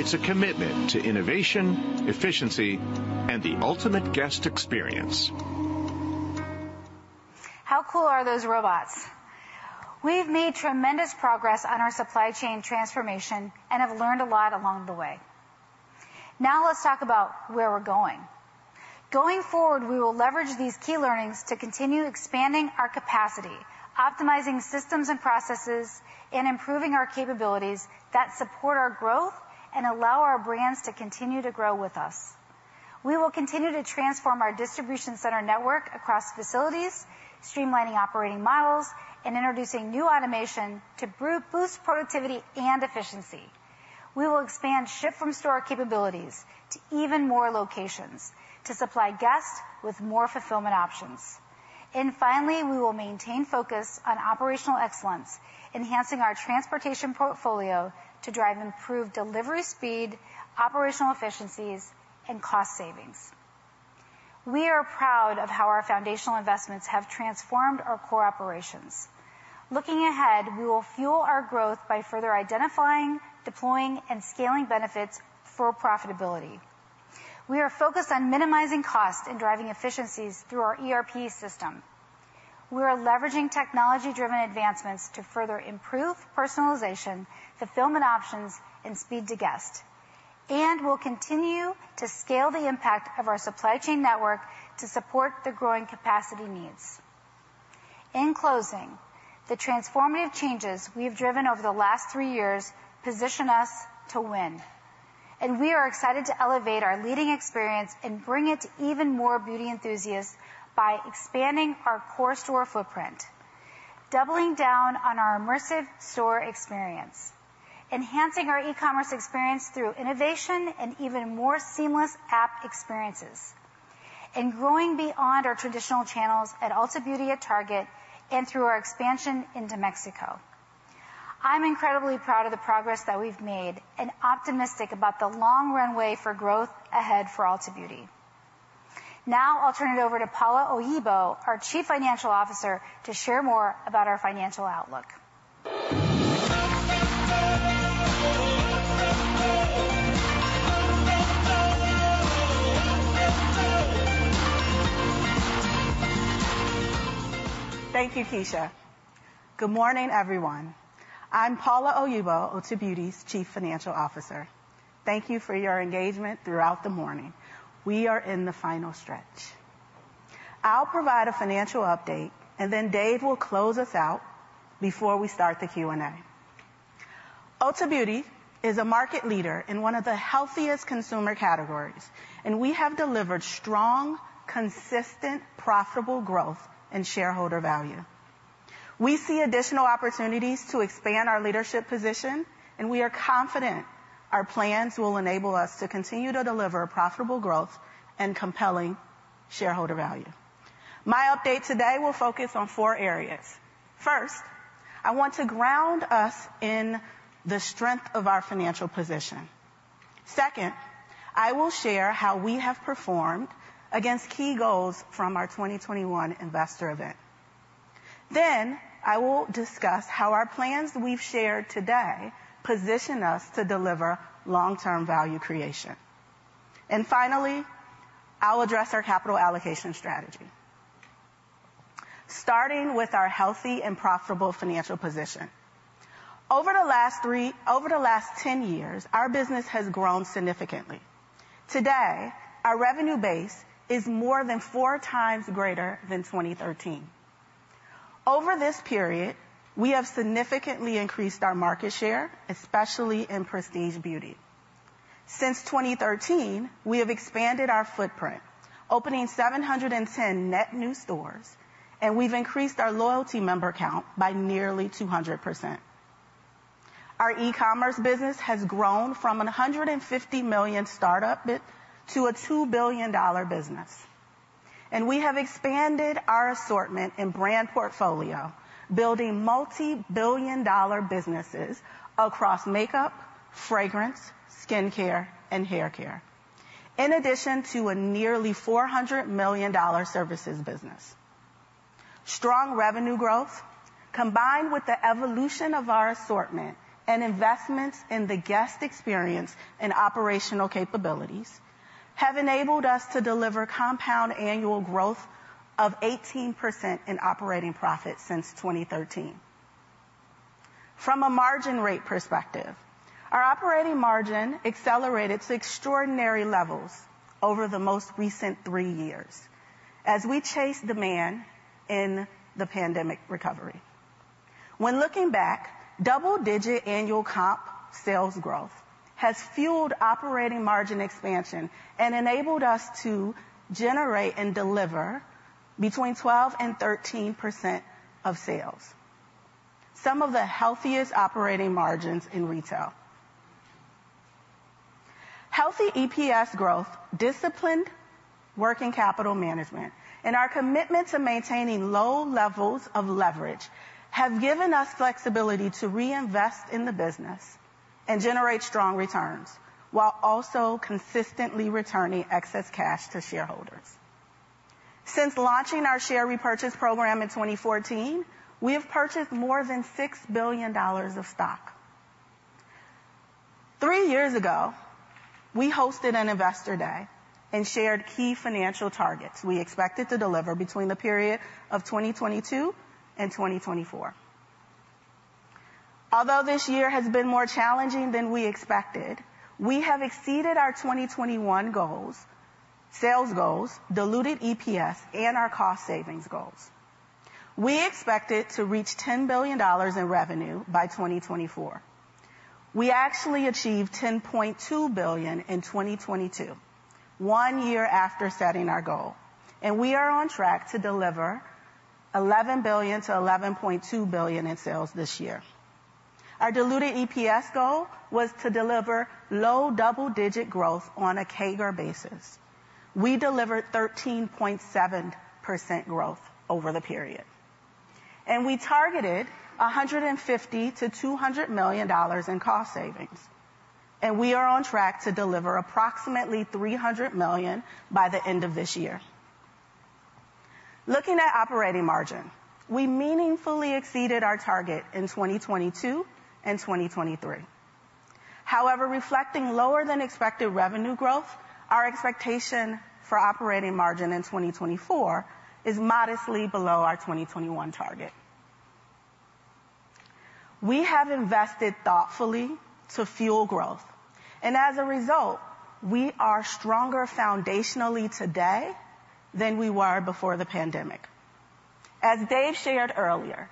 It's a commitment to innovation, efficiency, and the ultimate guest experience. How cool are those robots? We've made tremendous progress on our supply chain transformation and have learned a lot along the way. Now let's talk about where we're going. Going forward, we will leverage these key learnings to continue expanding our capacity, optimizing systems and processes, and improving our capabilities that support our growth and allow our brands to continue to grow with us. We will continue to transform our distribution center network across facilities, streamlining operating models, and introducing new automation to boost productivity and efficiency. We will expand ship from store capabilities to even more locations to supply guests with more fulfillment options. And finally, we will maintain focus on operational excellence, enhancing our transportation portfolio to drive improved delivery speed, operational efficiencies, and cost savings. We are proud of how our foundational investments have transformed our core operations. Looking ahead, we will fuel our growth by further identifying, deploying, and scaling benefits for profitability. We are focused on minimizing costs and driving efficiencies through our ERP system. We are leveraging technology-driven advancements to further improve personalization, fulfillment options, and speed to guest. And we'll continue to scale the impact of our supply chain network to support the growing capacity needs. In closing, the transformative changes we have driven over the last three years position us to win, and we are excited to elevate our leading experience and bring it to even more beauty enthusiasts by expanding our core store footprint, doubling down on our immersive store experience, enhancing our e-commerce experience through innovation and even more seamless app experiences, and growing beyond our traditional channels at Ulta Beauty at Target and through our expansion into Mexico. I'm incredibly proud of the progress that we've made and optimistic about the long runway for growth ahead for Ulta Beauty. Now I'll turn it over to Paula Oyibo, our Chief Financial Officer, to share more about our financial outlook. Thank you, Keisha. Good morning, everyone. I'm Paula Oyibo, Ulta Beauty's Chief Financial Officer. Thank you for your engagement throughout the morning. We are in the final stretch. I'll provide a financial update, and then Dave will close us out before we start the Q&A. Ulta Beauty is a market leader in one of the healthiest consumer categories, and we have delivered strong, consistent, profitable growth and shareholder value. We see additional opportunities to expand our leadership position, and we are confident our plans will enable us to continue to deliver profitable growth and compelling shareholder value. My update today will focus on four areas. First, I want to ground us in the strength of our financial position. Second, I will share how we have performed against key goals from our twenty twenty-one investor event. Then, I will discuss how our plans we've shared today position us to deliver long-term value creation. Finally, I'll address our capital allocation strategy. Starting with our healthy and profitable financial position. Over the last ten years, our business has grown significantly. Today, our revenue base is more than four times greater than 2013. Over this period, we have significantly increased our market share, especially in prestige beauty. Since 2013, we have expanded our footprint, opening 710 net new stores, and we've increased our loyalty member count by nearly 200%. Our e-commerce business has grown from a $150 million startup to a $2 billion business, and we have expanded our assortment and brand portfolio, building multibillion-dollar businesses across makeup, fragrance, skincare, and haircare, in addition to a nearly $400 million services business. Strong revenue growth, combined with the evolution of our assortment and investments in the guest experience and operational capabilities, have enabled us to deliver compound annual growth of 18% in operating profit since 2013. From a margin rate perspective, our operating margin accelerated to extraordinary levels over the most recent three years as we chase demand in the pandemic recovery. When looking back, double-digit annual comp sales growth has fueled operating margin expansion and enabled us to generate and deliver between 12% and 13% of sales, some of the healthiest operating margins in retail. Healthy EPS growth, disciplined working capital management, and our commitment to maintaining low levels of leverage have given us flexibility to reinvest in the business and generate strong returns, while also consistently returning excess cash to shareholders. Since launching our share repurchase program in 2014, we have purchased more than $6 billion of stock. Three years ago, we hosted an investor day and shared key financial targets we expected to deliver between the period of 2022 and 2024. Although this year has been more challenging than we expected, we have exceeded our 2021 goals, sales goals, diluted EPS, and our cost savings goals. We expected to reach $10 billion in revenue by 2024. We actually achieved $10.2 billion in 2022, one year after setting our goal, and we are on track to deliver $11 billion-$11.2 billion in sales this year. Our diluted EPS goal was to deliver low double-digit growth on a CAGR basis. We delivered 13.7% growth over the period. We targeted $150 million-$200 million in cost savings, and we are on track to deliver approximately $300 million by the end of this year. Looking at operating margin, we meaningfully exceeded our target in 2022 and 2023. However, reflecting lower than expected revenue growth, our expectation for operating margin in 2024 is modestly below our 2021 target. We have invested thoughtfully to fuel growth, and as a result, we are stronger foundationally today than we were before the pandemic. As Dave shared earlier,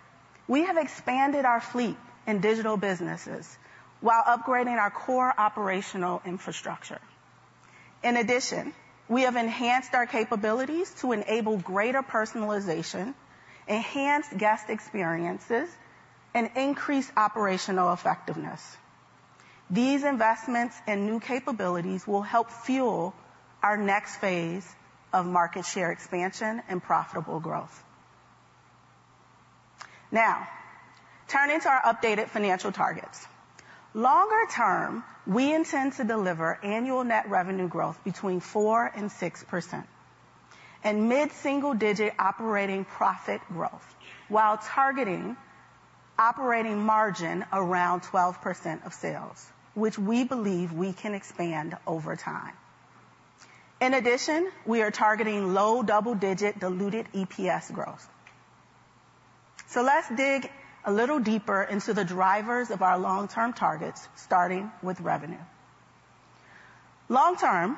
we have expanded our fleet in digital businesses while upgrading our core operational infrastructure. In addition, we have enhanced our capabilities to enable greater personalization, enhanced guest experiences, and increased operational effectiveness. These investments and new capabilities will help fuel our next phase of market share expansion and profitable growth. Now, turning to our updated financial targets. Longer term, we intend to deliver annual net revenue growth between 4% and 6% and mid-single-digit operating profit growth, while targeting operating margin around 12% of sales, which we believe we can expand over time. In addition, we are targeting low double-digit diluted EPS growth. So let's dig a little deeper into the drivers of our long-term targets, starting with revenue. Long term,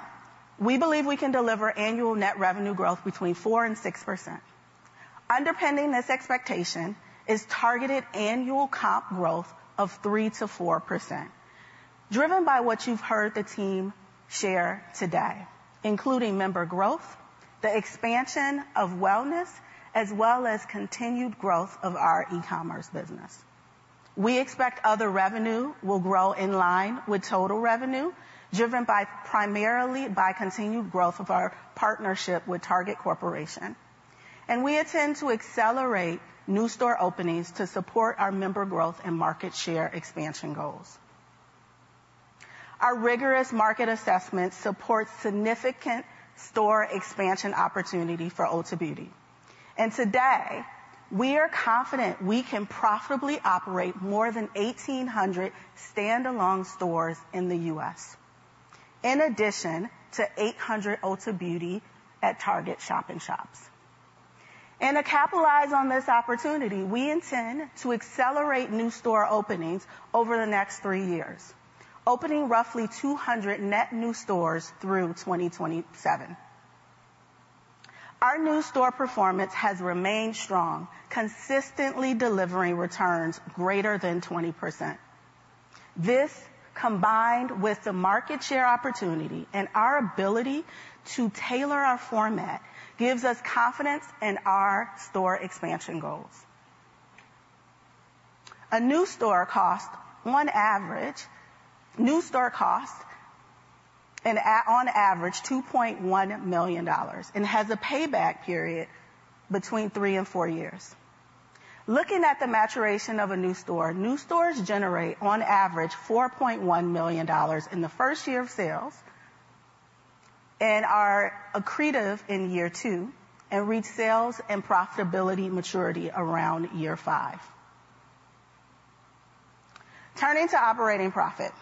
we believe we can deliver annual net revenue growth between 4% and 6%. Underpinning this expectation is targeted annual comp growth of 3%-4%, driven by what you've heard the team share today, including member growth, the expansion of wellness, as well as continued growth of our e-commerce business. We expect other revenue will grow in line with total revenue, driven, primarily by continued growth of our partnership with Target Corporation, and we intend to accelerate new store openings to support our member growth and market share expansion goals. Our rigorous market assessment supports significant store expansion opportunity for Ulta Beauty, and today, we are confident we can profitably operate more than 1,800 standalone stores in the U.S., in addition to 800 Ulta Beauty at Target shop-in-shops. To capitalize on this opportunity, we intend to accelerate new store openings over the next three years, opening roughly 200 net new stores through 2027. Our new store performance has remained strong, consistently delivering returns greater than 20%. This, combined with the market share opportunity and our ability to tailor our format, gives us confidence in our store expansion goals. A new store costs, on average, $2.1 million and has a payback period between three and four years. Looking at the maturation of a new store, new stores generate, on average, $4.1 million in the first year of sales and are accretive in year two and reach sales and profitability maturity around year five. Turning to operating profit,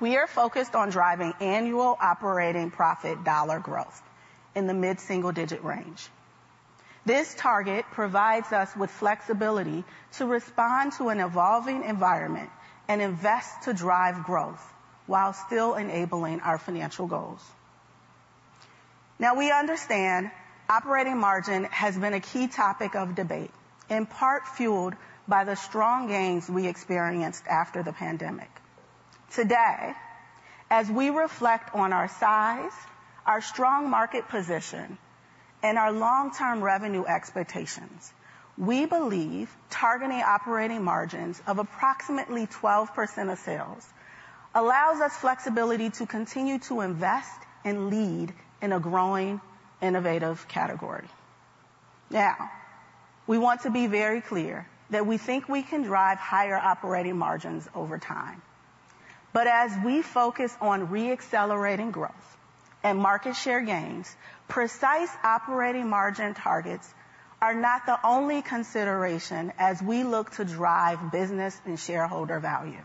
we are focused on driving annual operating profit dollar growth in the mid-single-digit range. This target provides us with flexibility to respond to an evolving environment and invest to drive growth while still enabling our financial goals. Now, we understand operating margin has been a key topic of debate, in part fueled by the strong gains we experienced after the pandemic. Today, as we reflect on our size, our strong market position, and our long-term revenue expectations, we believe targeting operating margins of approximately 12% of sales allows us flexibility to continue to invest and lead in a growing, innovative category. Now, we want to be very clear that we think we can drive higher operating margins over time. But as we focus on re-accelerating growth and market share gains, precise operating margin targets are not the only consideration as we look to drive business and shareholder value.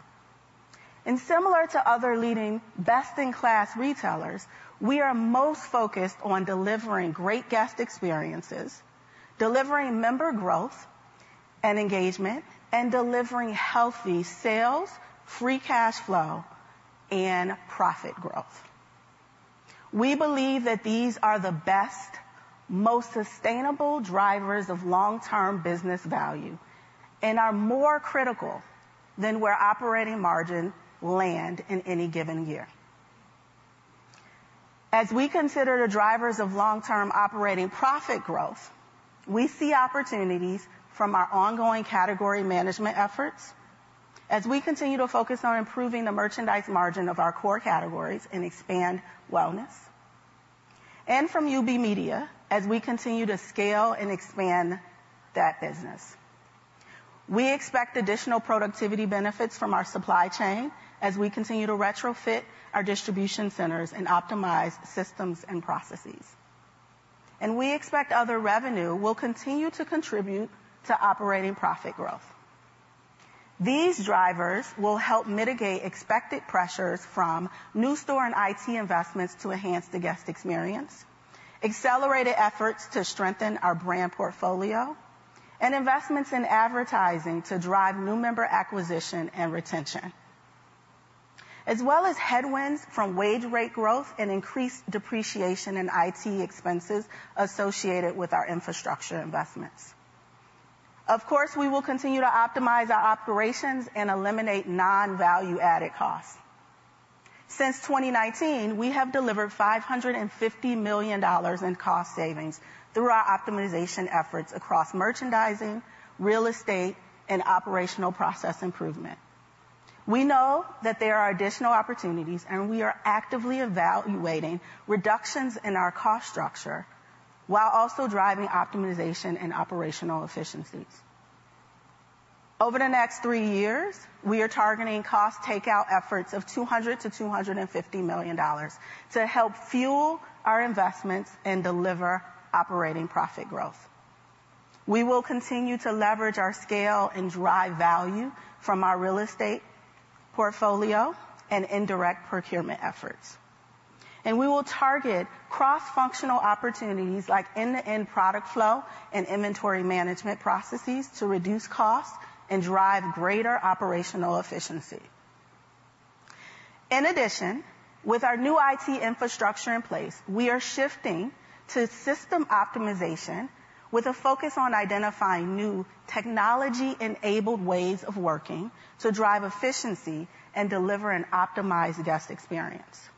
And similar to other leading, best-in-class retailers, we are most focused on delivering great guest experiences, delivering member growth and engagement, and delivering healthy sales, free cash flow, and profit growth. We believe that these are the best, most sustainable drivers of long-term business value and are more critical than where operating margin land in any given year. As we consider the drivers of long-term operating profit growth, we see opportunities from our ongoing category management efforts as we continue to focus on improving the merchandise margin of our core categories and expand wellness, and from UB Media, as we continue to scale and expand that business. We expect additional productivity benefits from our supply chain as we continue to retrofit our distribution centers and optimize systems and processes. And we expect other revenue will continue to contribute to operating profit growth. These drivers will help mitigate expected pressures from new store and IT investments to enhance the guest experience, accelerated efforts to strengthen our brand portfolio, and investments in advertising to drive new member acquisition and retention, as well as headwinds from wage rate growth and increased depreciation in IT expenses associated with our infrastructure investments. Of course, we will continue to optimize our operations and eliminate non-value-added costs. Since 2019, we have delivered $550 million in cost savings through our optimization efforts across merchandising, real estate, and operational process improvement. We know that there are additional opportunities, and we are actively evaluating reductions in our cost structure while also driving optimization and operational efficiencies. Over the next three years, we are targeting cost takeout efforts of $200-$250 million to help fuel our investments and deliver operating profit growth. We will continue to leverage our scale and drive value from our real estate portfolio and indirect procurement efforts. And we will target cross-functional opportunities, like end-to-end product flow and inventory management processes, to reduce costs and drive greater operational efficiency. In addition, with our new IT infrastructure in place, we are shifting to system optimization with a focus on identifying new technology-enabled ways of working to drive efficiency and deliver an optimized guest experience.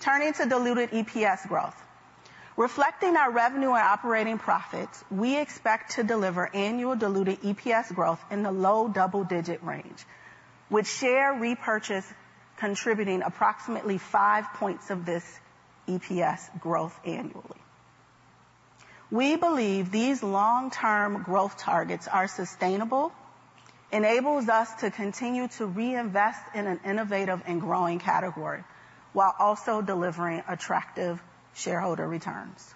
Turning to diluted EPS growth. Reflecting our revenue and operating profits, we expect to deliver annual diluted EPS growth in the low double-digit range, with share repurchase contributing approximately five points of this EPS growth annually. We believe these long-term growth targets are sustainable, enables us to continue to reinvest in an innovative and growing category while also delivering attractive shareholder returns.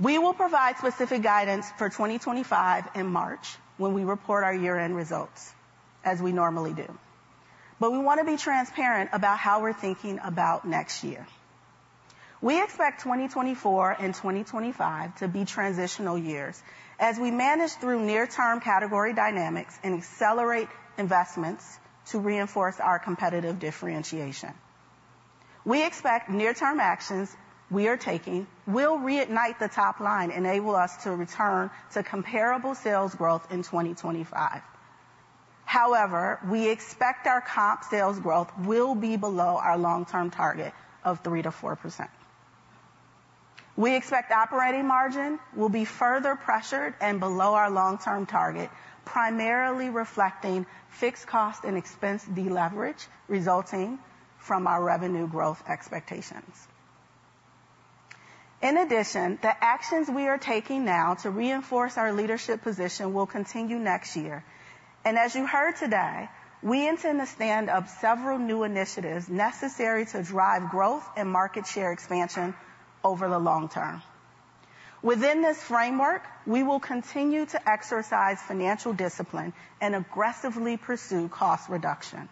We will provide specific guidance for twenty twenty-five in March, when we report our year-end results, as we normally do. But we want to be transparent about how we're thinking about next year. We expect twenty twenty-four and twenty twenty-five to be transitional years as we manage through near-term category dynamics and accelerate investments to reinforce our competitive differentiation. We expect near-term actions we are taking will reignite the top line, enable us to return to comparable sales growth in twenty twenty-five. However, we expect our comp sales growth will be below our long-term target of 3%-4%. We expect operating margin will be further pressured and below our long-term target, primarily reflecting fixed cost and expense deleverage resulting from our revenue growth expectations. In addition, the actions we are taking now to reinforce our leadership position will continue next year. As you heard today, we intend to stand up several new initiatives necessary to drive growth and market share expansion over the long term. Within this framework, we will continue to exercise financial discipline and aggressively pursue cost reduction.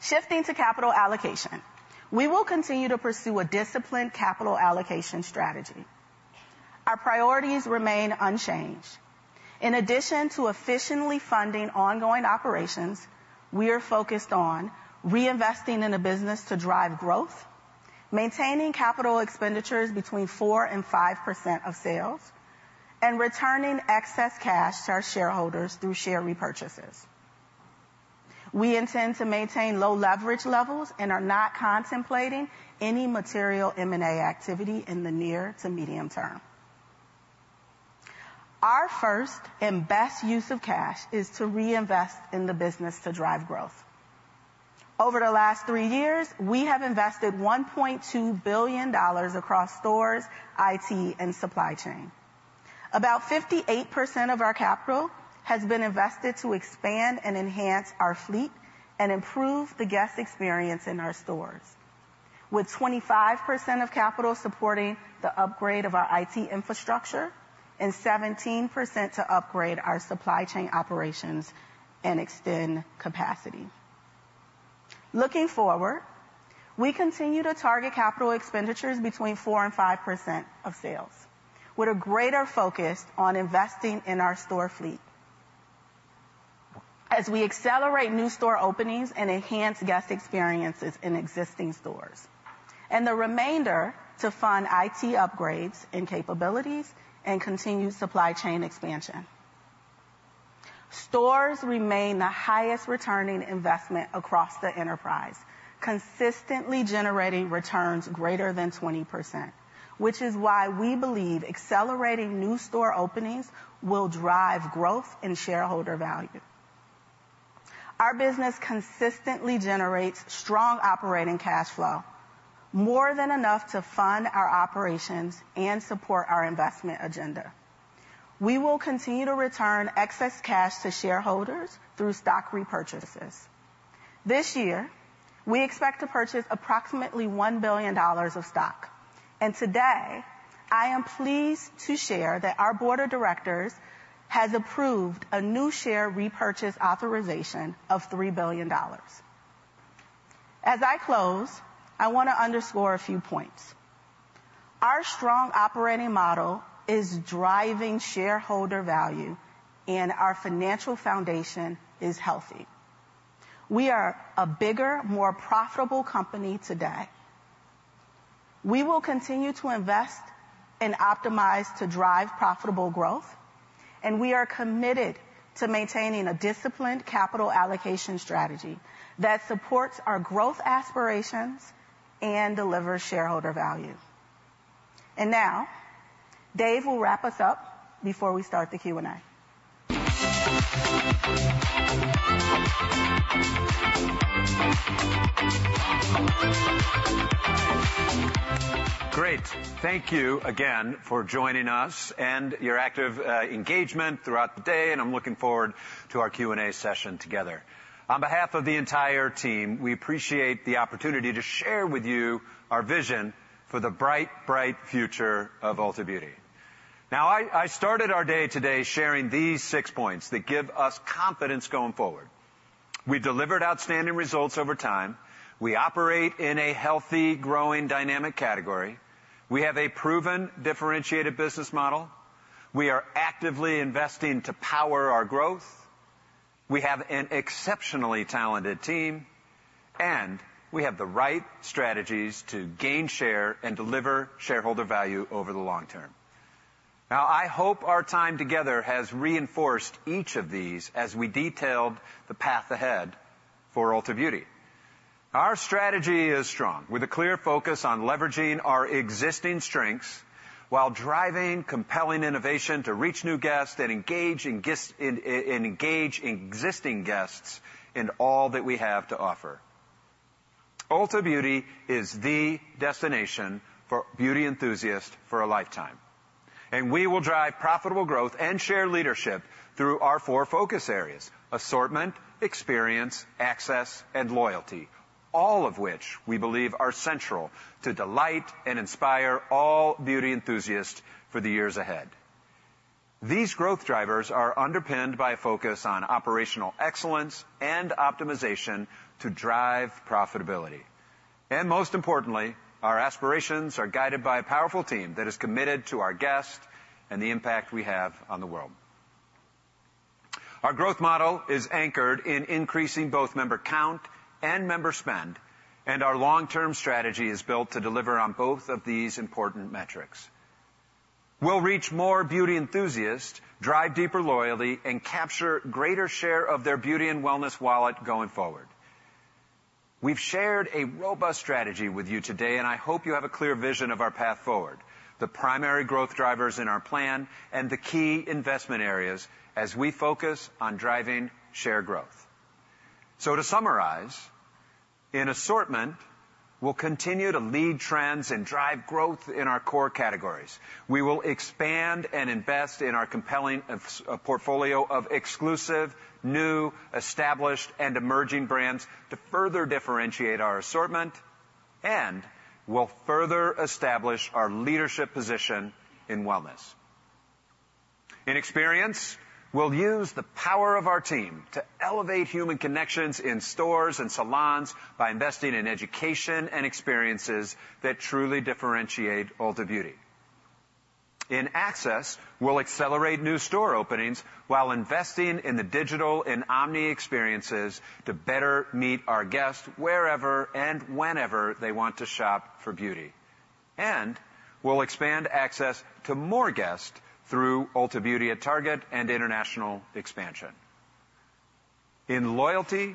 Shifting to capital allocation, we will continue to pursue a disciplined capital allocation strategy. Our priorities remain unchanged. In addition to efficiently funding ongoing operations, we are focused on reinvesting in the business to drive growth, maintaining capital expenditures between 4% and 5% of sales, and returning excess cash to our shareholders through share repurchases. We intend to maintain low leverage levels and are not contemplating any material M&A activity in the near to medium term. Our first and best use of cash is to reinvest in the business to drive growth. Over the last three years, we have invested $1.2 billion across stores, IT, and supply chain. About 58% of our capital has been invested to expand and enhance our fleet and improve the guest experience in our stores, with 25% of capital supporting the upgrade of our IT infrastructure and 17% to upgrade our supply chain operations and extend capacity. Looking forward, we continue to target capital expenditures between 4% and 5% of sales, with a greater focus on investing in our store fleet as we accelerate new store openings and enhance guest experiences in existing stores, and the remainder to fund IT upgrades and capabilities and continue supply chain expansion. Stores remain the highest returning investment across the enterprise, consistently generating returns greater than 20%, which is why we believe accelerating new store openings will drive growth and shareholder value. Our business consistently generates strong operating cash flow, more than enough to fund our operations and support our investment agenda. We will continue to return excess cash to shareholders through stock repurchases. This year, we expect to purchase approximately $1 billion of stock, and today, I am pleased to share that our board of directors has approved a new share repurchase authorization of $3 billion. As I close, I want to underscore a few points. Our strong operating model is driving shareholder value, and our financial foundation is healthy. We are a bigger, more profitable company today. We will continue to invest and optimize to drive profitable growth, and we are committed to maintaining a disciplined capital allocation strategy that supports our growth aspirations and delivers shareholder value. And now, Dave will wrap us up before we start the Q&A. Great. Thank you again for joining us and your active engagement throughout the day, and I'm looking forward to our Q&A session together. On behalf of the entire team, we appreciate the opportunity to share with you our vision for the bright, bright future of Ulta Beauty. Now, I started our day today sharing these six points that give us confidence going forward. We've delivered outstanding results over time. We operate in a healthy, growing, dynamic category. We have a proven, differentiated business model. We are actively investing to power our growth. We have an exceptionally talented team, and we have the right strategies to gain share and deliver shareholder value over the long term. Now, I hope our time together has reinforced each of these as we detailed the path ahead for Ulta Beauty. Our strategy is strong, with a clear focus on leveraging our existing strengths while driving compelling innovation to reach new guests and engage existing guests in all that we have to offer. Ulta Beauty is the destination for beauty enthusiasts for a lifetime, and we will drive profitable growth and share leadership through our four focus areas: assortment, experience, access, and loyalty, all of which we believe are central to delight and inspire all beauty enthusiasts for the years ahead. These growth drivers are underpinned by a focus on operational excellence and optimization to drive profitability, and most importantly, our aspirations are guided by a powerful team that is committed to our guests and the impact we have on the world. Our growth model is anchored in increasing both member count and member spend, and our long-term strategy is built to deliver on both of these important metrics. We'll reach more beauty enthusiasts, drive deeper loyalty, and capture greater share of their beauty and wellness wallet going forward. We've shared a robust strategy with you today, and I hope you have a clear vision of our path forward, the primary growth drivers in our plan, and the key investment areas as we focus on driving share growth. So to summarize, in assortment, we'll continue to lead trends and drive growth in our core categories. We will expand and invest in our compelling portfolio of exclusive, new, established, and emerging brands to further differentiate our assortment, and we'll further establish our leadership position in wellness. In experience, we'll use the power of our team to elevate human connections in stores and salons by investing in education and experiences that truly differentiate Ulta Beauty. In access, we'll accelerate new store openings while investing in the digital and omni experiences to better meet our guests wherever and whenever they want to shop for beauty. And we'll expand access to more guests through Ulta Beauty at Target and international expansion. In loyalty,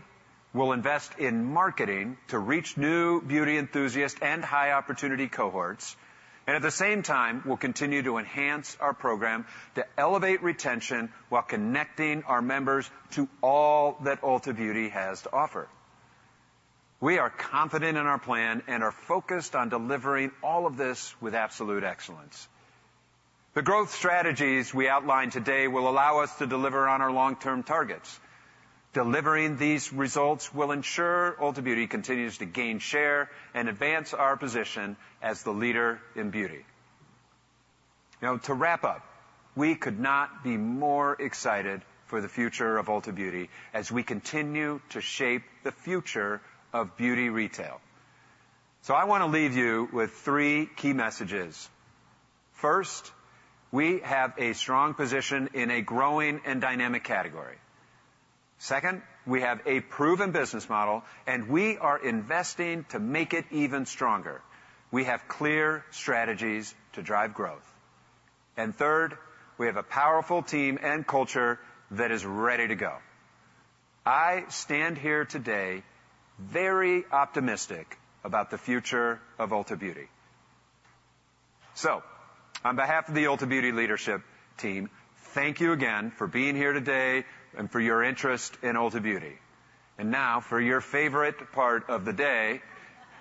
we'll invest in marketing to reach new beauty enthusiasts and high-opportunity cohorts, and at the same time, we'll continue to enhance our program to elevate retention while connecting our members to all that Ulta Beauty has to offer. We are confident in our plan and are focused on delivering all of this with absolute excellence. The growth strategies we outlined today will allow us to deliver on our long-term targets. Delivering these results will ensure Ulta Beauty continues to gain share and advance our position as the leader in beauty. Now, to wrap up, we could not be more excited for the future of Ulta Beauty as we continue to shape the future of beauty retail. So I want to leave you with three key messages. First, we have a strong position in a growing and dynamic category.... Second, we have a proven business model, and we are investing to make it even stronger. We have clear strategies to drive growth. And third, we have a powerful team and culture that is ready to go. I stand here today very optimistic about the future of Ulta Beauty. So on behalf of the Ulta Beauty leadership team, thank you again for being here today and for your interest in Ulta Beauty. And now, for your favorite part of the day,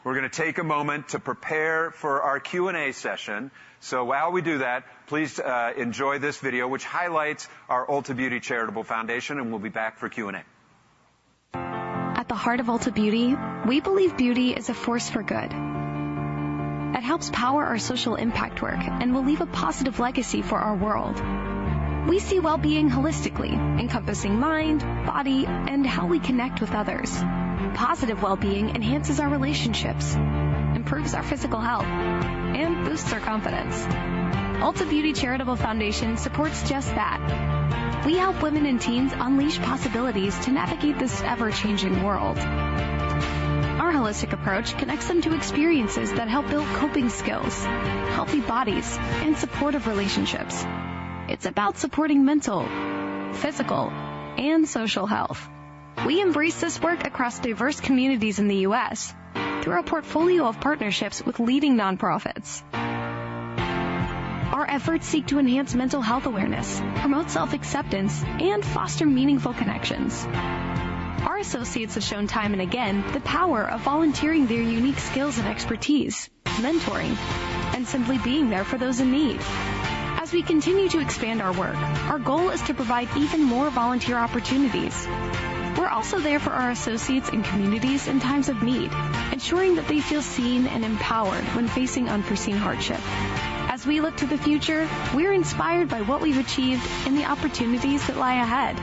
we're gonna take a moment to prepare for our Q&A session. So while we do that, please, enjoy this video, which highlights our Ulta Beauty Charitable Foundation, and we'll be back for Q&A. At the heart of Ulta Beauty, we believe beauty is a force for good. It helps power our social impact work and will leave a positive legacy for our world. We see well-being holistically, encompassing mind, body, and how we connect with others. Positive well-being enhances our relationships, improves our physical health, and boosts our confidence. Ulta Beauty Charitable Foundation supports just that. We help women and teens unleash possibilities to navigate this ever-changing world. Our holistic approach connects them to experiences that help build coping skills, healthy bodies, and supportive relationships. It's about supporting mental, physical, and social health. We embrace this work across diverse communities in the U.S. through our portfolio of partnerships with leading nonprofits. Our efforts seek to enhance mental health awareness, promote self-acceptance, and foster meaningful connections. Our associates have shown time and again the power of volunteering their unique skills and expertise, mentoring, and simply being there for those in need. As we continue to expand our work, our goal is to provide even more volunteer opportunities. We're also there for our associates and communities in times of need, ensuring that they feel seen and empowered when facing unforeseen hardship. As we look to the future, we're inspired by what we've achieved and the opportunities that lie ahead.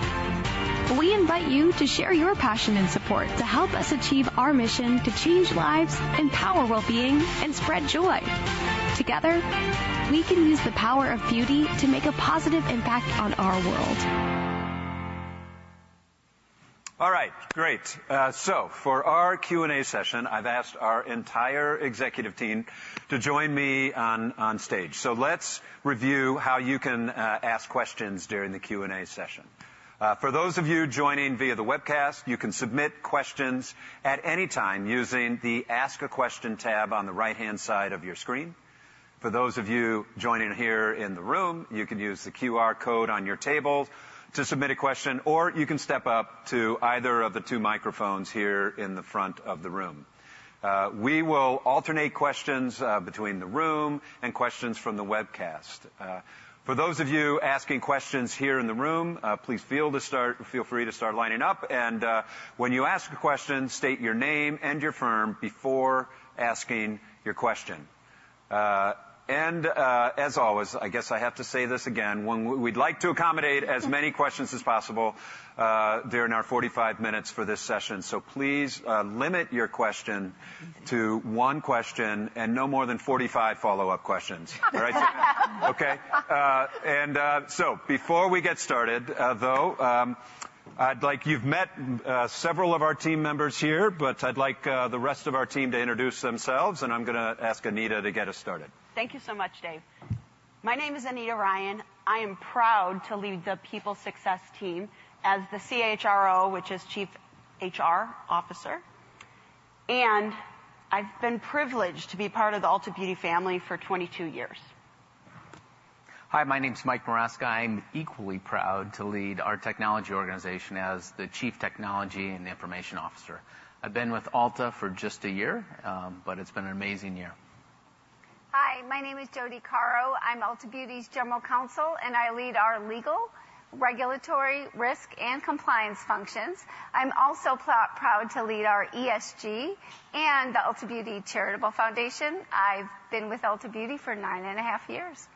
We invite you to share your passion and support to help us achieve our mission to change lives, empower well-being, and spread joy. Together, we can use the power of beauty to make a positive impact on our world. All right. Great, so for our Q&A session, I've asked our entire executive team to join me on stage, so let's review how you can ask questions during the Q&A session. For those of you joining via the webcast, you can submit questions at any time using the Ask a Question tab on the right-hand side of your screen. For those of you joining here in the room, you can use the QR code on your table to submit a question, or you can step up to either of the two microphones here in the front of the room. We will alternate questions between the room and questions from the webcast. For those of you asking questions here in the room, please feel free to start lining up, and when you ask a question, state your name and your firm before asking your question. And, as always, I guess I have to say this again, when we'd like to accommodate as many questions as possible, during our 45 minutes for this session, so please limit your question to one question and no more than 45 follow-up questions. Right? Okay. And, so before we get started, though, I'd like... You've met several of our team members here, but I'd like the rest of our team to introduce themselves, and I'm gonna ask Anita to get us started. Thank you so much, Dave. My name is Anita Ryan. I am proud to lead the people success team as the CHRO, which is Chief HR Officer, and I've been privileged to be part of the Ulta Beauty family for twenty-two years. Hi, my name is Mike Maraska. I'm equally proud to lead our technology organization as the Chief Technology and Information Officer. I've been with Ulta for just a year, but it's been an amazing year. Hi, my name is Jodi Caro. I'm Ulta Beauty's General Counsel, and I lead our legal, regulatory, risk, and compliance functions. I'm also proud to lead our ESG and the Ulta Beauty Charitable Foundation. I've been with Ulta Beauty for nine and a half years.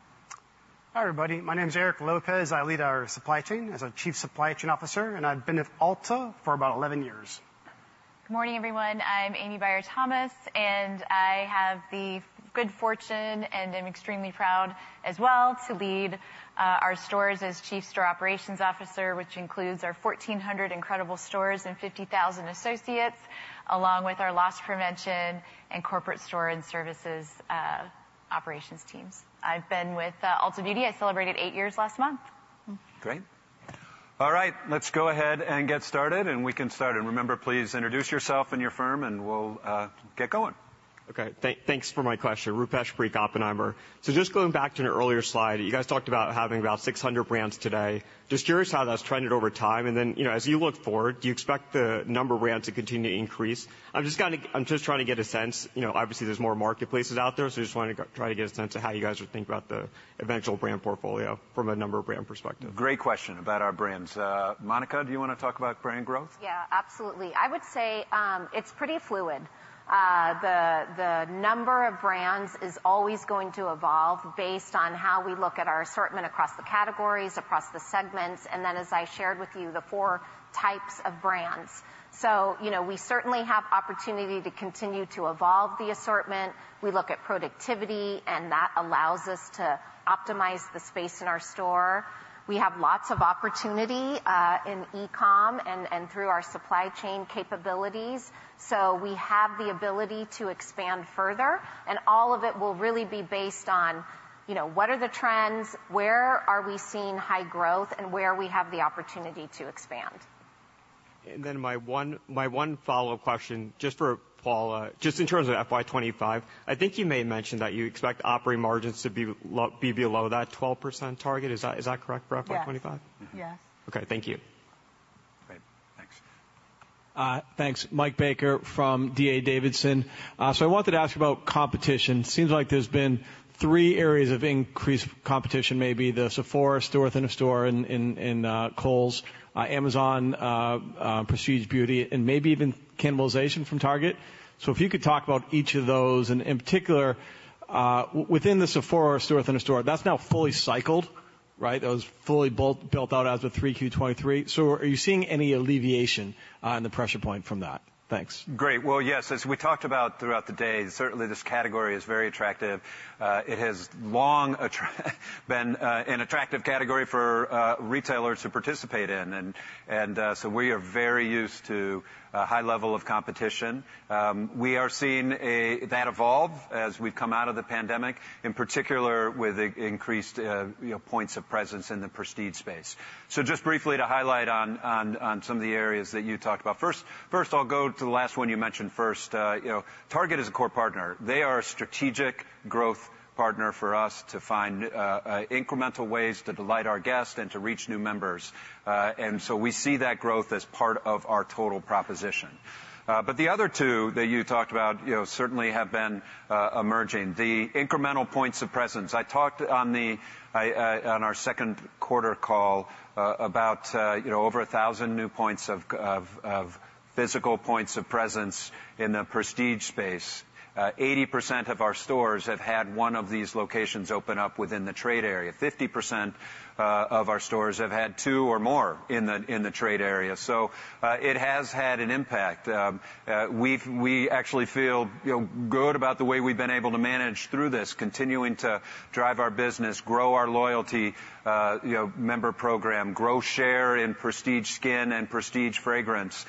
Hi, everybody. My name is Erik Lopez. I lead our supply chain as our Chief Supply Chain Officer, and I've been with Ulta for about 11 years. Good morning, everyone. I'm Amiee Bayer-Thomas, and I have the good fortune, and am extremely proud as well, to lead our stores as Chief Store Operations Officer, which includes our fourteen hundred incredible stores and fifty thousand associates, along with our loss prevention and corporate store and services operations teams. I've been with Ulta Beauty. I celebrated eight years last month. Great. All right, let's go ahead and get started, and we can start. And remember, please introduce yourself and your firm, and we'll get going. Okay. Thanks for my question. Rupesh Parikh, Oppenheimer. So just going back to an earlier slide, you guys talked about having about 600 brands today. Just curious how that's trended over time, and then, you know, as you look forward, do you expect the number of brands to continue to increase? I'm just trying to get a sense. You know, obviously, there's more marketplaces out there, so just want to try to get a sense of how you guys are thinking about the eventual brand portfolio from a number of brands perspective. Great question about our brands. Monica, do you want to talk about brand growth? Yeah, absolutely. I would say it's pretty fluid. The number of brands is always going to evolve based on how we look at our assortment across the categories, across the segments, and then, as I shared with you, the four types of brands. So, you know, we certainly have opportunity to continue to evolve the assortment. We look at productivity, and that allows us to optimize the space in our store. We have lots of opportunity in e-com and through our supply chain capabilities, so we have the ability to expand further, and all of it will really be based on, you know, what are the trends, where are we seeing high growth, and where we have the opportunity to expand. And then my one follow-up question, just for Paula, just in terms of FY twenty-five, I think you may have mentioned that you expect operating margins to be low - be below that 12% target. Is that correct for FY twenty-five? Yes. Yes. Okay, thank you. Great, thanks. Thanks. Mike Baker from D.A. Davidson. So I wanted to ask about competition. Seems like there's been three areas of increased competition, maybe the Sephora store within a store in Kohl's, Amazon, Prestige Beauty, and maybe even cannibalization from Target. So if you could talk about each of those, and in particular, within the Sephora store within a store, that's now fully cycled, right? That was fully built out as of 3Q 2023. So are you seeing any alleviation in the pressure point from that? Thanks. Great. Well, yes, as we talked about throughout the day, certainly this category is very attractive. It has long been an attractive category for retailers to participate in. And so we are very used to a high level of competition. We are seeing that evolve as we've come out of the pandemic, in particular, with increased, you know, points of presence in the prestige space. So just briefly to highlight on some of the areas that you talked about. First, I'll go to the last one you mentioned first. You know, Target is a core partner. They are a strategic growth partner for us to find incremental ways to delight our guests and to reach new members. And so we see that growth as part of our total proposition. But the other two that you talked about, you know, certainly have been emerging. The incremental points of presence. I talked on our second quarter call about, you know, over a thousand new physical points of presence in the prestige space. 80% of our stores have had one of these locations open up within the trade area. 50% of our stores have had two or more in the trade area, so it has had an impact. We've. We actually feel, you know, good about the way we've been able to manage through this, continuing to drive our business, grow our loyalty, you know, member program, grow share in prestige skin and prestige fragrance,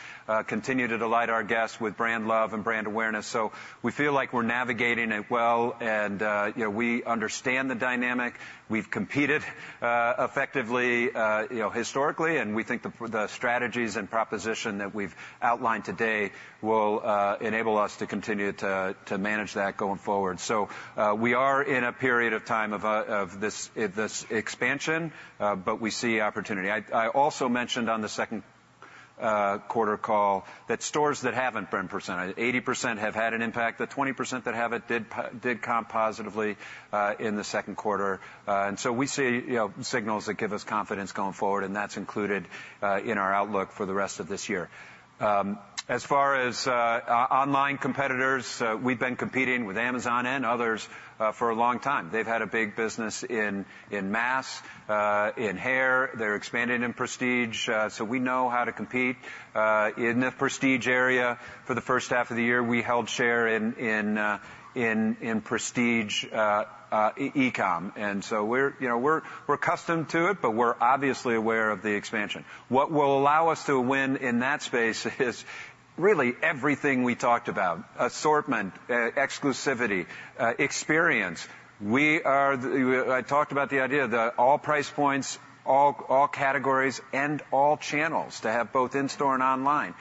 continue to delight our guests with brand love and brand awareness. So we feel like we're navigating it well, and, you know, we understand the dynamic. We've competed effectively, you know, historically, and we think the strategies and proposition that we've outlined today will enable us to continue to manage that going forward. So, we are in a period of time of this expansion, but we see opportunity. I also mentioned on the second quarter call that stores eighty percent have had an impact. The twenty percent that haven't did comp positively in the second quarter. And so we see, you know, signals that give us confidence going forward, and that's included in our outlook for the rest of this year. As far as online competitors, we've been competing with Amazon and others for a long time. They've had a big business in mass, in hair. They're expanding in prestige, so we know how to compete in the prestige area. For the first half of the year, we held share in prestige e-com. And so we're, you know, we're accustomed to it, but we're obviously aware of the expansion. What will allow us to win in that space is really everything we talked about: assortment, exclusivity, experience. We are the... I talked about the idea that all price points, all categories, and all channels, to have both in-store and online.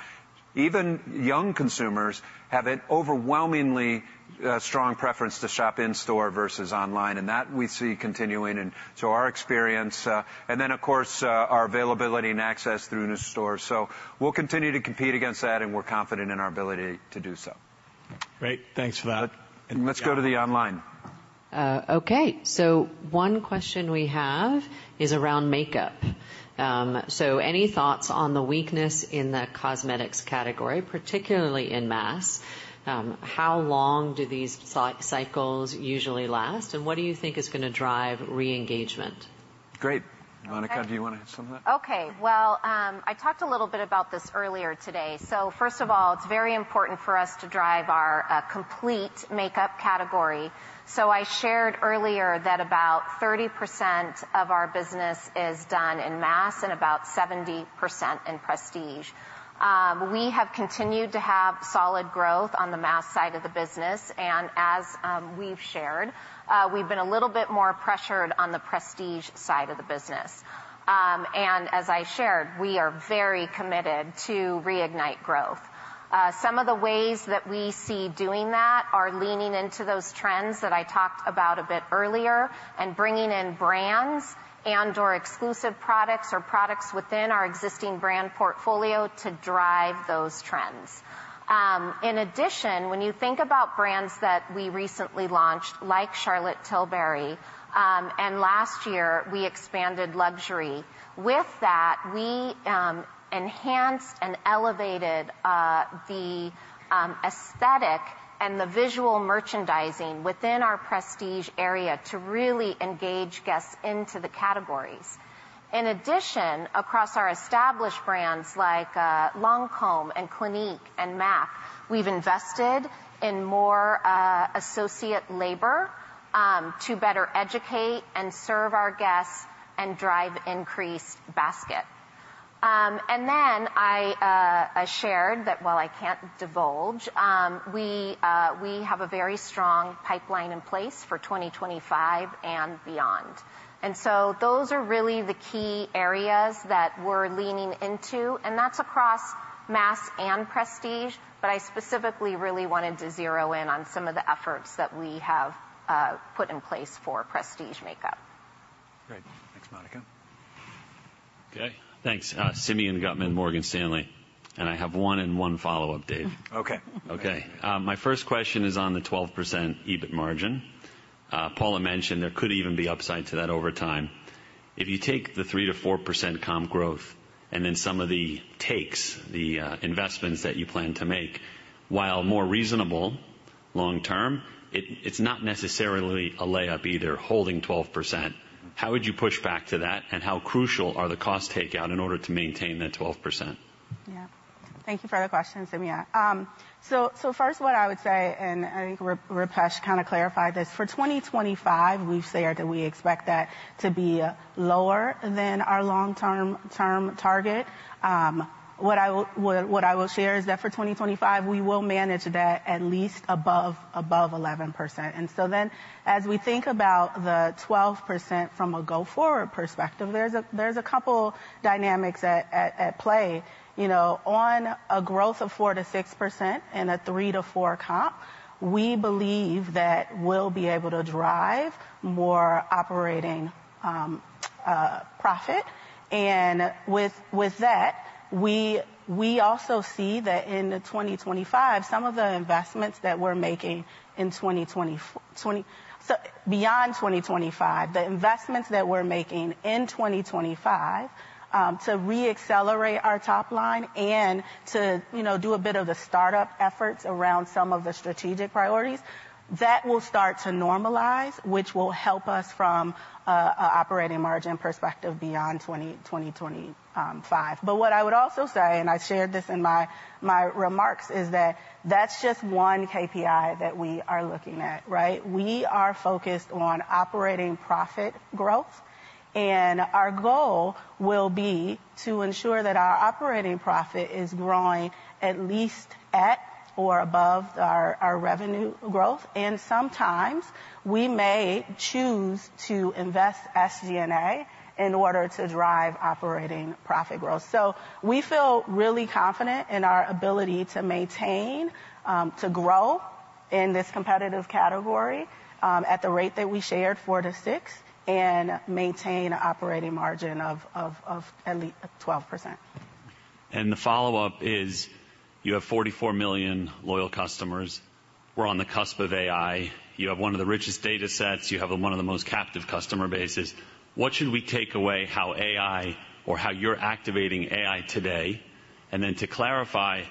Even young consumers have an overwhelmingly strong preference to shop in-store versus online, and that we see continuing, and so our experience, and then, of course, our availability and access through new stores, so we'll continue to compete against that, and we're confident in our ability to do so. Great. Thanks for that. Let's go to the online. Okay, so one question we have is around makeup. So any thoughts on the weakness in the cosmetics category, particularly in mass? How long do these cycles usually last, and what do you think is gonna drive re-engagement? Great. Monica, do you wanna add something? Okay. Well, I talked a little bit about this earlier today. So first of all, it's very important for us to drive our complete makeup category. So I shared earlier that about 30% of our business is done in mass and about 70% in prestige. We have continued to have solid growth on the mass side of the business, and as we've shared, we've been a little bit more pressured on the prestige side of the business. And as I shared, we are very committed to reignite growth. Some of the ways that we see doing that are leaning into those trends that I talked about a bit earlier and bringing in brands and/or exclusive products or products within our existing brand portfolio to drive those trends. In addition, when you think about brands that we recently launched, like Charlotte Tilbury, and last year, we expanded luxury. With that, we enhanced and elevated the aesthetic and the visual merchandising within our prestige area to really engage guests into the categories. In addition, across our established brands, like Lancôme and Clinique and MAC, we've invested in more associate labor to better educate and serve our guests and drive increased basket. And then I shared that while I can't divulge, we have a very strong pipeline in place for 2025 and beyond. And so those are really the key areas that we're leaning into, and that's across mass and prestige, but I specifically really wanted to zero in on some of the efforts that we have put in place for prestige makeup. Great. Thanks, Monica. Okay, thanks. Simeon Gutman, Morgan Stanley, and I have one and one follow-up, Dave. Okay. Okay. My first question is on the 12% EBIT margin. Paula mentioned there could even be upside to that over time. If you take the 3% to 4% comp growth and then some of the takes, the investments that you plan to make, while more reasonable long term, it's not necessarily a layup either, holding 12%. How would you push back to that, and how crucial are the cost takeout in order to maintain that 12%? Yeah. Thank you for the question, Simeon. So first, what I would say, and I think Rupesh kind of clarified this, for twenty twenty-five, we've said that we expect that to be lower than our long-term target. What I will share is that for twenty twenty-five, we will manage that at least above 11%. And so then, as we think about the 12% from a go-forward perspective, there's a couple dynamics at play. You know, on a growth of 4%-6% and a 3-4 comp, we believe that we'll be able to drive more operating profit. And with that, we also see that in the twenty twenty-five, some of the investments that we're making in twenty twenty- twenty... So beyond 2025, the investments that we're making in 2025, to reaccelerate our top line and to, you know, do a bit of the start-up efforts around some of the strategic priorities, that will start to normalize, which will help us from a operating margin perspective beyond 2025. But what I would also say, and I shared this in my remarks, is that that's just one KPI that we are looking at, right? We are focused on operating profit growth, and our goal will be to ensure that our operating profit is growing at least at or above our revenue growth. And sometimes we may choose to invest SG&A in order to drive operating profit growth. So we feel really confident in our ability to maintain to grow in this competitive category at the rate that we shared, 4%-6%, and maintain an operating margin of at least 12%. And the follow-up is, you have 44 million loyal customers, we're on the cusp of AI, you have one of the richest data sets, you have one of the most captive customer bases. What should we take away how AI or how you're activating AI today? And then to clarify,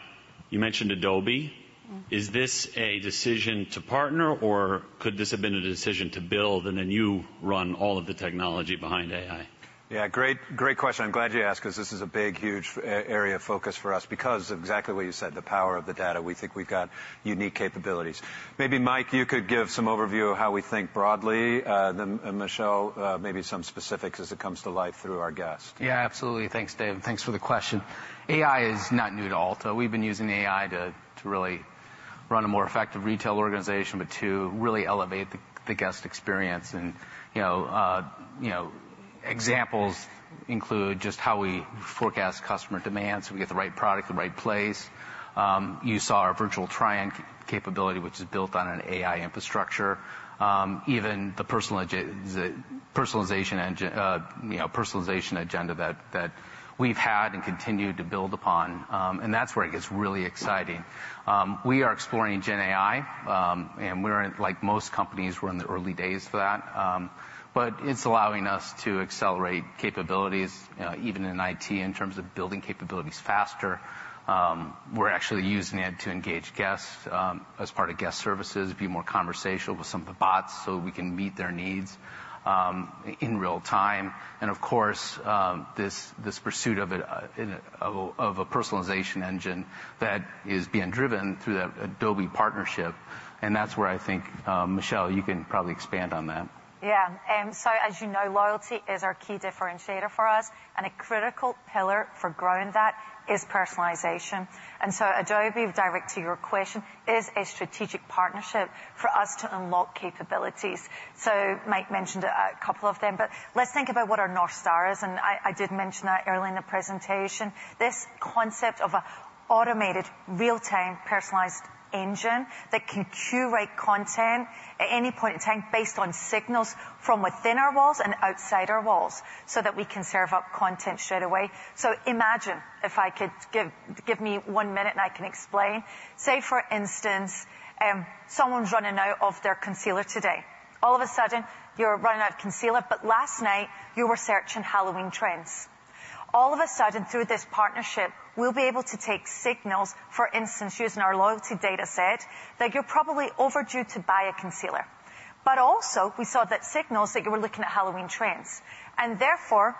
you mentioned Adobe. Mm-hmm. Is this a decision to partner, or could this have been a decision to build, and then you run all of the technology behind AI? Yeah, great, great question. I'm glad you asked, 'cause this is a big, huge area of focus for us, because exactly what you said, the power of the data. We think we've got unique capabilities. Maybe, Mike, you could give some overview of how we think broadly, then, and Michelle, maybe some specifics as it comes to life through our guests. Yeah, absolutely. Thanks, Dave, and thanks for the question. AI is not new to Ulta. We've been using AI to really run a more effective retail organization, but to really elevate the guest experience. You know, examples include just how we forecast customer demand, so we get the right product in the right place. You saw our virtual try-on capability, which is built on an AI infrastructure. Even the personalization engine, you know, personalization agenda that we've had and continue to build upon, and that's where it gets really exciting. We are exploring Gen AI, and we're, like most companies, we're in the early days for that. But it's allowing us to accelerate capabilities, even in IT, in terms of building capabilities faster. We're actually using it to engage guests as part of guest services, be more conversational with some of the bots, so we can meet their needs in real time. Of course, this pursuit of a personalization engine that is being driven through that Adobe partnership, and that's where I think, Michelle, you can probably expand on that. Yeah. So as you know, loyalty is our key differentiator for us, and a critical pillar for growing that is personalization. And so Adobe, direct to your question, is a strategic partnership for us to unlock capabilities. So Mike mentioned a couple of them, but let's think about what our North Star is, and I did mention that earlier in the presentation. This concept of an automated, real-time, personalized engine that can curate content at any point in time based on signals from within our walls and outside our walls, so that we can serve up content straight away. So imagine, if I could give one minute, and I can explain. Say, for instance, someone's running out of their concealer today. All of a sudden, you're running out of concealer, but last night you were searching Halloween trends. All of a sudden, through this partnership, we'll be able to take signals, for instance, using our loyalty data set, that you're probably overdue to buy a concealer. …but also, we saw that signals that you were looking at Halloween trends. And therefore,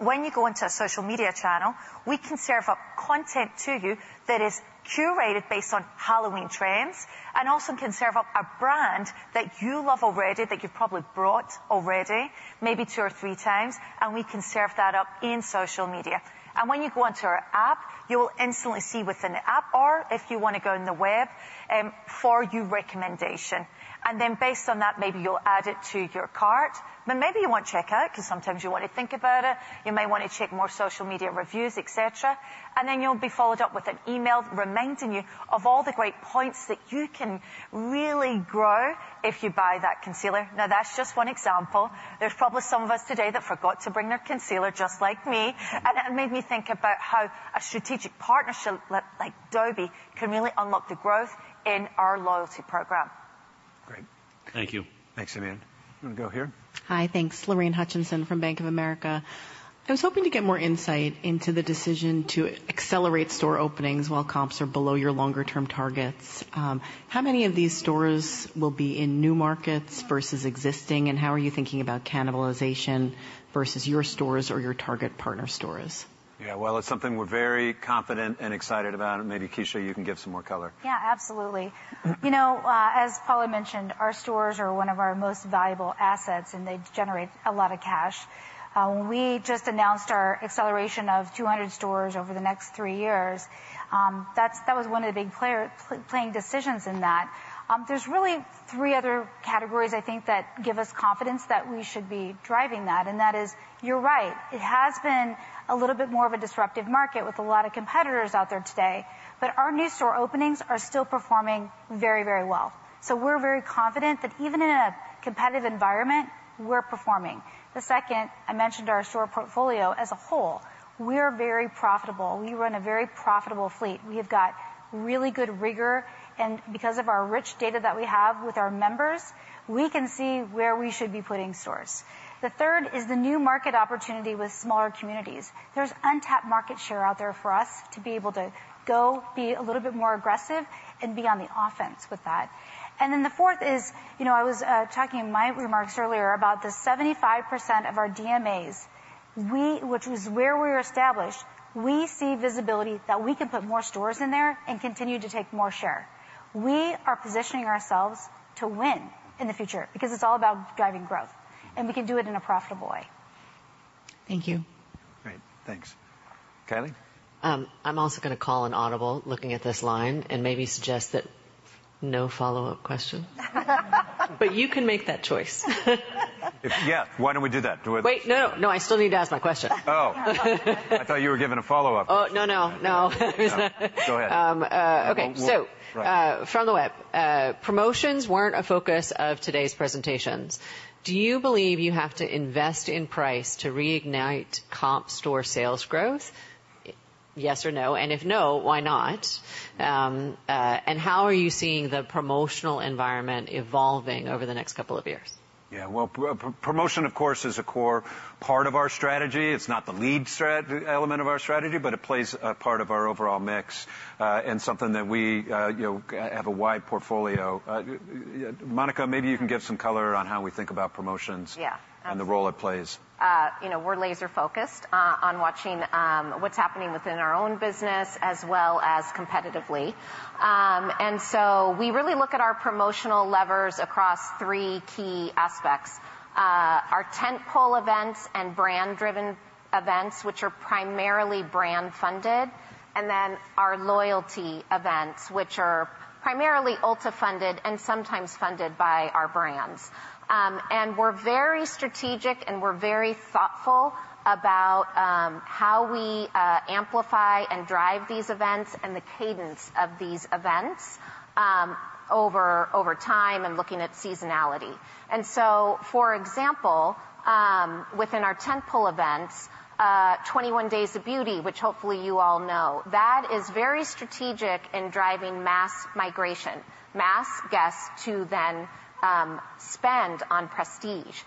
when you go into a social media channel, we can serve up content to you that is curated based on Halloween trends, and also can serve up a brand that you love already, that you've probably bought already, maybe two or three times, and we can serve that up in social media. And when you go onto our app, you will instantly see within the app, or if you wanna go in the web, For You recommendation. And then based on that, maybe you'll add it to your cart, but maybe you won't check out, 'cause sometimes you want to think about it. You may want to check more social media reviews, et cetera. And then you'll be followed up with an email reminding you of all the great points that you can really grow if you buy that concealer. Now, that's just one example. There's probably some of us today that forgot to bring their concealer, just like me, and that made me think about how a strategic partnership like Adobe can really unlock the growth in our loyalty program. Great. Thank you. Thanks, Suzanne. I'm gonna go here. Hi. Thanks. Lorraine Hutchinson from Bank of America. I was hoping to get more insight into the decision to accelerate store openings while comps are below your longer-term targets. How many of these stores will be in new markets versus existing, and how are you thinking about cannibalization versus your stores or your Target partner stores? Yeah, well, it's something we're very confident and excited about, and maybe, Keisha, you can give some more color. Yeah, absolutely. You know, as Paula mentioned, our stores are one of our most valuable assets, and they generate a lot of cash. When we just announced our acceleration of 200 stores over the next 3 years, that was one of the big planning decisions in that. There's really 3 other categories, I think, that give us confidence that we should be driving that, and that is, you're right, it has been a little bit more of a disruptive market with a lot of competitors out there today, but our new store openings are still performing very, very well. So we're very confident that even in a competitive environment, we're performing. The second, I mentioned our store portfolio as a whole. We're very profitable. We run a very profitable fleet. We have got really good rigor, and because of our rich data that we have with our members, we can see where we should be putting stores. The third is the new market opportunity with smaller communities. There's untapped market share out there for us to be able to go, be a little bit more aggressive, and be on the offense with that. And then the fourth is, you know, I was talking in my remarks earlier about the 75% of our DMAs, which is where we're established, we see visibility that we can put more stores in there and continue to take more share. We are positioning ourselves to win in the future, because it's all about driving growth, and we can do it in a profitable way. Thank you. Great. Thanks. Kylie? I'm also gonna call an audible, looking at this line, and maybe suggest that no follow-up questions. But you can make that choice. Yeah, why don't we do that? Do we- Wait, no. No, I still need to ask my question. Oh. I thought you were giving a follow-up. Oh, no, no. No, it was not- Go ahead. Okay. Right. From the web, promotions weren't a focus of today's presentations. Do you believe you have to invest in price to reignite comp store sales growth? Yes or no, and if no, why not? And how are you seeing the promotional environment evolving over the next couple of years? Yeah, well, promotion, of course, is a core part of our strategy. It's not the lead element of our strategy, but it plays a part of our overall mix, and something that we, you know, have a wide portfolio. Monica, maybe you can give some color on how we think about promotions. Yeah. and the role it plays. You know, we're laser focused on watching what's happening within our own business, as well as competitively, and so we really look at our promotional levers across three key aspects. Our tentpole events and brand-driven events, which are primarily brand funded, and then our loyalty events, which are primarily Ulta funded and sometimes funded by our brands, and we're very strategic, and we're very thoughtful about how we amplify and drive these events and the cadence of these events over time and looking at seasonality, and so, for example, within our tentpole events, 21 Days of Beauty, which hopefully you all know, that is very strategic in driving mass migration, mass guests to then spend on prestige.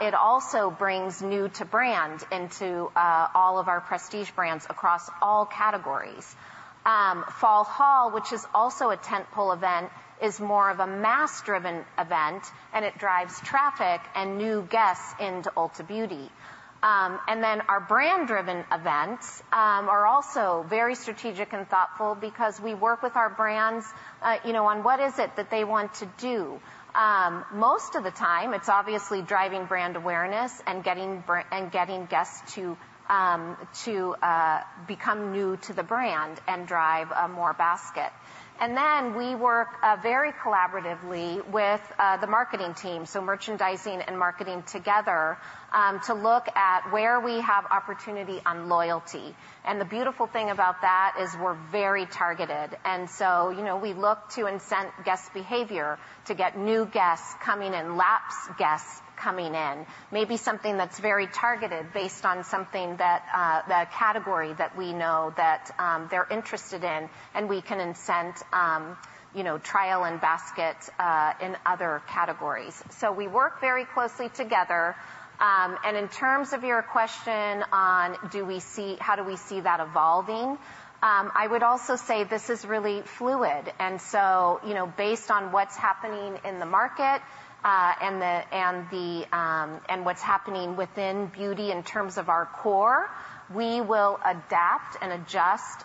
It also brings new to brand into all of our prestige brands across all categories. Fall Haul, which is also a tentpole event, is more of a mass-driven event, and it drives traffic and new guests into Ulta Beauty, and then our brand-driven events are also very strategic and thoughtful because we work with our brands, you know, on what is it that they want to do. Most of the time, it's obviously driving brand awareness and getting guests to become new to the brand and drive more basket, and then we work very collaboratively with the marketing team, so merchandising and marketing together, to look at where we have opportunity on loyalty, and the beautiful thing about that is we're very targeted, and so, you know, we look to incent guest behavior to get new guests coming in, lapsed guests coming in. Maybe something that's very targeted based on something that, the category that we know that, they're interested in, and we can incent, you know, trial and basket, in other categories. So we work very closely together, and in terms of your question on, do we see, how do we see that evolving? I would also say this is really fluid, and so, you know, based on what's happening in the market, and what's happening within beauty in terms of our core, we will adapt and adjust,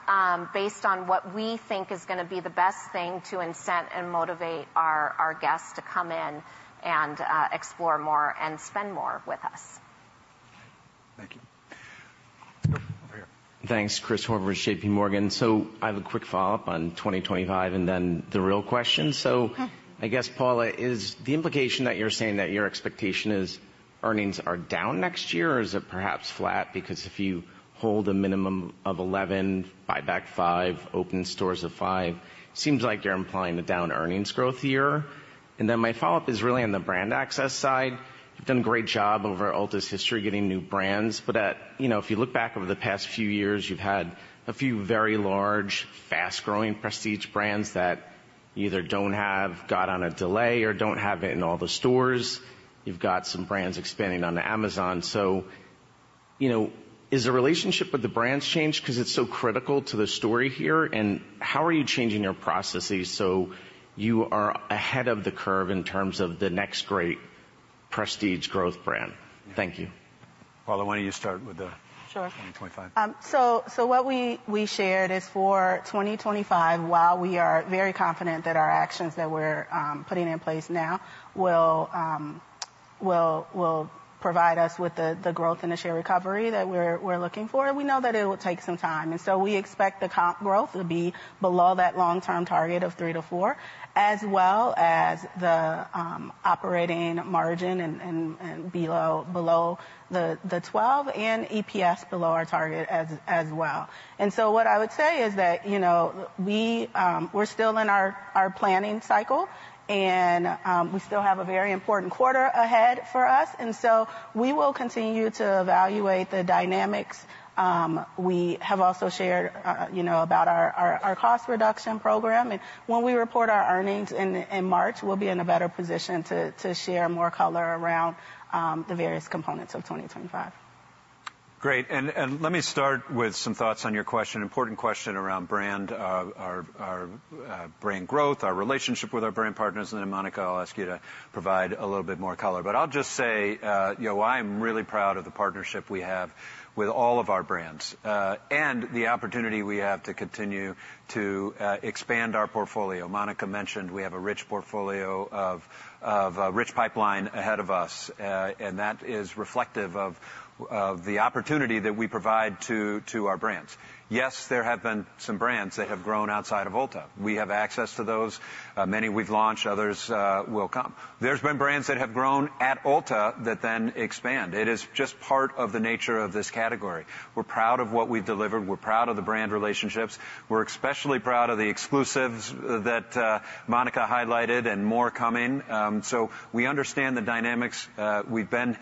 based on what we think is gonna be the best thing to incent and motivate our guests to come in and, explore more and spend more with us. Thank you.... Thanks, Chris Horvers, J.P. Morgan. So I have a quick follow-up on 2025, and then the real question. Okay. I guess, Paula, is the implication that you're saying that your expectation is earnings are down next year, or is it perhaps flat? Because if you hold a minimum of 11, buy back 5, open stores of 5, seems like you're implying a down earnings growth year. And then my follow-up is really on the brand access side. You've done a great job over Ulta's history, getting new brands, but that, you know, if you look back over the past few years, you've had a few very large, fast-growing prestige brands that you either don't have, got on a delay, or don't have it in all the stores. You've got some brands expanding on Amazon. So, you know, has the relationship with the brands changed 'cause it's so critical to the story here? How are you changing your processes so you are ahead of the curve in terms of the next great prestige growth brand? Thank you. Paula, why don't you start with the- Sure. Twenty twenty-five. So what we shared is for 2025, while we are very confident that our actions that we're putting in place now will provide us with the growth and the share recovery that we're looking for, we know that it will take some time, and so we expect the comp growth to be below that long-term target of 3-4, as well as the operating margin and below the 12 and EPS below our target as well. And so what I would say is that, you know, we're still in our planning cycle, and we still have a very important quarter ahead for us, and so we will continue to evaluate the dynamics. We have also shared, you know, about our cost reduction program, and when we report our earnings in March, we'll be in a better position to share more color around the various components of 2025. Great, and let me start with some thoughts on your question, important question around brand, our brand growth, our relationship with our brand partners. And then, Monica, I'll ask you to provide a little bit more color, but I'll just say, you know, I'm really proud of the partnership we have with all of our brands, and the opportunity we have to continue to expand our portfolio. Monica mentioned we have a rich portfolio of a rich pipeline ahead of us, and that is reflective of the opportunity that we provide to our brands. Yes, there have been some brands that have grown outside of Ulta. We have access to those, many we've launched, others will come. There's been brands that have grown at Ulta that then expand. It is just part of the nature of this category. We're proud of what we've delivered. We're proud of the brand relationships. We're especially proud of the exclusives that Monica highlighted, and more coming. So we understand the dynamics. We've been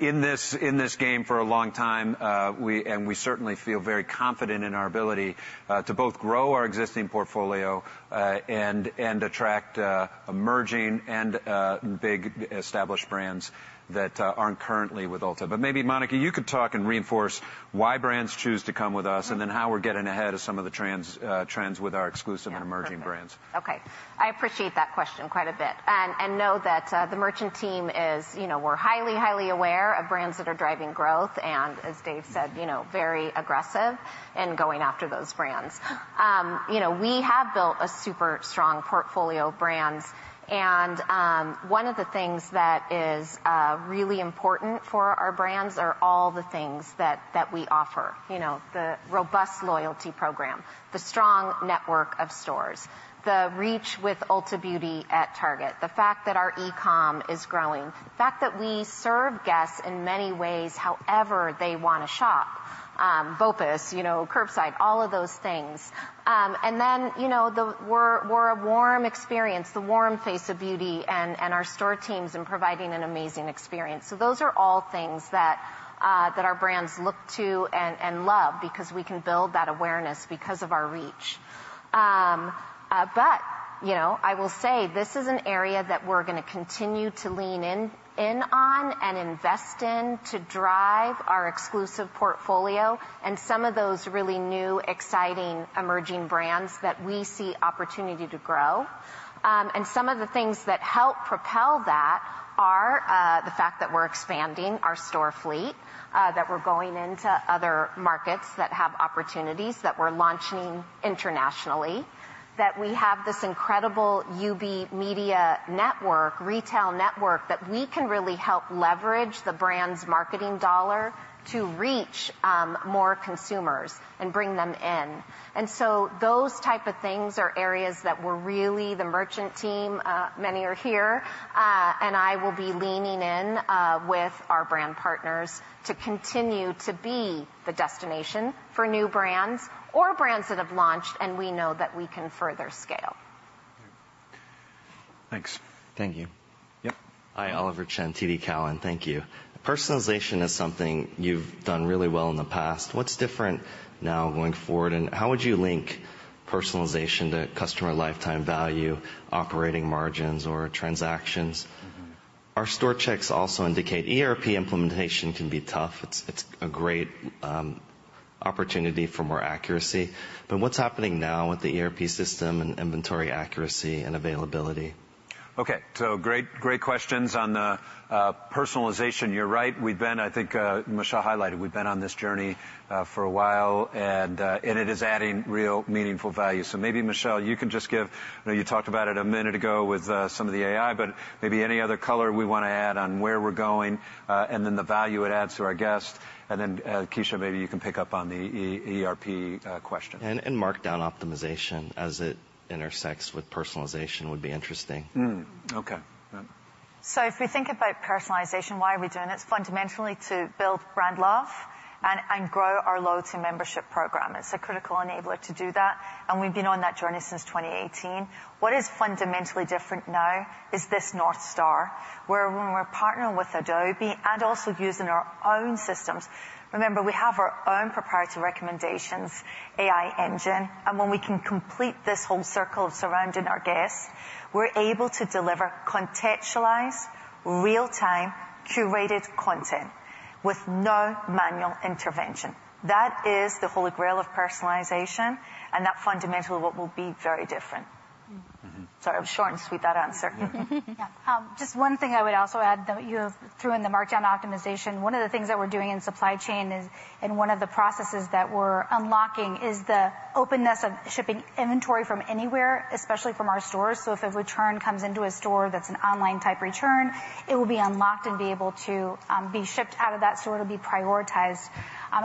in this game for a long time, and we certainly feel very confident in our ability to both grow our existing portfolio and attract emerging and big established brands that aren't currently with Ulta. But maybe, Monica, you could talk and reinforce why brands choose to come with us, and then how we're getting ahead of some of the trends with our exclusive and emerging brands. Yeah, perfect. Okay, I appreciate that question quite a bit and know that the merchant team is, you know, we're highly, highly aware of brands that are driving growth, and as Dave said, you know, very aggressive in going after those brands. You know, we have built a super strong portfolio of brands, and one of the things that is really important for our brands are all the things that we offer. You know, the robust loyalty program, the strong network of stores, the reach with Ulta Beauty at Target, the fact that our e-com is growing, the fact that we serve guests in many ways, however they wanna shop, BOPIS, you know, curbside, all of those things. And then, you know, we're a warm experience, the warm face of beauty and our store teams in providing an amazing experience. So those are all things that our brands look to and love because we can build that awareness because of our reach. But, you know, I will say this is an area that we're gonna continue to lean in on and invest in to drive our exclusive portfolio and some of those really new, exciting, emerging brands that we see opportunity to grow. And some of the things that help propel that are the fact that we're expanding our store fleet, that we're going into other markets that have opportunities, that we're launching internationally, that we have this incredible UB Media network, retail network, that we can really help leverage the brand's marketing dollar to reach more consumers and bring them in. And so those type of things are areas that we're really, the merchant team, many are here, and I will be leaning in with our brand partners to continue to be the destination for new brands or brands that have launched, and we know that we can further scale. Thanks. Thank you. Yep. Hi, Oliver Chen, TD Cowen. Thank you. Personalization is something you've done really well in the past. What's different now going forward, and how would you link personalization to customer lifetime value, operating margins or transactions? Mm-hmm. Our store checks also indicate ERP implementation can be tough. It's a great opportunity for more accuracy, but what's happening now with the ERP system and inventory accuracy and availability? ... Okay, so great, great questions on the personalization. You're right, we've been, I think, Michelle highlighted, we've been on this journey for a while, and it is adding real meaningful value. So maybe, Michelle, you can just give. I know you talked about it a minute ago with some of the AI, but maybe any other color we wanna add on where we're going, and then the value it adds to our guest. And then, Kecia, maybe you can pick up on the ERP question. Markdown optimization as it intersects with personalization would be interesting. Okay. Yeah. So if we think about personalization, why are we doing it? It's fundamentally to build brand love and grow our loyalty membership program. It's a critical enabler to do that, and we've been on that journey since 2018. What is fundamentally different now is this North Star, where when we're partnering with Adobe and also using our own systems. Remember, we have our own proprietary recommendations AI engine, and when we can complete this whole circle of surrounding our guests, we're able to deliver contextualized, real-time, curated content with no manual intervention. That is the holy grail of personalization, and that fundamentally what will be very different. Mm-hmm. Sorry, I'm short and sweet that answer. Yeah, just one thing I would also add, though. You threw in the markdown optimization. One of the things that we're doing in supply chain is, and one of the processes that we're unlocking, is the openness of shipping inventory from anywhere, especially from our stores. So if a return comes into a store that's an online type return, it will be unlocked and be able to be shipped out of that store to be prioritized,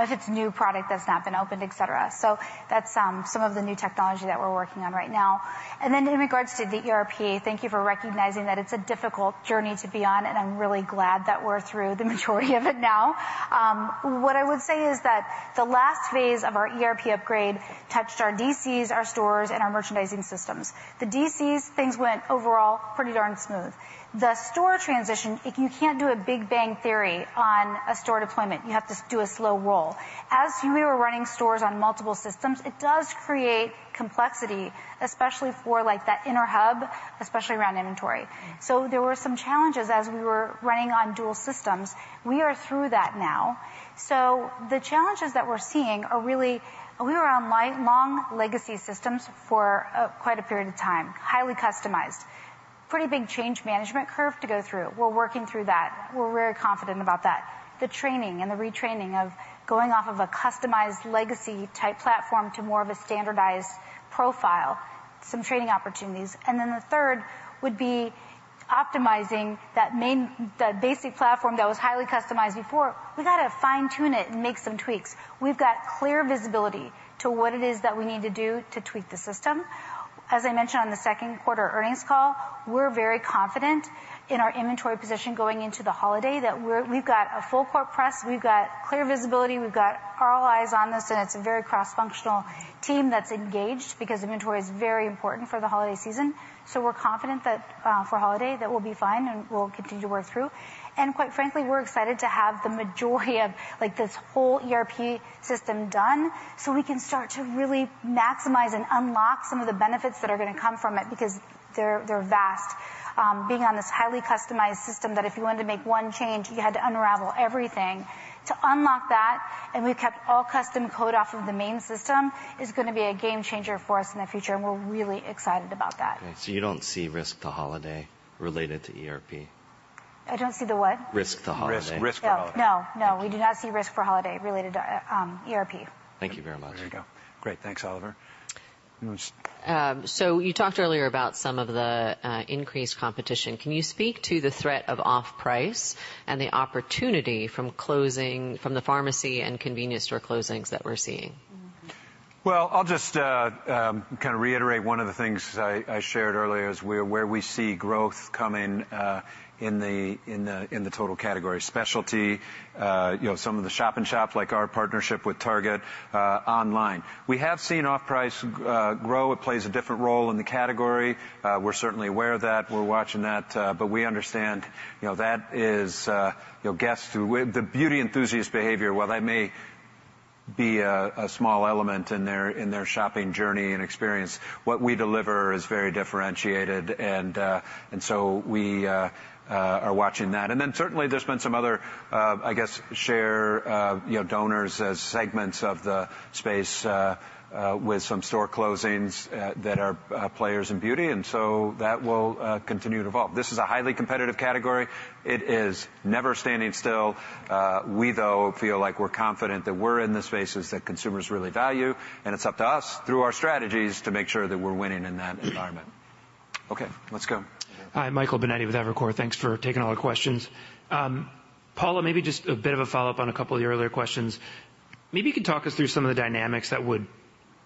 if it's new product that's not been opened, et cetera. So that's some of the new technology that we're working on right now. And then in regards to the ERP, thank you for recognizing that it's a difficult journey to be on, and I'm really glad that we're through the majority of it now. What I would say is that the last phase of our ERP upgrade touched our DCs, our stores, and our merchandising systems. The DCs, things went overall pretty darn smooth. The store transition, you can't do a Big Bang theory on a store deployment. You have to do a slow roll. As we were running stores on multiple systems, it does create complexity, especially for, like, that inner hub, especially around inventory. So there were some challenges as we were running on dual systems. We are through that now. So the challenges that we're seeing are really... We were on long legacy systems for quite a period of time, highly customized. Pretty big change management curve to go through. We're working through that. We're very confident about that. The training and the retraining of going off of a customized legacy type platform to more of a standardized profile, some training opportunities. And then the third would be optimizing that main, the basic platform that was highly customized before. We've got to fine-tune it and make some tweaks. We've got clear visibility to what it is that we need to do to tweak the system. As I mentioned on the second quarter earnings call, we're very confident in our inventory position going into the holiday, that we're, we've got a full court press, we've got clear visibility, we've got all eyes on this, and it's a very cross-functional team that's engaged because inventory is very important for the holiday season. So we're confident that, for holiday, that we'll be fine, and we'll continue to work through. And quite frankly, we're excited to have the majority of, like, this whole ERP system done, so we can start to really maximize and unlock some of the benefits that are gonna come from it because they're vast. Being on this highly customized system that if you wanted to make one change, you had to unravel everything. To unlock that, and we've kept all custom code off of the main system, is gonna be a game changer for us in the future, and we're really excited about that. So, you don't see risk to holiday related to ERP? I don't see the what? Risk to holiday. Risk to holiday. No, no, we do not see risk for holiday related to ERP. Thank you very much. There you go. Great, thanks, Oliver. So you talked earlier about some of the increased competition. Can you speak to the threat of off-price and the opportunity from the pharmacy and convenience store closings that we're seeing? I'll just kind of reiterate one of the things I shared earlier is where we see growth coming in the total category. Specialty, you know, some of the shop-in-shop, like our partnership with Target, online. We have seen off-price grow. It plays a different role in the category. We're certainly aware of that. We're watching that, but we understand, you know, that is, you know, guests who... The beauty enthusiast behavior, while that may be a small element in their shopping journey and experience, what we deliver is very differentiated, and so we are watching that. And then certainly, there's been some other, I guess, share in other segments of the space, with some store closings, that are players in beauty, and so that will continue to evolve. This is a highly competitive category. It is never standing still. We though feel like we're confident that we're in the spaces that consumers really value, and it's up to us, through our strategies, to make sure that we're winning in that environment. Okay, let's go. Hi, Michael Binetti with Evercore. Thanks for taking all our questions. Paula, maybe just a bit of a follow-up on a couple of your earlier questions. Maybe you could talk us through some of the dynamics that would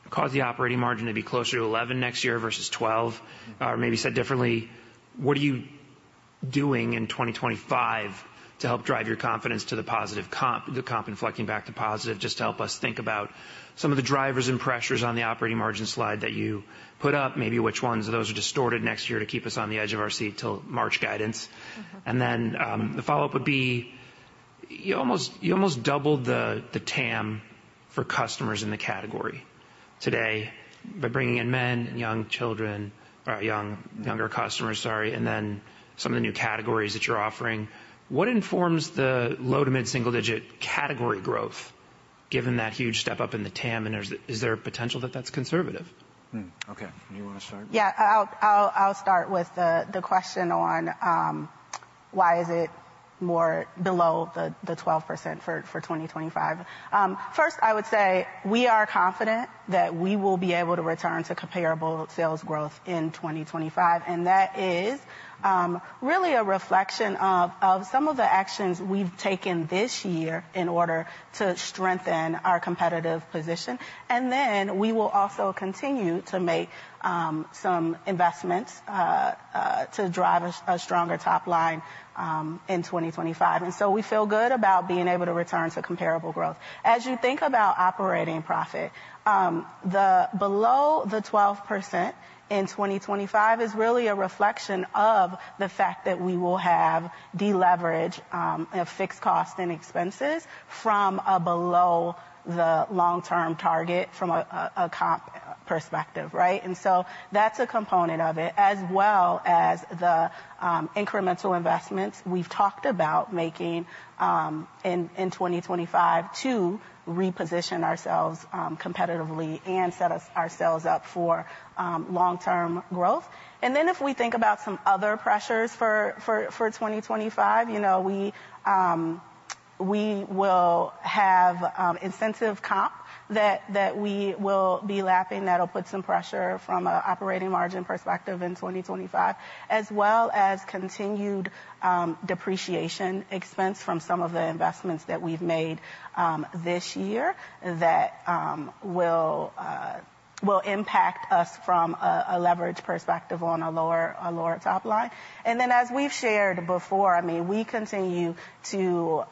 cause the operating margin to be closer to 11 next year versus 12. Or maybe said differently, what are you doing in 2025 to help drive your confidence to the positive comp, the comp inflecting back to positive? Just to help us think about some of the drivers and pressures on the operating margin slide that you put up, maybe which ones of those are distorted next year to keep us on the edge of our seat till March guidance. Mm-hmm. Then, the follow-up would be, you almost doubled the TAM for customers in the category today by bringing in men and young children, or younger customers, sorry, and then some of the new categories that you're offering. What informs the low to mid-single digit category growth?... given that huge step up in the TAM, and there's, is there a potential that that's conservative? Okay. You wanna start? Yeah, I'll start with the question on why is it more below the 12% for 2025. First, I would say, we are confident that we will be able to return to comparable sales growth in 2025, and that is really a reflection of some of the actions we've taken this year in order to strengthen our competitive position. And then we will also continue to make some investments to drive a stronger top line in 2025. And so we feel good about being able to return to comparable growth. As you think about operating profit, the below the 12% in 2025 is really a reflection of the fact that we will have deleverage of fixed cost and expenses from below the long-term target from a comp perspective, right? And so that's a component of it, as well as the incremental investments we've talked about making in 2025 to reposition ourselves competitively and set ourselves up for long-term growth. And then if we think about some other pressures for 2025, you know, we will have incentive comp that we will be lapping that'll put some pressure from a operating margin perspective in 2025, as well as continued depreciation expense from some of the investments that we've made this year that will impact us from a leverage perspective on a lower top line. And then, as we've shared before, I mean, we continue to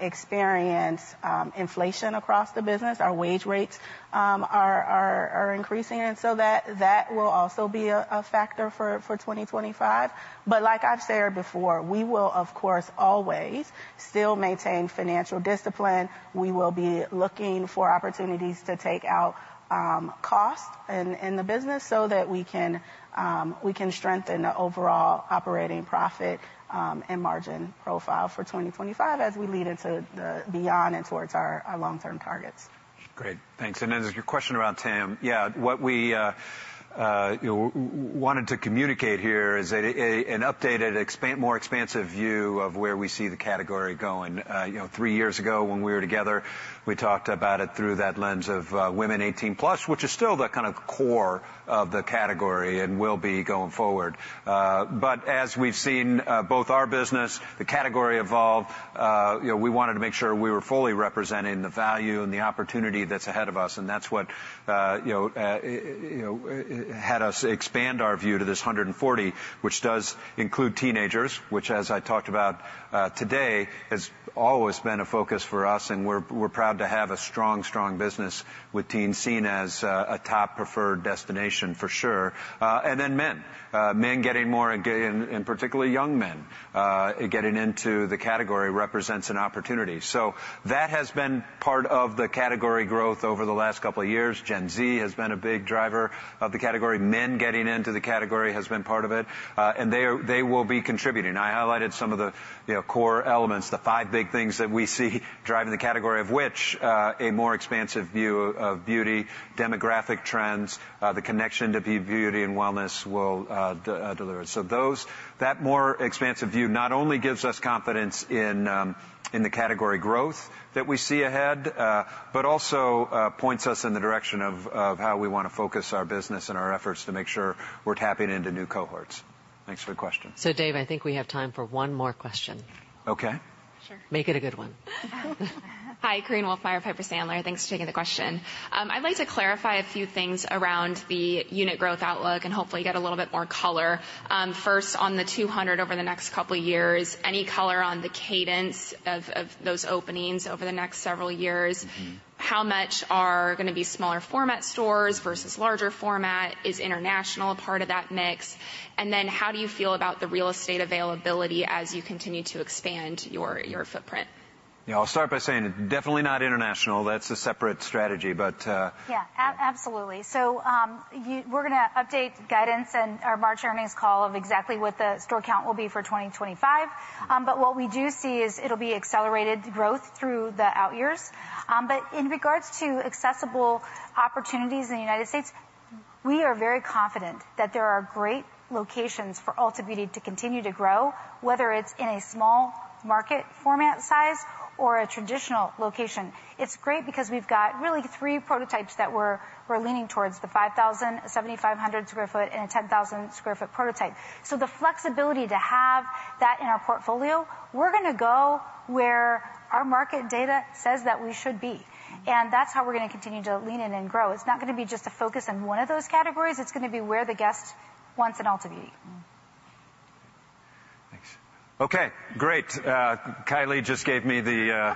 experience inflation across the business. Our wage rates are increasing, and so that will also be a factor for 2025. But like I've said before, we will of course always still maintain financial discipline. We will be looking for opportunities to take out cost in the business so that we can strengthen the overall operating profit and margin profile for twenty twenty-five as we lead into the beyond and towards our long-term targets. Great, thanks. And then your question around TAM, yeah, what we, you know, wanted to communicate here is an updated, more expansive view of where we see the category going. You know, three years ago, when we were together, we talked about it through that lens of women eighteen plus, which is still the kind of core of the category and will be going forward. but as we've seen, both our business, the category evolve, you know, we wanted to make sure we were fully representing the value and the opportunity that's ahead of us, and that's what you know had us expand our view to this hundred and forty, which does include teenagers, which, as I talked about today, has always been a focus for us, and we're proud to have a strong business with teens seen as a top preferred destination for sure, and then men getting more, and particularly young men getting into the category represents an opportunity, so that has been part of the category growth over the last couple of years. Gen Z has been a big driver of the category. Men getting into the category has been part of it, and they will be contributing. I highlighted some of the, you know, core elements, the five big things that we see driving the category of which, a more expansive view of beauty, demographic trends, the connection to beauty and wellness will deliver. So those that more expansive view not only gives us confidence in the category growth that we see ahead, but also points us in the direction of how we wanna focus our business and our efforts to make sure we're tapping into new cohorts. Thanks for the question. So, Dave, I think we have time for one more question. Okay. Sure. Make it a good one. Hi, Korinne Wolf, Piper Sandler. Thanks for taking the question. I'd like to clarify a few things around the unit growth outlook and hopefully get a little bit more color. First, on the 200 over the next couple of years, any color on the cadence of those openings over the next several years? Mm-hmm. How much are gonna be smaller format stores versus larger format? Is international a part of that mix? And then how do you feel about the real estate availability as you continue to expand your, your footprint? Yeah, I'll start by saying definitely not international. That's a separate strategy, but, Yeah, absolutely. So, we're gonna update guidance in our March earnings call of exactly what the store count will be for twenty twenty-five. But what we do see is it'll be accelerated growth through the out years. But in regards to accessible opportunities in the United States, we are very confident that there are great locations for Ulta Beauty to continue to grow, whether it's in a small market format, size, or a traditional location. It's great because we've got really three prototypes that we're leaning towards, the 5,000 sq ft, 7,500 sq ft and a 10,000 sq ft prototype. So the flexibility to have that in our portfolio, we're gonna go where our market data says that we should be, and that's how we're gonna continue to lean in and grow. It's not gonna be just a focus on one of those categories. It's gonna be where the guest wants an Ulta Beauty. Thanks. Okay, great. Kylie just gave me the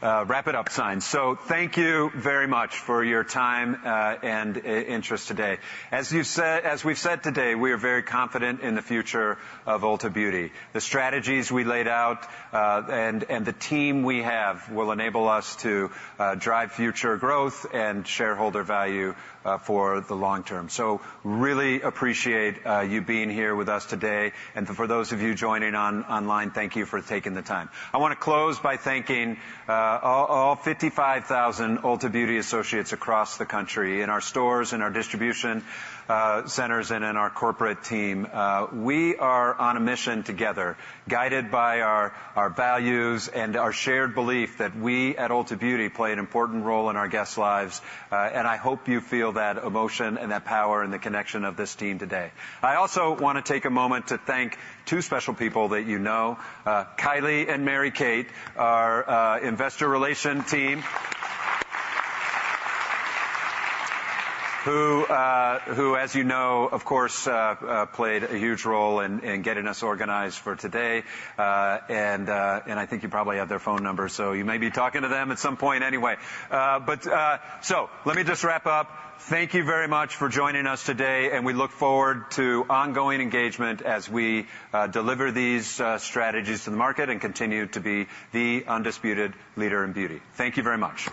wrap it up sign. So thank you very much for your time and interest today. As we've said today, we are very confident in the future of Ulta Beauty. The strategies we laid out and the team we have will enable us to drive future growth and shareholder value for the long term. So really appreciate you being here with us today. For those of you joining online, thank you for taking the time. I wanna close by thanking all fifty-five thousand Ulta Beauty associates across the country, in our stores, in our distribution centers, and in our corporate team. We are on a mission together, guided by our values and our shared belief that we, at Ulta Beauty, play an important role in our guests' lives, and I hope you feel that emotion and that power and the connection of this team today. I also wanna take a moment to thank two special people that you know, Kylie and Mary Kate, our investor relations team, who, as you know, of course, played a huge role in getting us organized for today. And I think you probably have their phone numbers, so you may be talking to them at some point anyway. But so let me just wrap up. Thank you very much for joining us today, and we look forward to ongoing engagement as we deliver these strategies to the market and continue to be the undisputed leader in beauty. Thank you very much.